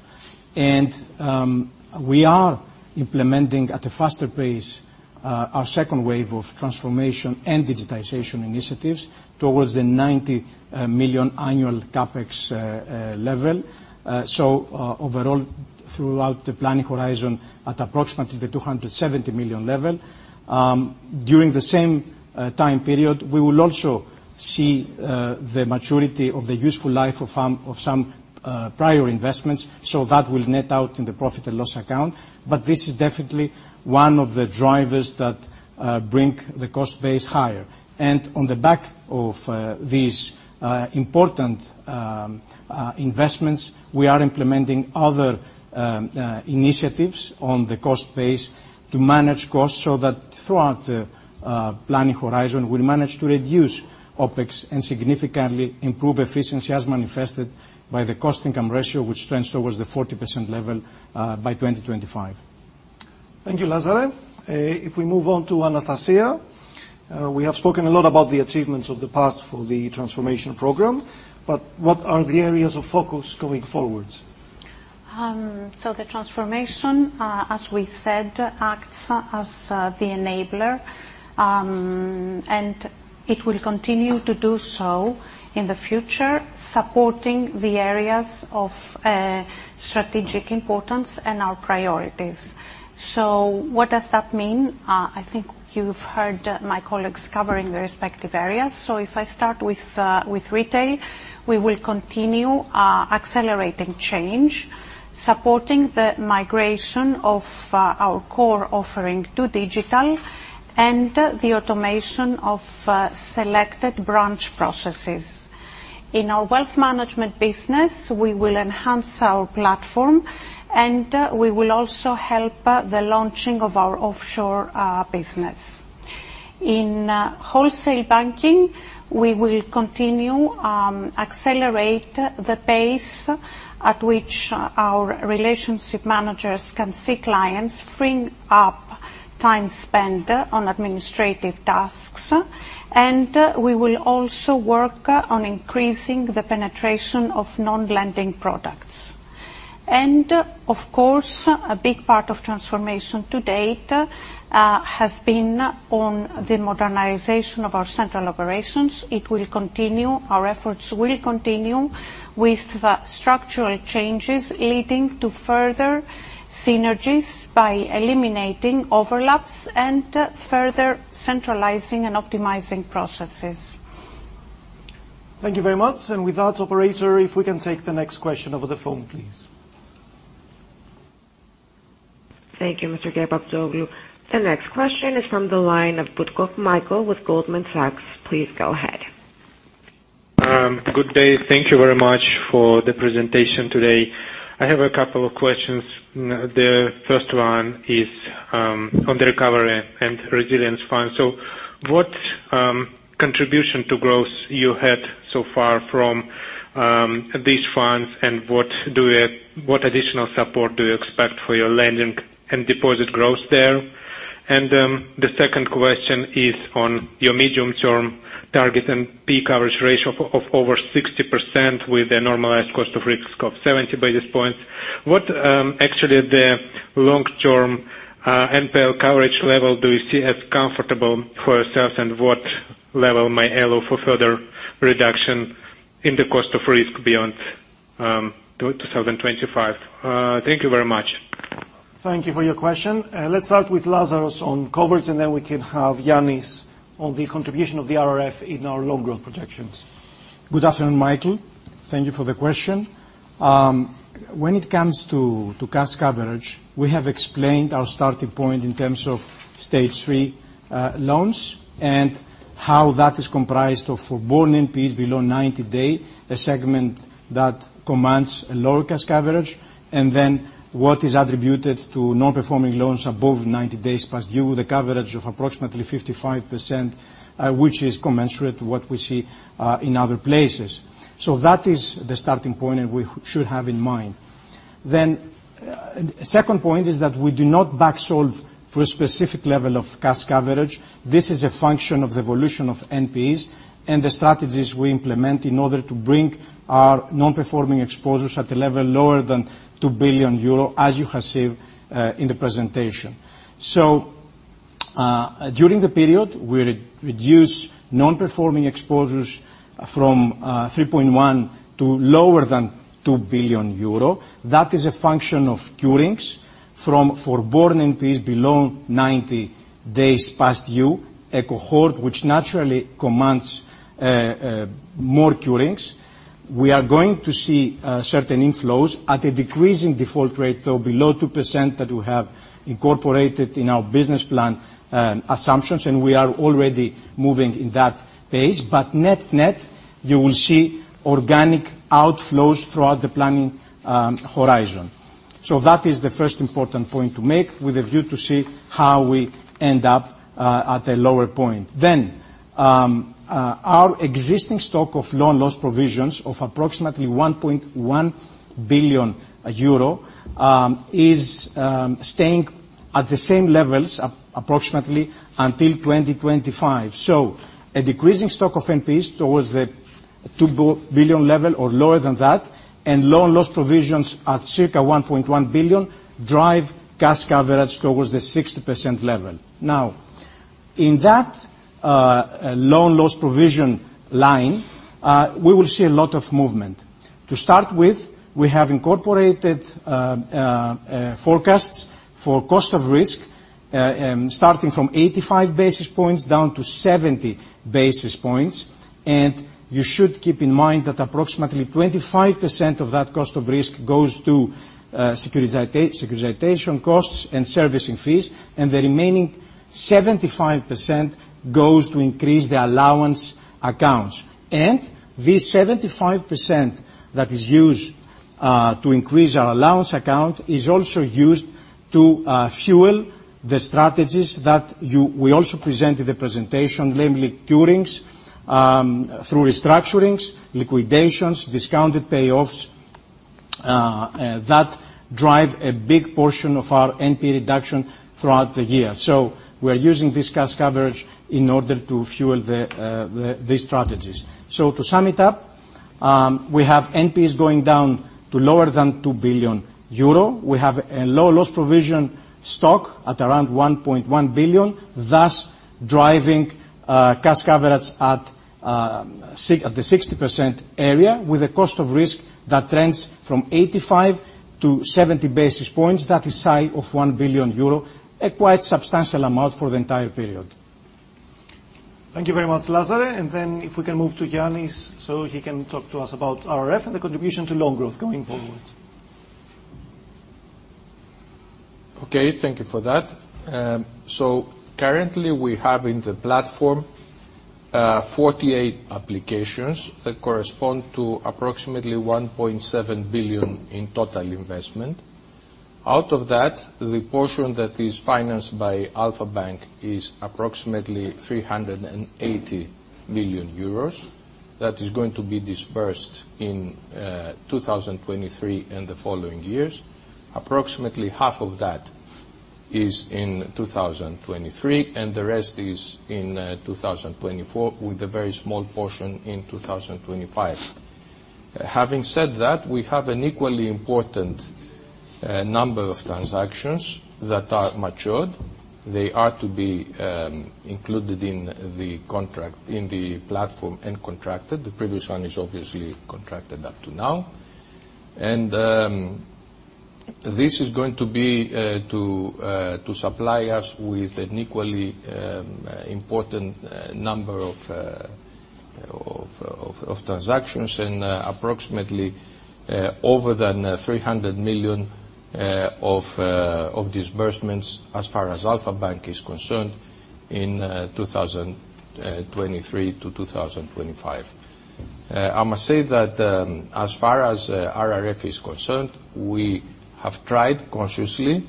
We are implementing at a faster pace our second wave of transformation and digitization initiatives towards the 90 million annual CapEx level. Overall, throughout the planning horizon, at approximately the 270 million level. During the same time period, we will also see the maturity of the useful life of some prior investments, so that will net out in the profit and loss account. This is definitely one of the drivers that bring the cost base higher. On the back of these important investments, we are implementing other initiatives on the cost base to manage costs so that throughout the planning horizon, we manage to reduce OpEx and significantly improve efficiency, as manifested by the cost-income ratio, which trends towards the 40% level by 2025. Thank you, Lazaros. If we move on to Anastasia, we have spoken a lot about the achievements of the past for the transformation program, but what are the areas of focus going forward? The transformation, as we said, acts as the enabler. It will continue to do so in the future, supporting the areas of strategic importance and our priorities. What does that mean? I think you've heard my colleagues covering the respective areas. If I start with retail, we will continue accelerating change, supporting the migration of our core offering to digital and the automation of selected branch processes. In our wealth management business, we will enhance our platform, we will also help the launching of our offshore business. In wholesale banking, we will continue accelerate the pace at which our relationship managers can see clients, freeing up time spent on administrative tasks. We will also work on increasing the penetration of non-lending products. Of course, a big part of transformation to date has been on the modernization of our central operations. It will continue. Our efforts will continue with structural changes, leading to further synergies by eliminating overlaps and further centralizing and optimizing processes. Thank you very much. With that, operator, if we can take the next question over the phone, please. Thank you, Mr. Kepaptsoglou. The next question is from the line of Butkov Mikhail with Goldman Sachs. Please go ahead. Good day. Thank you very much for the presentation today. I have a couple of questions. The first one is on the Recovery and Resilience Facility. So what contribution to growth you had so far from these funds, and what additional support do you expect for your lending and deposit growth there? And the second question is on your medium-term target and peak coverage ratio of over 60% with a normalized cost of risk of 70 basis points. What actually the long-term NPE coverage level do you see as comfortable for yourselves, and what level might allow for further reduction in the cost of risk beyond 2025? Thank you very much. Thank you for your question. Let's start with Lazaros on coverage, and then we can have Yannis on the contribution of the RRF in our loan growth projections. Good afternoon, Mikhail. Thank you for the question. When it comes to CAS coverage, we have explained our starting point in terms of stage 3 loans, and how that is comprised of forborne NPLs below 90-day, a segment that commands a lower CAS coverage. What is attributed to non-performing loans above 90 days past due, the coverage of approximately 55%, which is commensurate to what we see in other places. That is the starting point, and we should have in mind. Second point is that we do not back solve for a specific level of CAS coverage. This is a function of the evolution of NPEs, and the strategies we implement in order to bring our non-performing exposures at a level lower than 2 billion euro, as you have seen in the presentation. During the period, we reduced non-performing exposures from 3.1 billion to lower than 2 billion euro. That is a function of curings from forborne NPEs below 90 days past due, a cohort which naturally commands more curings. We are going to see certain inflows at a decreasing default rate, though below 2%, that we have incorporated in our business plan assumptions, and we are already moving in that pace. Net-net, you will see organic outflows throughout the planning horizon. That is the first important point to make with a view to see how we end up at a lower point. Our existing stock of loan loss provisions of approximately 1.1 billion euro is staying at the same levels approximately until 2025. A decreasing stock of NPEs towards the 2 billion level or lower than that, and loan loss provisions at circa 1.1 billion, drive CAS coverage towards the 60% level. Now, in that loan loss provision line, we will see a lot of movement. To start with, we have incorporated forecasts for cost of risk, starting from 85 basis points down to 70 basis points. You should keep in mind that approximately 25% of that cost of risk goes to securitization costs and servicing fees, and the remaining 75% goes to increase the allowance accounts. This 75% that is used to increase our allowance account is also used to fuel the strategies that we also presented the presentation, namely curings through restructurings, liquidations, discounted payoffs that drive a big portion of our NPE reduction throughout the year. We're using this CAS coverage in order to fuel these strategies. To sum it up, we have NPEs going down to lower than 2 billion euro. We have a low loss provision stock at around 1.1 billion, thus, driving CAS coverage at the 60% area, with a cost of risk that trends from 85-70 basis points. That is high of 1 billion euro, a quite substantial amount for the entire period. Thank you very much, Lazaros. If we can move to Yannis, so he can talk to us about RRF and the contribution to loan growth going forward. Okay, thank you for that. Currently, we have in the platform 48 applications that correspond to approximately 1.7 billion in total investment. Out of that, the portion that is financed by Alpha Bank is approximately 380 million euros. That is going to be disbursed in 2023 and the following years. Approximately half of that is in 2023, and the rest is in 2024, with a very small portion in 2025. Having said that, we have an equally important number of transactions that are matured. They are to be included in the contract, in the platform and contracted. The previous one is obviously contracted up to now. This is going to be to supply us with an equally important number of transactions and approximately over 300 million of disbursements, as far as Alpha Bank is concerned, in 2023 to 2025. I must say that as far as RRF is concerned, we have tried consciously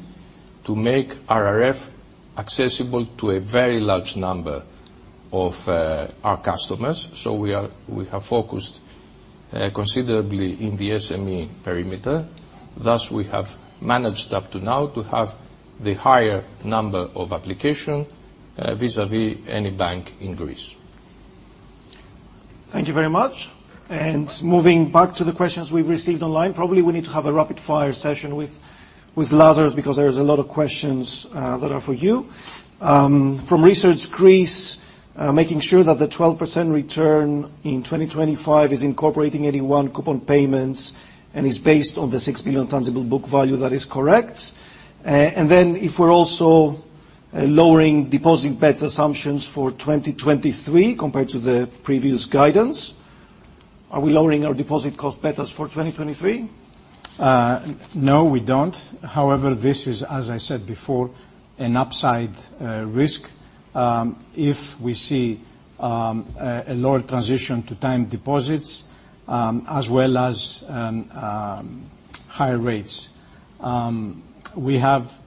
to make RRF accessible to a very large number of our customers. We have focused considerably in the SME perimeter. Thus, we have managed up to now to have the higher number of application vis-à-vis any bank in Greece. Thank you very much. Moving back to the questions we've received online, probably we need to have a rapid-fire session with Lazaros, because there's a lot of questions that are for you. From Research Greece, making sure that the 12% return in 2025 is incorporating AT1 coupon payments and is based on the 6 billion tangible book value. That is correct. If we're also lowering deposit betas assumptions for 2023 compared to the previous guidance. Are we lowering our deposit cost betas for 2023? No, we don't. This is, as I said before, an upside risk, if we see a lower transition to time deposits, as well as higher rates. We have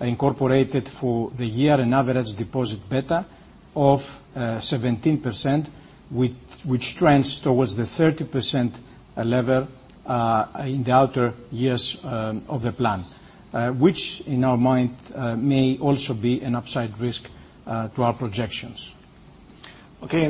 incorporated for the year an average deposit beta of 17%, which trends towards the 30% level in the outer years of the plan. In our mind may also be an upside risk to our projections. Okay,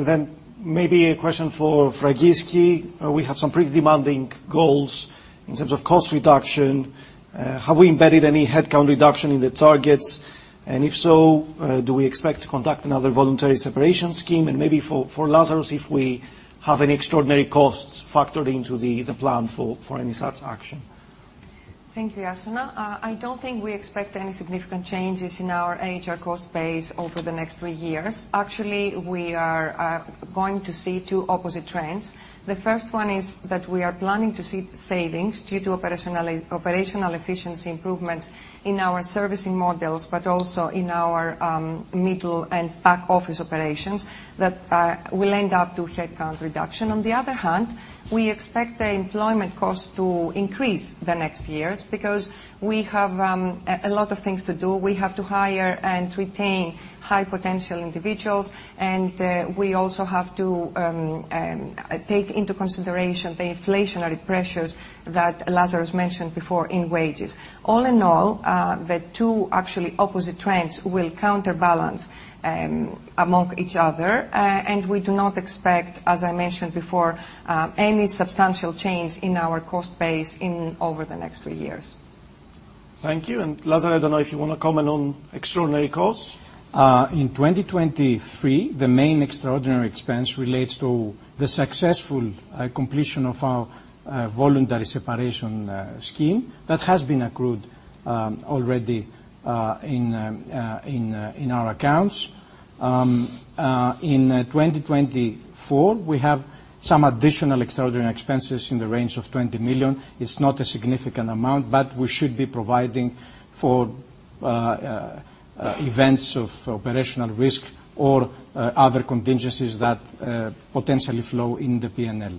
maybe a question for Fragiski. We have some pretty demanding goals in terms of cost reduction. Have we embedded any headcount reduction in the targets? If so, do we expect to conduct another voluntary separation scheme? Maybe for Lazaros, if we have any extraordinary costs factored into the plan for any such action. Thank you, Iason. I don't think we expect any significant changes in our HR cost base over the next three years. Actually, we are going to see two opposite trends. The first one is that we are planning to see savings due to operational efficiency improvements in our servicing models, but also in our middle and back office operations, that will end up to headcount reduction. On the other hand, we expect the employment cost to increase the next years because we have a lot of things to do. We have to hire and retain high potential individuals, and we also have to take into consideration the inflationary pressures that Lazaros mentioned before in wages. All in all, the two actually opposite trends will counterbalance among each other, we do not expect, as I mentioned before, any substantial change in our cost base in over the next three years. Thank you. Lazaros, I don't know if you want to comment on extraordinary costs? In 2023, the main extraordinary expense relates to the successful completion of our voluntary separation scheme. That has been accrued already in our accounts. In 2024, we have some additional extraordinary expenses in the range of 20 million. It's not a significant amount, but we should be providing for events of operational risk or other contingencies that potentially flow in the P&L.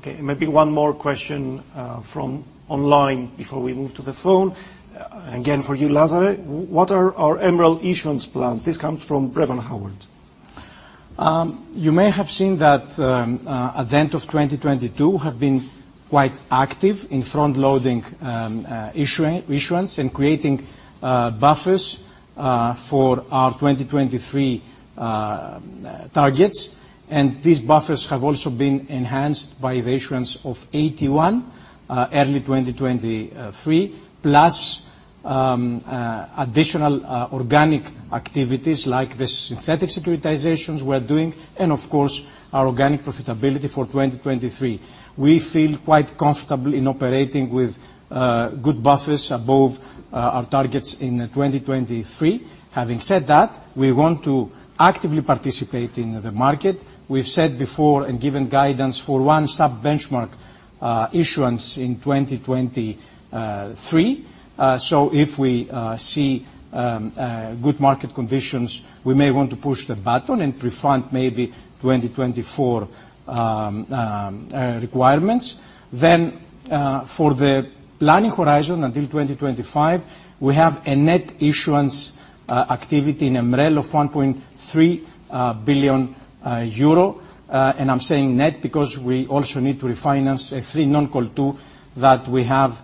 Okay, maybe one more question from online before we move to the phone. Again, for you, Lazaros, what are our MREL issuance plans? This comes from Brevan Howard. You may have seen that, at the end of 2022, have been quite active in front-loading issuance and creating buffers for our 2023 targets. These buffers have also been enhanced by the issuance of AT1 early 2023, plus additional organic activities like the synthetic securitizations we're doing, and of course, our organic profitability for 2023. We feel quite comfortable in operating with good buffers above our targets in 2023. Having said that, we want to actively participate in the market. We've said before and given guidance for one sub-benchmark issuance in 2023. If we see good market conditions, we may want to push the button and prefund maybe 2024 requirements. For the planning horizon until 2025, we have a net issuance activity in MREL of 1.3 billion euro. I'm saying net because we also need to refinance a 3NC2 that we have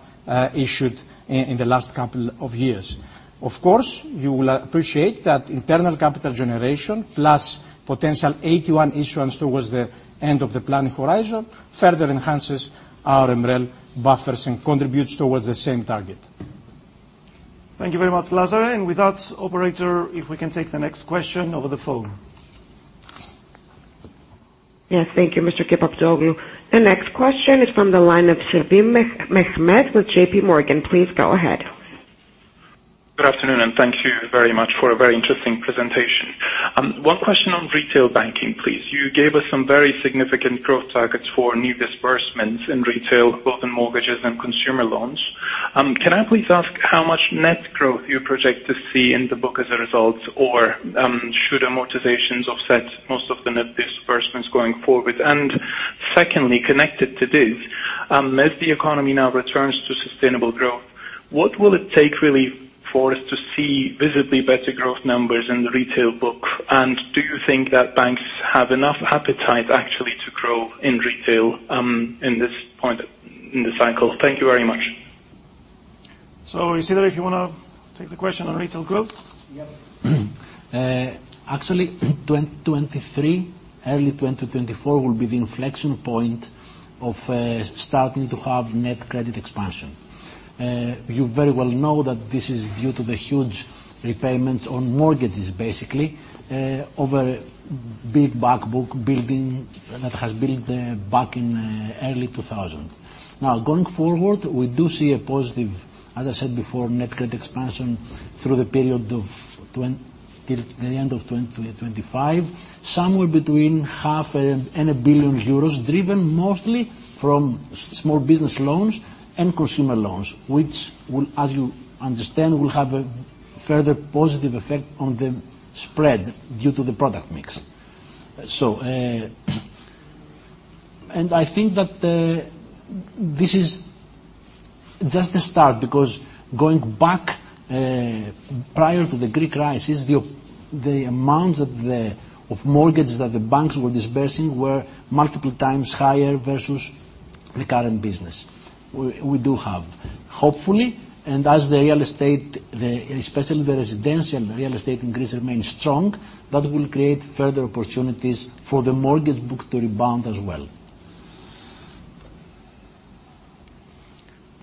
issued in the last couple of years. Of course, you will appreciate that internal capital generation, plus potential AT1 issuance towards the end of the planning horizon, further enhances our MREL buffers and contributes towards the same target. Thank you very much, Lazaros. With that, operator, if we can take the next question over the phone. Yes, thank you, Mr. Kepaptsoglou. The next question is from the line of Mehmet Sevim with J.P. Morgan. Please go ahead. Good afternoon, and thank you very much for a very interesting presentation. One question on retail banking, please. You gave us some very significant growth targets for new disbursements in retail, both in mortgages and consumer loans. Can I please ask how much net growth you project to see in the book as a result? Or, should amortizations offset most of the net disbursements going forward? Secondly, connected to this, as the economy now returns to sustainable growth, what will it take, really, for us to see visibly better growth numbers in the retail book? Do you think that banks have enough appetite actually to grow in retail, in this point in the cycle? Thank you very much. Isidoros, if you want to take the question on retail growth? Yep. Actually, 2023, early 2024, will be the inflection point of starting to have net credit expansion. You very well know that this is due to the huge repayments on mortgages, basically, over big back book building that has built back in early 2000. Going forward, we do see a positive, as I said before, net credit expansion through the period till the end of 2025, somewhere between half and 1 billion euros, driven mostly from small business loans and consumer loans, which will, as you understand, will have a further positive effect on the spread due to the product mix. I think that this is just the start, because going back prior to the Greek crisis, the amounts of mortgages that the banks were disbursing were multiple times higher versus the current business we do have. Hopefully, as the real estate, especially the residential real estate increase remains strong, that will create further opportunities for the mortgage book to rebound as well.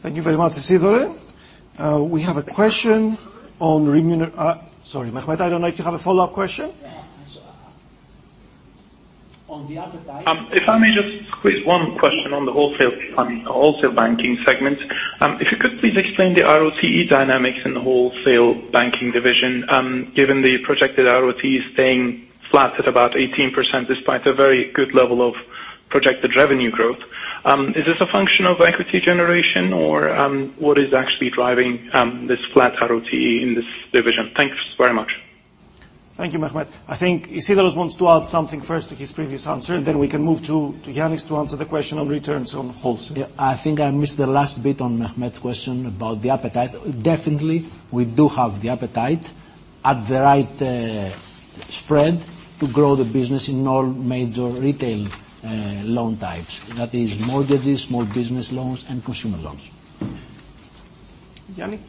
Thank you very much, Isidoros. We have a question. Sorry, Mehmet, I don't know if you have a follow-up question? On the other side, if I may just squeeze one question on the Wholesale Banking segment. If you could please explain the ROTCE dynamics in the Wholesale Banking division, given the projected ROTCE staying flat at about 18%, despite a very good level of projected revenue growth. Is this a function of equity generation, or what is actually driving this flat ROTCE in this division? Thanks very much. Thank you, Mehmet. I think Isidoros wants to add something first to his previous answer, then we can move to Yannis to answer the question on returns on wholesale. Yeah, I think I missed the last bit on Mehmet's question about the appetite. Definitely, we do have the appetite at the right spread to grow the business in all major retail loan types. That is mortgages, small business loans, and consumer loans. Yannis?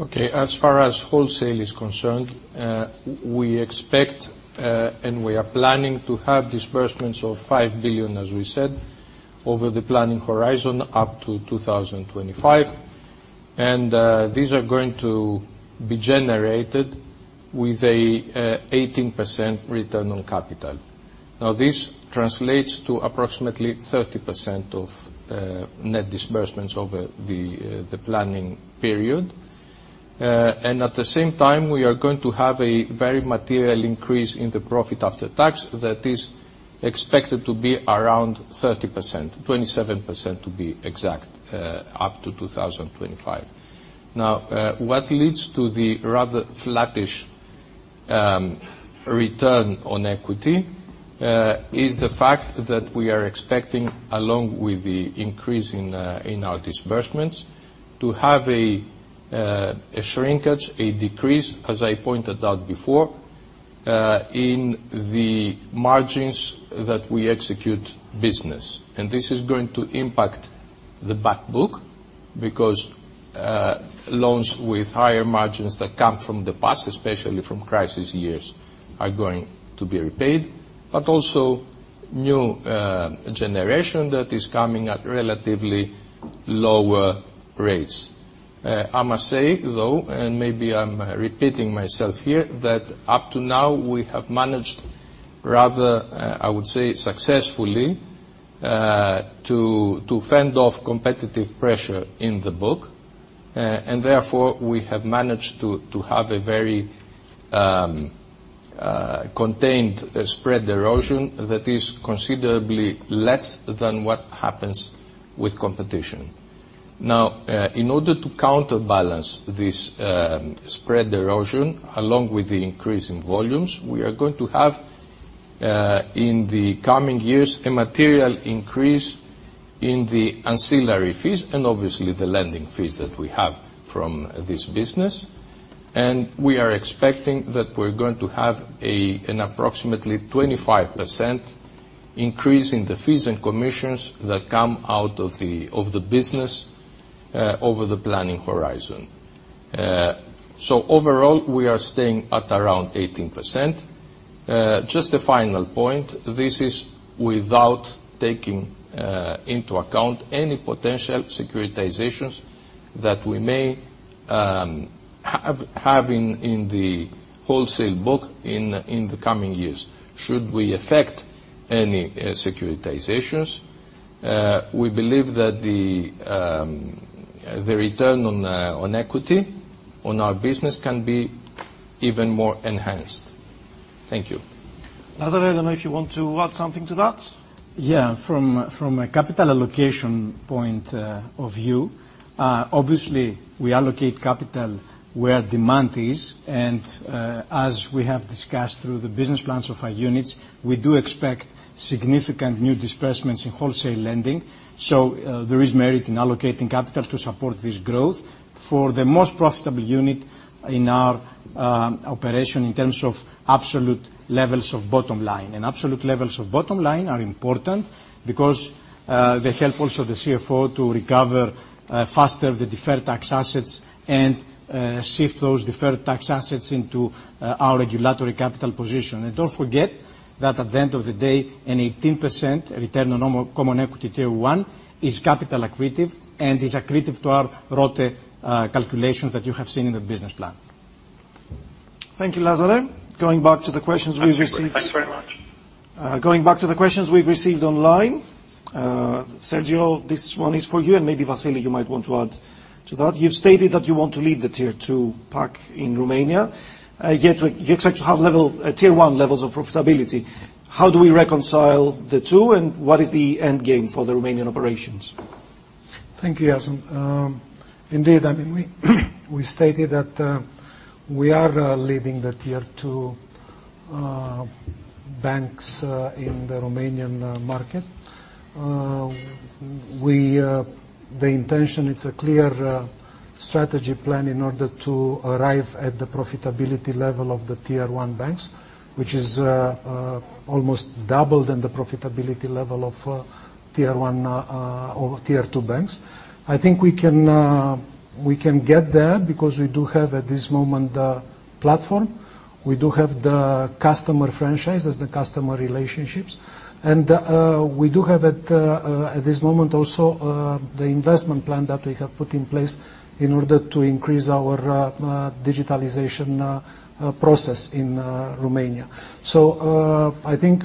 Okay, as far as wholesale is concerned, we expect, and we are planning to have disbursements of 5 billion, as we said, over the planning horizon, up to 2025. These are going to be generated with a, 18% return on capital. Now, this translates to approximately 30% of, net disbursements over the planning period. At the same time, we are going to have a very material increase in the profit after tax that is expected to be around 30%, 27% to be exact, up to 2025. Now, what leads to the rather flattish return on equity is the fact that we are expecting, along with the increase in our disbursements, to have a shrinkage, a decrease, as I pointed out before, in the margins that we execute business. This is going to impact the back book, because loans with higher margins that come from the past, especially from crisis years, are going to be repaid, but also new generation that is coming at relatively lower rates. I must say, though, and maybe I'm repeating myself here, that up to now, we have managed rather, I would say, successfully, to fend off competitive pressure in the book. Therefore, we have managed to have a very contained spread erosion that is considerably less than what happens with competition. In order to counterbalance this spread erosion, along with the increase in volumes, we are going to have in the coming years, a material increase in the ancillary fees and obviously the lending fees that we have from this business. We are expecting that we're going to have an approximately 25% increase in the fees and commissions that come out of the business over the planning horizon. Overall, we are staying at around 18%. A final point, this is without taking into account any potential securitizations that we may have in the wholesale book in the coming years. Should we effect any securitizations, we believe that the return on equity on our business can be even more enhanced. Thank you. Lazaros, I don't know if you want to add something to that? Yeah. From a, from a capital allocation point of view, obviously, we allocate capital where demand is. As we have discussed through the business plans of our units, we do expect significant new disbursements in wholesale lending. There is merit in allocating capital to support this growth for the most profitable unit in our operation in terms of absolute levels of bottom line. Absolute levels of bottom line are important because they help also the CFO to recover faster the deferred tax assets and shift those deferred tax assets into our regulatory capital position. Don't forget that at the end of the day, an 18% return on normal Common Equity Tier 1 is capital accretive and is accretive to our ROTE calculations that you have seen in the business plan. Thank you, Lazaros. Going back to the questions we received. Thanks very much. Going back to the questions we've received online, Sergiu, this one is for you, and maybe Vassilis, you might want to add to that. You've stated that you want to lead the Tier 2 pack in Romania, yet you expect to have level, Tier 1 levels of profitability. How do we reconcile the two, and what is the end game for the Romanian operations? Thank you, Iason. Indeed, I mean, we stated that we are leading the Tier 2 banks in the Romanian market. We the intention, it's a clear strategy plan in order to arrive at the profitability level of the Tier 1 banks, which is almost double than the profitability level of Tier 1 or Tier 2 banks. I think we can get there because we do have, at this moment, the platform, we do have the customer franchise as the customer relationships, and we do have at this moment also the investment plan that we have put in place in order to increase our digitalization process in Romania. I think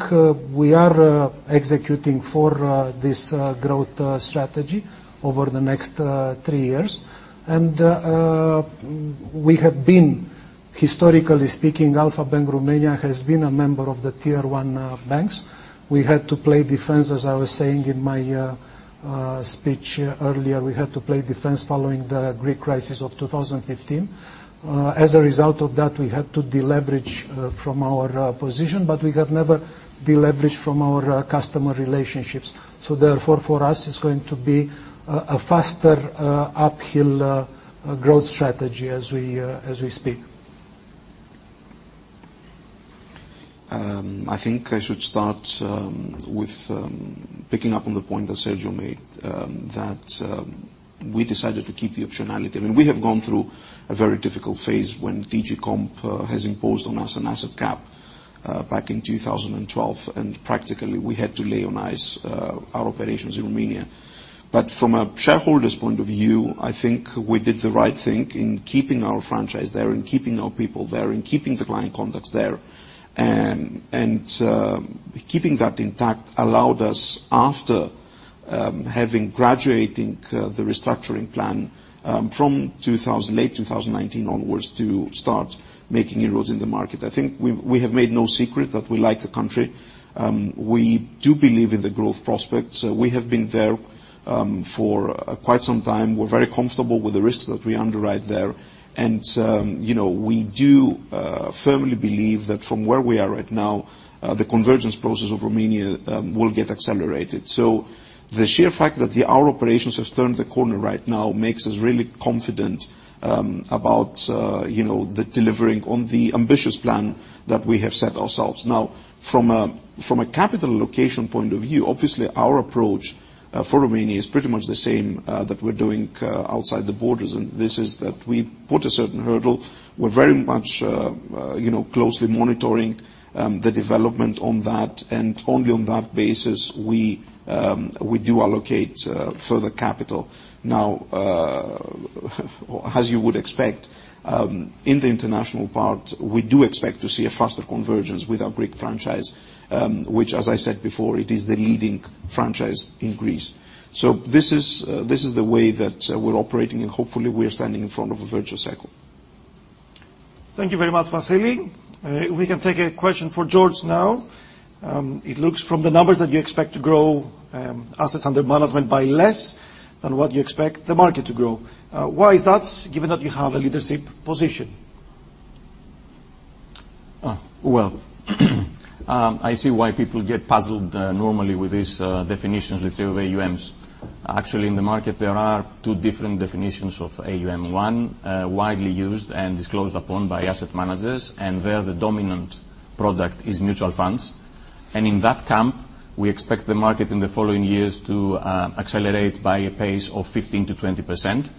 we are executing for this growth strategy over the next three years. We have been, historically speaking, Alpha Bank Romania has been a member of the Tier 1 banks. We had to play defense, as I was saying in my speech earlier, we had to play defense following the Greek crisis of 2015. As a result of that, we had to deleverage from our position, but we have never deleveraged from our customer relationships. Therefore, for us, it's going to be a faster, uphill growth strategy as we as we speak. I think I should start with picking up on the point that Sergiu made that we decided to keep the optionality. I mean, we have gone through a very difficult phase when DG Comp has imposed on us an asset cap back in 2012, and practically, we had to lay on ice our operations in Romania. From a shareholder's point of view, I think we did the right thing in keeping our franchise there, in keeping our people there, in keeping the client contacts there. Keeping that intact allowed us, after having graduating the restructuring plan from 2008 to 2019 onwards, to start making inroads in the market. I think we have made no secret that we like the country. We do believe in the growth prospects. We have been there for quite some time. We're very comfortable with the risks that we underwrite there, and, you know, we do firmly believe that from where we are right now, the convergence process of Romania will get accelerated. The sheer fact that our operations have turned the corner right now makes us really confident about, you know, the delivering on the ambitious plan that we have set ourselves. From a capital allocation point of view, obviously, our approach for Romania is pretty much the same that we're doing outside the borders, and this is that we put a certain hurdle. We're very much, you know, closely monitoring the development on that. Only on that basis, we do allocate further capital. As you would expect, in the international part, we do expect to see a faster convergence with our Greek franchise, which, as I said before, it is the leading franchise in Greece. This is the way that we're operating, and hopefully, we are standing in front of a virtual cycle. Thank you very much, Vassilis. We can take a question for George now. It looks from the numbers that you expect to grow, assets under management by less than what you expect the market to grow. Why is that, given that you have a leadership position? Well, I see why people get puzzled, normally with these definitions, let's say, of AUM. Actually, in the market, there are two different definitions of AUM. One, widely used and disclosed upon by asset managers, and there, the dominant product is mutual funds. In that camp, we expect the market in the following years to accelerate by a pace of 15%-20%,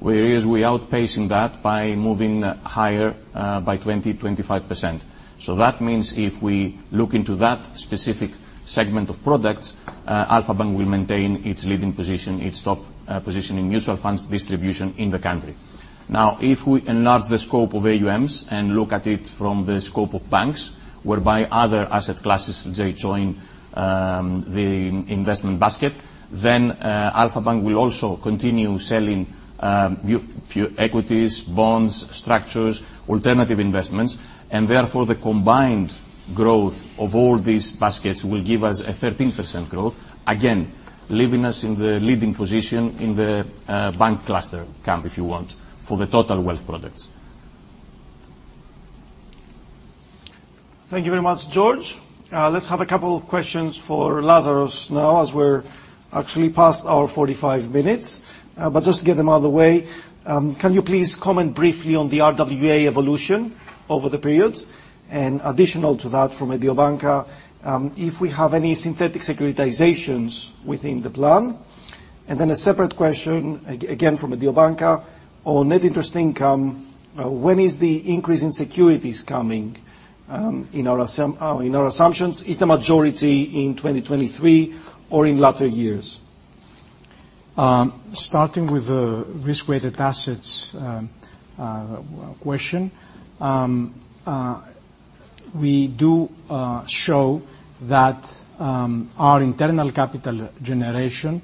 whereas we're outpacing that by moving higher by 20%-25%. That means if we look into that specific segment of products, Alpha Bank will maintain its leading position, its top position in mutual funds distribution in the country. If we enlarge the scope of AUM and look at it from the scope of banks, whereby other asset classes, they join the investment basket, then Alpha Bank will also continue selling few equities, bonds, structures, alternative investments, and therefore, the combined growth of all these baskets will give us a 13% growth, again, leaving us in the leading position in the bank cluster camp, if you want, for the total wealth products. Thank you very much, George. Let's have a couple of questions for Lazaros now, as we're actually past our 45 minutes. But just to get them out of the way, can you please comment briefly on the RWA evolution over the period? Additional to that, from Mediobanca, if we have any synthetic securitizations within the plan. Then a separate question, again, from Mediobanca, on net interest income, when is the increase in securities coming, in our assumptions, is the majority in 2023 or in latter years? Starting with the risk-weighted assets question, we do show that our internal capital generation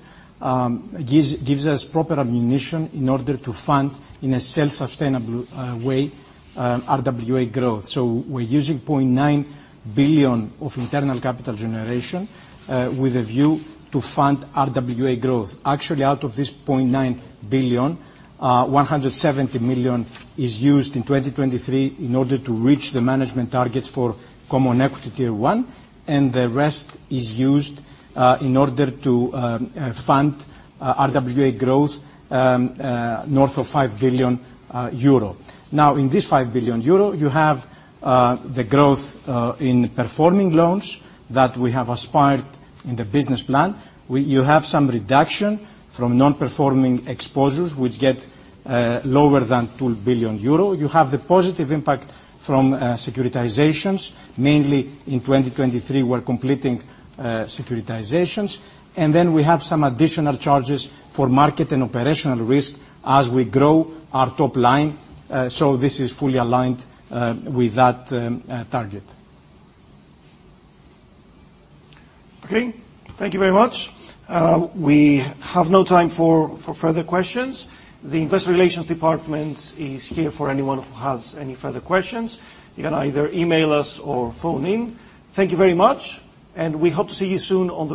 gives us proper ammunition in order to fund, in a self-sustainable way, RWA growth. We're using 0.9 billion of internal capital generation with a view to fund RWA growth. Actually, out of this 0.9 billion, 170 million is used in 2023 in order to reach the management targets for Common Equity Tier 1, and the rest is used in order to fund RWA growth north of 5 billion euro. In this 5 billion euro, you have the growth in performing loans that we have aspired in the business plan. You have some reduction from non-performing exposures, which get lower than 2 billion euro. You have the positive impact from securitizations. Mainly in 2023, we're completing securitizations. We have some additional charges for market and operational risk as we grow our top line, so this is fully aligned with that target. Okay. Thank you very much. We have no time for further questions. The Investor Relations department is here for anyone who has any further questions. You can either email us or phone in. Thank you very much, and we hope to see you soon on the road.